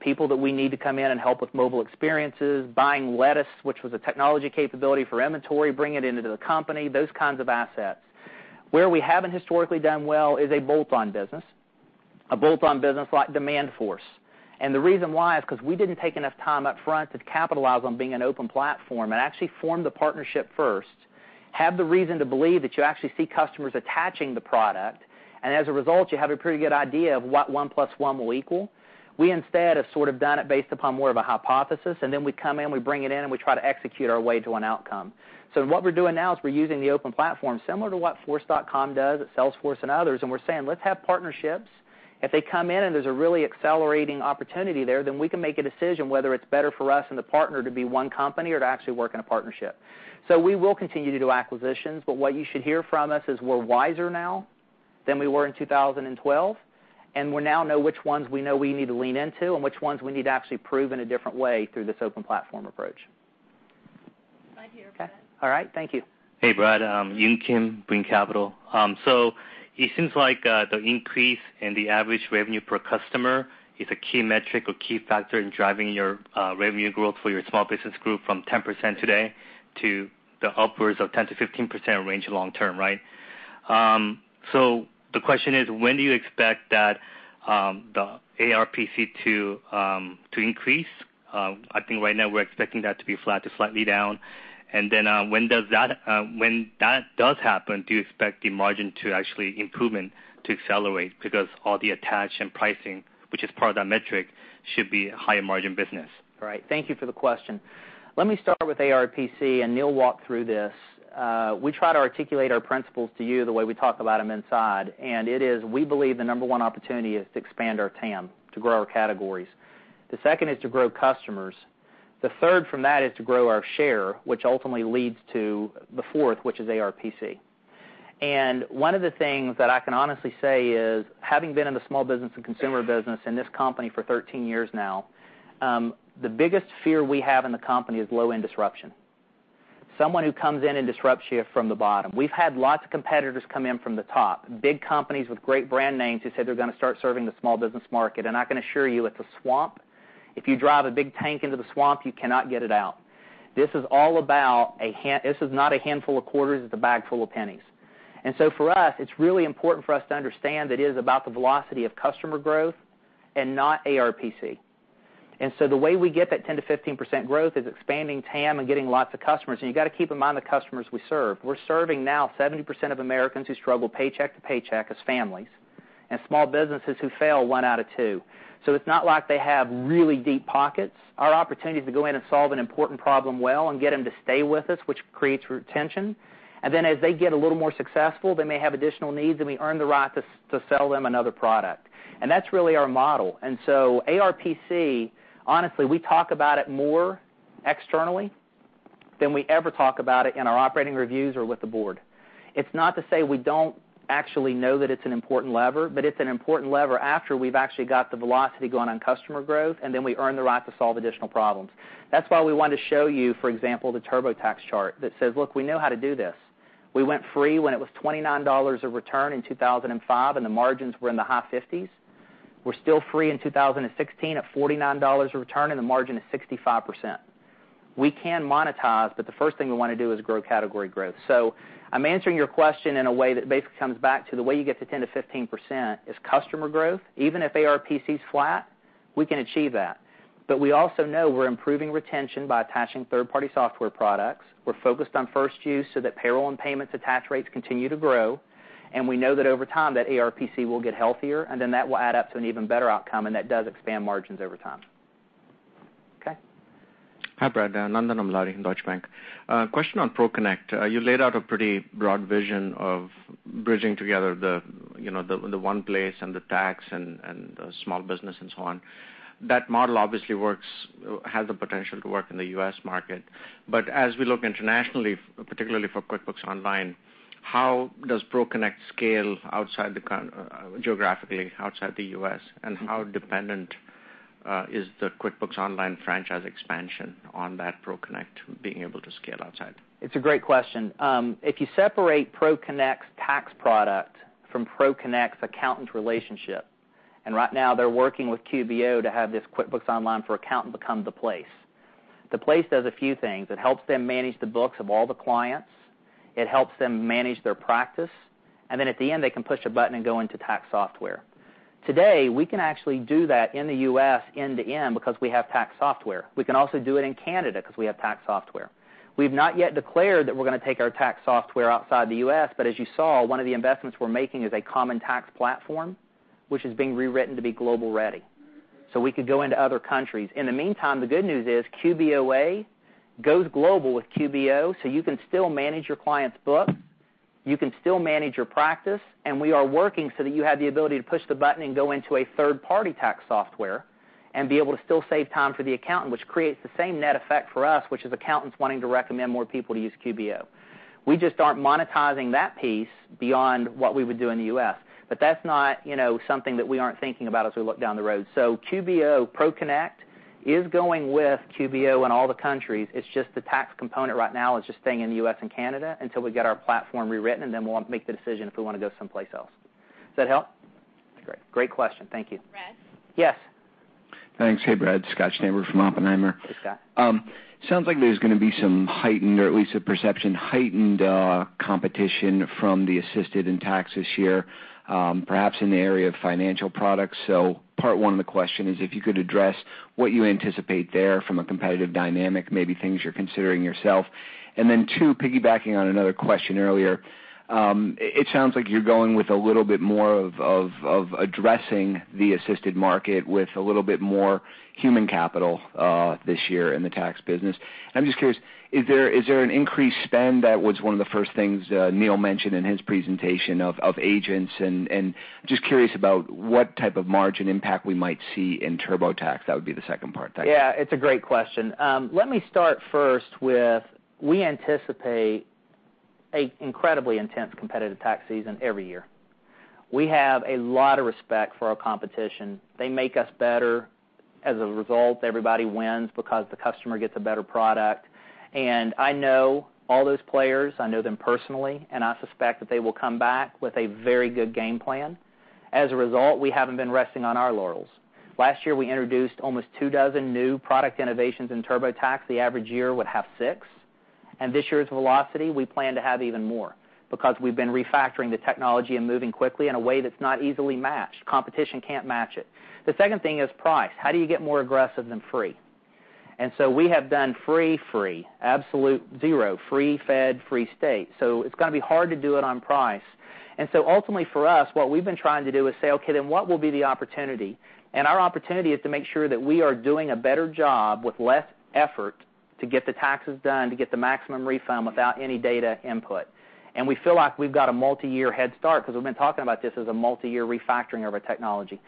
people that we need to come in and help with mobile experiences, buying Lettuce, which was a technology capability for inventory, bringing it into the company, those kinds of assets. Where we haven't historically done well is a bolt-on business, a bolt-on business like Demandforce. The reason why is because we didn't take enough time up front to capitalize on being an open platform and actually form the partnership first, have the reason to believe that you actually see customers attaching the product, and as a result, you have a pretty good idea of what one plus one will equal. We instead have sort of done it based upon more of a hypothesis, and then we come in, we bring it in, and we try to execute our way to an outcome. What we're doing now is we're using the open platform, similar to what Force.com does at Salesforce and others, and we're saying, let's have partnerships. If they come in and there's a really accelerating opportunity there, then we can make a decision whether it's better for us and the partner to be one company or to actually work in a partnership. We will continue to do acquisitions, but what you should hear from us is we're wiser now than we were in 2012, and we now know which ones we know we need to lean into and which ones we need to actually prove in a different way through this open platform approach.
Right here, Brad. Okay. All right. Thank you.
Hey, Brad. Yun Kim, Brean Capital. It seems like the increase in the average revenue per customer is a key metric or key factor in driving your revenue growth for your small business group from 10% today to the upwards of 10%-15% range long term, right? The question is, when do you expect that the ARPC to increase? I think right now we're expecting that to be flat to slightly down. When that does happen, do you expect the margin to actually improvement to accelerate because all the attach and pricing, which is part of that metric, should be a higher margin business?
Right. Thank you for the question. Let me start with ARPC. Neil walked through this. We try to articulate our principles to you the way we talk about them inside. We believe the number one opportunity is to expand our TAM, to grow our categories. The second is to grow customers. The third from that is to grow our share, which ultimately leads to the fourth, which is ARPC. One of the things that I can honestly say is, having been in the small business and consumer business in this company for 13 years now, the biggest fear we have in the company is low-end disruption. Someone who comes in and disrupts you from the bottom. We've had lots of competitors come in from the top, big companies with great brand names who say they're going to start serving the small business market. I can assure you it's a swamp. If you drive a big tank into the swamp, you cannot get it out. This is not a handful of quarters, it's a bag full of pennies. For us, it's really important for us to understand that it is about the velocity of customer growth and not ARPC. The way we get that 10%-15% growth is expanding TAM and getting lots of customers. You got to keep in mind the customers we serve. We're serving now 70% of Americans who struggle paycheck to paycheck as families, and small businesses who fail, one out of two. It's not like they have really deep pockets. Our opportunity is to go in and solve an important problem well and get them to stay with us, which creates retention. Then as they get a little more successful, they may have additional needs, and we earn the right to sell them another product. That's really our model. ARPC, honestly, we talk about it more externally than we ever talk about it in our operating reviews or with the board. It's not to say we don't actually know that it's an important lever, but it's an important lever after we've actually got the velocity going on customer growth, and then we earn the right to solve additional problems. That's why we wanted to show you, for example, the TurboTax chart that says, look, we know how to do this. We went free when it was $29 a return in 2005, the margins were in the high 50s. We're still free in 2016 at $49 a return, and the margin is 65%. We can monetize, the first thing we want to do is grow category growth. I'm answering your question in a way that basically comes back to the way you get to 10%-15% is customer growth. Even if ARPC is flat, we can achieve that. We also know we're improving retention by attaching third-party software products. We're focused on first use so that payroll and payments attach rates continue to grow. We know that over time, that ARPC will get healthier, and then that will add up to an even better outcome, and that does expand margins over time. Okay.
Hi, Brad. Nandan Amladi from Deutsche Bank. A question on ProConnect. You laid out a pretty broad vision of bridging together the one place and the tax and the small business and so on. That model obviously has the potential to work in the U.S. market. As we look internationally, particularly for QuickBooks Online, how does ProConnect scale geographically outside the U.S., and how dependent is the QuickBooks Online franchise expansion on that ProConnect being able to scale outside?
It's a great question. If you separate ProConnect's tax product from ProConnect's accountant relationship, right now they're working with QBO to have this QuickBooks Online for accountant become the place. The place does a few things. It helps them manage the books of all the clients. It helps them manage their practice. Then at the end, they can push a button and go into tax software. Today, we can actually do that in the U.S. end-to-end because we have tax software. We can also do it in Canada because we have tax software. We've not yet declared that we're going to take our tax software outside the U.S., but as you saw, one of the investments we're making is a common tax platform, which is being rewritten to be global-ready. We could go into other countries. In the meantime, the good news is QBOA goes global with QBO, so you can still manage your client's book, you can still manage your practice, and we are working so that you have the ability to push the button and go into a third-party tax software, and be able to still save time for the accountant, which creates the same net effect for us, which is accountants wanting to recommend more people to use QBO. We just aren't monetizing that piece beyond what we would do in the U.S. That's not something that we aren't thinking about as we look down the road. QBO ProConnect is going with QBO in all the countries. It's just the tax component right now is just staying in the U.S. and Canada until we get our platform rewritten, and then we'll make the decision if we want to go someplace else. Does that help? Great. Great question. Thank you.
Brad? Yes.
Thanks. Hey, Brad. Scott Schneeberger from Oppenheimer.
Hey, Scott.
Sounds like there's going to be some heightened, or at least a perception, heightened competition from the assisted in tax this year, perhaps in the area of financial products. Part one of the question is if you could address what you anticipate there from a competitive dynamic, maybe things you're considering yourself. Two, piggybacking on another question earlier, it sounds like you're going with a little bit more of addressing the assisted market with a little bit more human capital this year in the tax business. I'm just curious, is there an increased spend? That was one of the first things Neil mentioned in his presentation of agents, and just curious about what type of margin impact we might see in TurboTax. That would be the second part.
Yeah, it's a great question. Let me start first with, we anticipate an incredibly intense competitive tax season every year. We have a lot of respect for our competition. They make us better. As a result, everybody wins because the customer gets a better product. I know all those players, I know them personally, and I suspect that they will come back with a very good game plan. As a result, we haven't been resting on our laurels. Last year, we introduced almost 2 dozen new product innovations in TurboTax. The average year would have six. This year's velocity, we plan to have even more because we've been refactoring the technology and moving quickly in a way that's not easily matched. Competition can't match it. The second thing is price. How do you get more aggressive than free? We have done free, Absolute Zero, free fed, free state. It's going to be hard to do it on price. Ultimately for us, what we've been trying to do is say, okay, then what will be the opportunity? Our opportunity is to make sure that we are doing a better job with less effort to get the taxes done, to get the maximum refund without any data input. We feel like we've got a multi-year head start because we've been talking about this as a multi-year refactoring of our technology.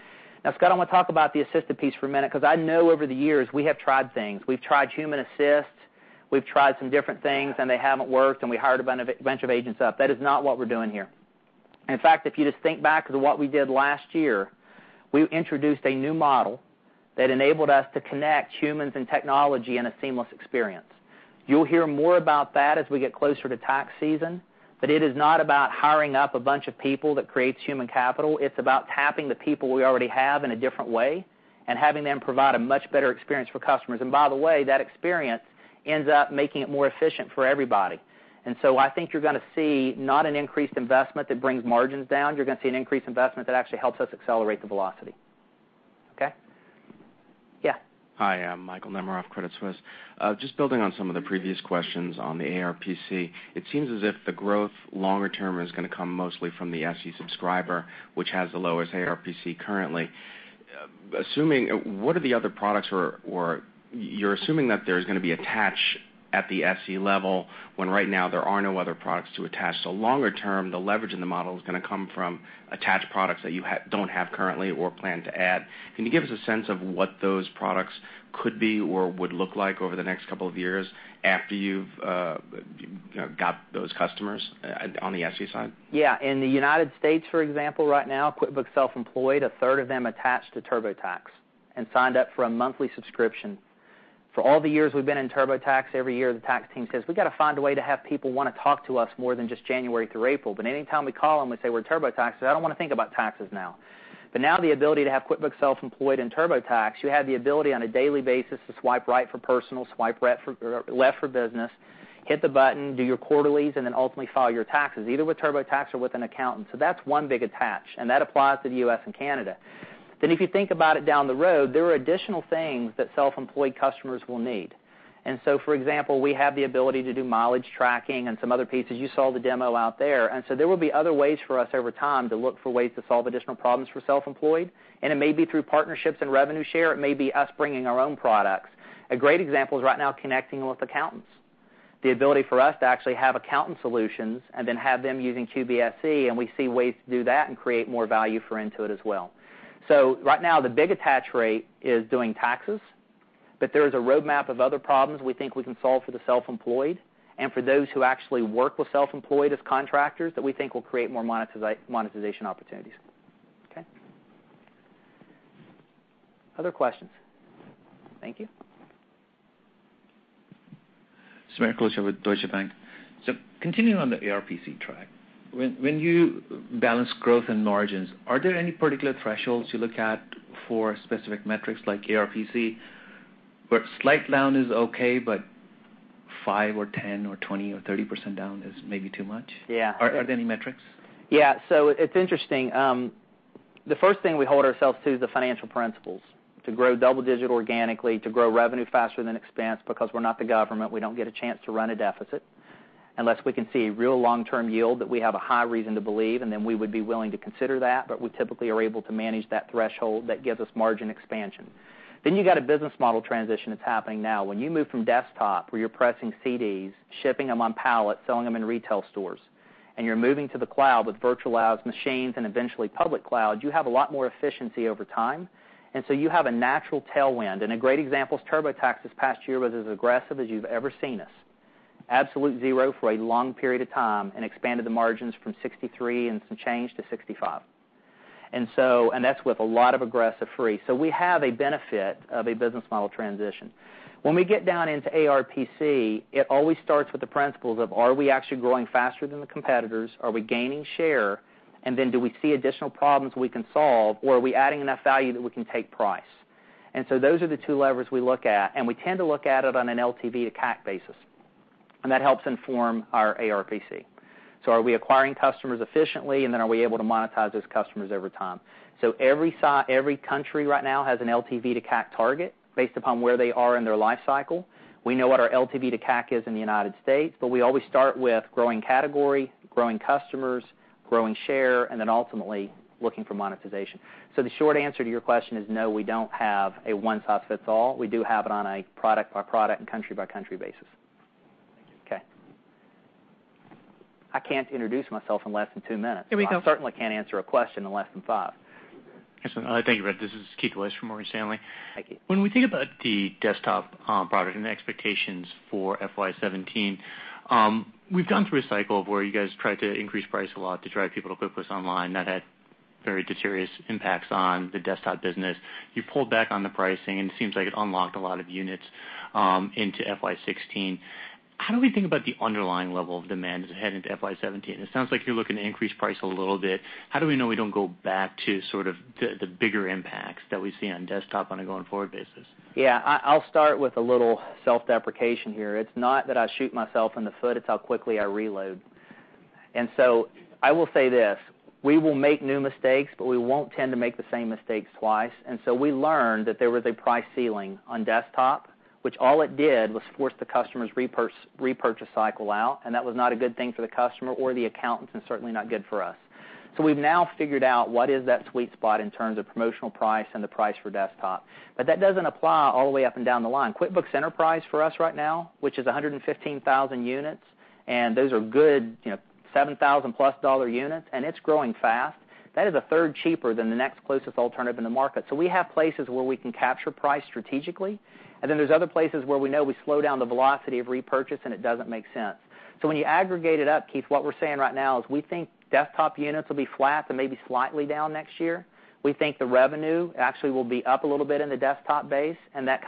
Now, Scott, I want to talk about the assisted piece for a minute because I know over the years, we have tried things. We've tried human assist. We've tried some different things, and they haven't worked, and we hired a bunch of agents up. That is not what we're doing here. In fact, if you just think back to what we did last year, we introduced a new model that enabled us to connect humans and technology in a seamless experience. You'll hear more about that as we get closer to tax season, but it is not about hiring up a bunch of people that creates human capital. It's about tapping the people we already have in a different way and having them provide a much better experience for customers. By the way, that experience ends up making it more efficient for everybody. I think you're going to see not an increased investment that brings margins down. You're going to see an increased investment that actually helps us accelerate the velocity. Okay? Yeah.
Hi, I'm Michael Nemeroff, Credit Suisse. Just building on some of the previous questions on the ARPC, it seems as if the growth longer term is going to come mostly from the SE subscriber, which has the lowest ARPC currently. You're assuming that there's going to be attach at the SE level, when right now there are no other products to attach. Longer term, the leverage in the model is going to come from attached products that you don't have currently or plan to add. Can you give us a sense of what those products could be or would look like over the next couple of years after you've got those customers on the SE side?
Yeah. In the U.S., for example, right now, QuickBooks Self-Employed, a third of them attached to TurboTax and signed up for a monthly subscription. For all the years we've been in TurboTax, every year the tax team says, "We got to find a way to have people want to talk to us more than just January through April." Anytime we call them, we say we're TurboTax. They say, "I don't want to think about taxes now." Now the ability to have QuickBooks Self-Employed and TurboTax, you have the ability on a daily basis to swipe right for personal, swipe left for business, hit the button, do your quarterlies, and then ultimately file your taxes, either with TurboTax or with an accountant. That's one big attach, and that applies to the U.S. and Canada. If you think about it down the road, there are additional things that self-employed customers will need. For example, we have the ability to do mileage tracking and some other pieces. You saw the demo out there. There will be other ways for us over time to look for ways to solve additional problems for self-employed, and it may be through partnerships and revenue share. It may be us bringing our own products. A great example is right now connecting with accountants. The ability for us to actually have accountant solutions and then have them using QBSE, and we see ways to do that and create more value for Intuit as well. Right now, the big attach rate is doing taxes, but there is a roadmap of other problems we think we can solve for the self-employed and for those who actually work with self-employed as contractors, that we think will create more monetization opportunities. Okay? Other questions? Thank you.
Samir Klosa with Deutsche Bank. Continuing on the ARPC track, when you balance growth and margins, are there any particular thresholds you look at for specific metrics like ARPC, where slight down is okay, but 5% or 10% or 20% or 30% down is maybe too much?
Yeah.
Are there any metrics?
Yeah. It's interesting. The first thing we hold ourselves to is the financial principles, to grow double digit organically, to grow revenue faster than expense, because we're not the government. We don't get a chance to run a deficit. Unless we can see real long-term yield that we have a high reason to believe, and then we would be willing to consider that, but we typically are able to manage that threshold that gives us margin expansion. You got a business model transition that's happening now. When you move from desktop, where you're pressing CDs, shipping them on pallets, selling them in retail stores, and you're moving to the cloud with virtualized machines and eventually public cloud. You have a lot more efficiency over time, you have a natural tailwind. A great example is TurboTax this past year was as aggressive as you've ever seen us. Absolute Zero for a long period of time and expanded the margins from 63% and some change to 65%. That's with a lot of aggressive free. We have a benefit of a business model transition. When we get down into ARPC, it always starts with the principles of, are we actually growing faster than the competitors? Are we gaining share? Do we see additional problems we can solve, or are we adding enough value that we can take price? Those are the two levers we look at, and we tend to look at it on an LTV to CAC basis. That helps inform our ARPC. Are we acquiring customers efficiently, and then are we able to monetize those customers over time? Every country right now has an LTV to CAC target based upon where they are in their life cycle. We know what our LTV to CAC is in the U.S., but we always start with growing category, growing customers, growing share, and then ultimately looking for monetization. The short answer to your question is no, we don't have a one-size-fits-all. We do have it on a product-by-product and country-by-country basis.
Thank you.
Okay. I can't introduce myself in less than two minutes.
Here we go.
I certainly can't answer a question in less than five.
Yes, thank you, Brad. This is Keith Weiss from Morgan Stanley.
Hi, Keith.
When we think about the desktop product and the expectations for FY 2017, we've gone through a cycle of where you guys tried to increase price a lot to drive people to QuickBooks Online. That had very deleterious impacts on the desktop business. You pulled back on the pricing, and it seems like it unlocked a lot of units into FY 2016. How do we think about the underlying level of demand as we head into FY 2017? It sounds like you're looking to increase price a little bit. How do we know we don't go back to sort of the bigger impacts that we see on desktop on a going forward basis?
Yeah. I'll start with a little self-deprecation here. It's not that I shoot myself in the foot, it's how quickly I reload. I will say this, we will make new mistakes, but we won't tend to make the same mistakes twice. We learned that there was a price ceiling on desktop, which all it did was force the customer's repurchase cycle out, and that was not a good thing for the customer or the accountants, and certainly not good for us. We've now figured out what is that sweet spot in terms of promotional price and the price for desktop. That doesn't apply all the way up and down the line. QuickBooks Enterprise for us right now, which is 115,000 units, and those are good $7,000-plus units, and it's growing fast. That is a third cheaper than the next closest alternative in the market. We have places where we can capture price strategically, and then there's other places where we know we slow down the velocity of repurchase, and it doesn't make sense. When you aggregate it up, Keith, what we're saying right now is we think desktop units will be flat to maybe slightly down next year. We think the revenue actually will be up a little bit in the desktop base, and that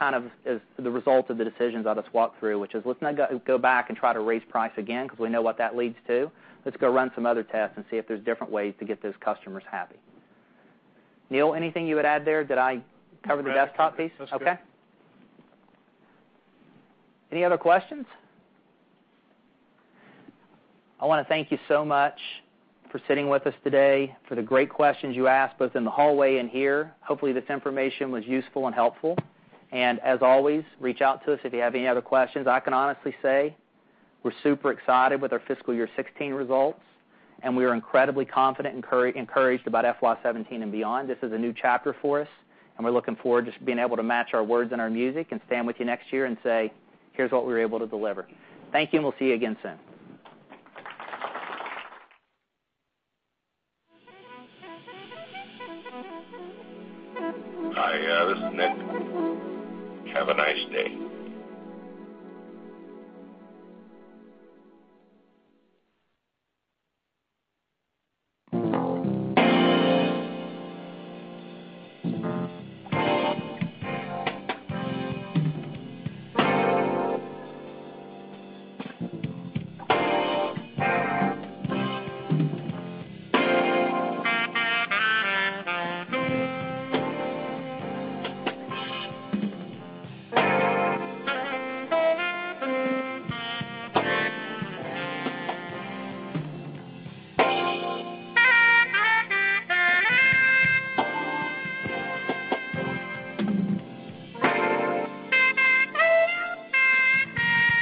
is the result of the decisions I just walked through, which is let's not go back and try to raise price again because we know what that leads to. Let's go run some other tests and see if there's different ways to get those customers happy. Neil, anything you would add there? Did I cover the desktop piece?
No, that's good. Okay. Any other questions? I want to thank you so much for sitting with us today, for the great questions you asked both in the hallway and here. Hopefully, this information was useful and helpful. As always, reach out to us if you have any other questions. I can honestly say we're super excited with our fiscal year 2016 results, and we are incredibly confident and encouraged about FY 2017 and beyond. This is a new chapter for us, and we're looking forward to being able to match our words and our music and stand with you next year and say, "Here's what we were able to deliver." Thank you. We'll see you again soon.
Hi, this is Nick. Have a nice day.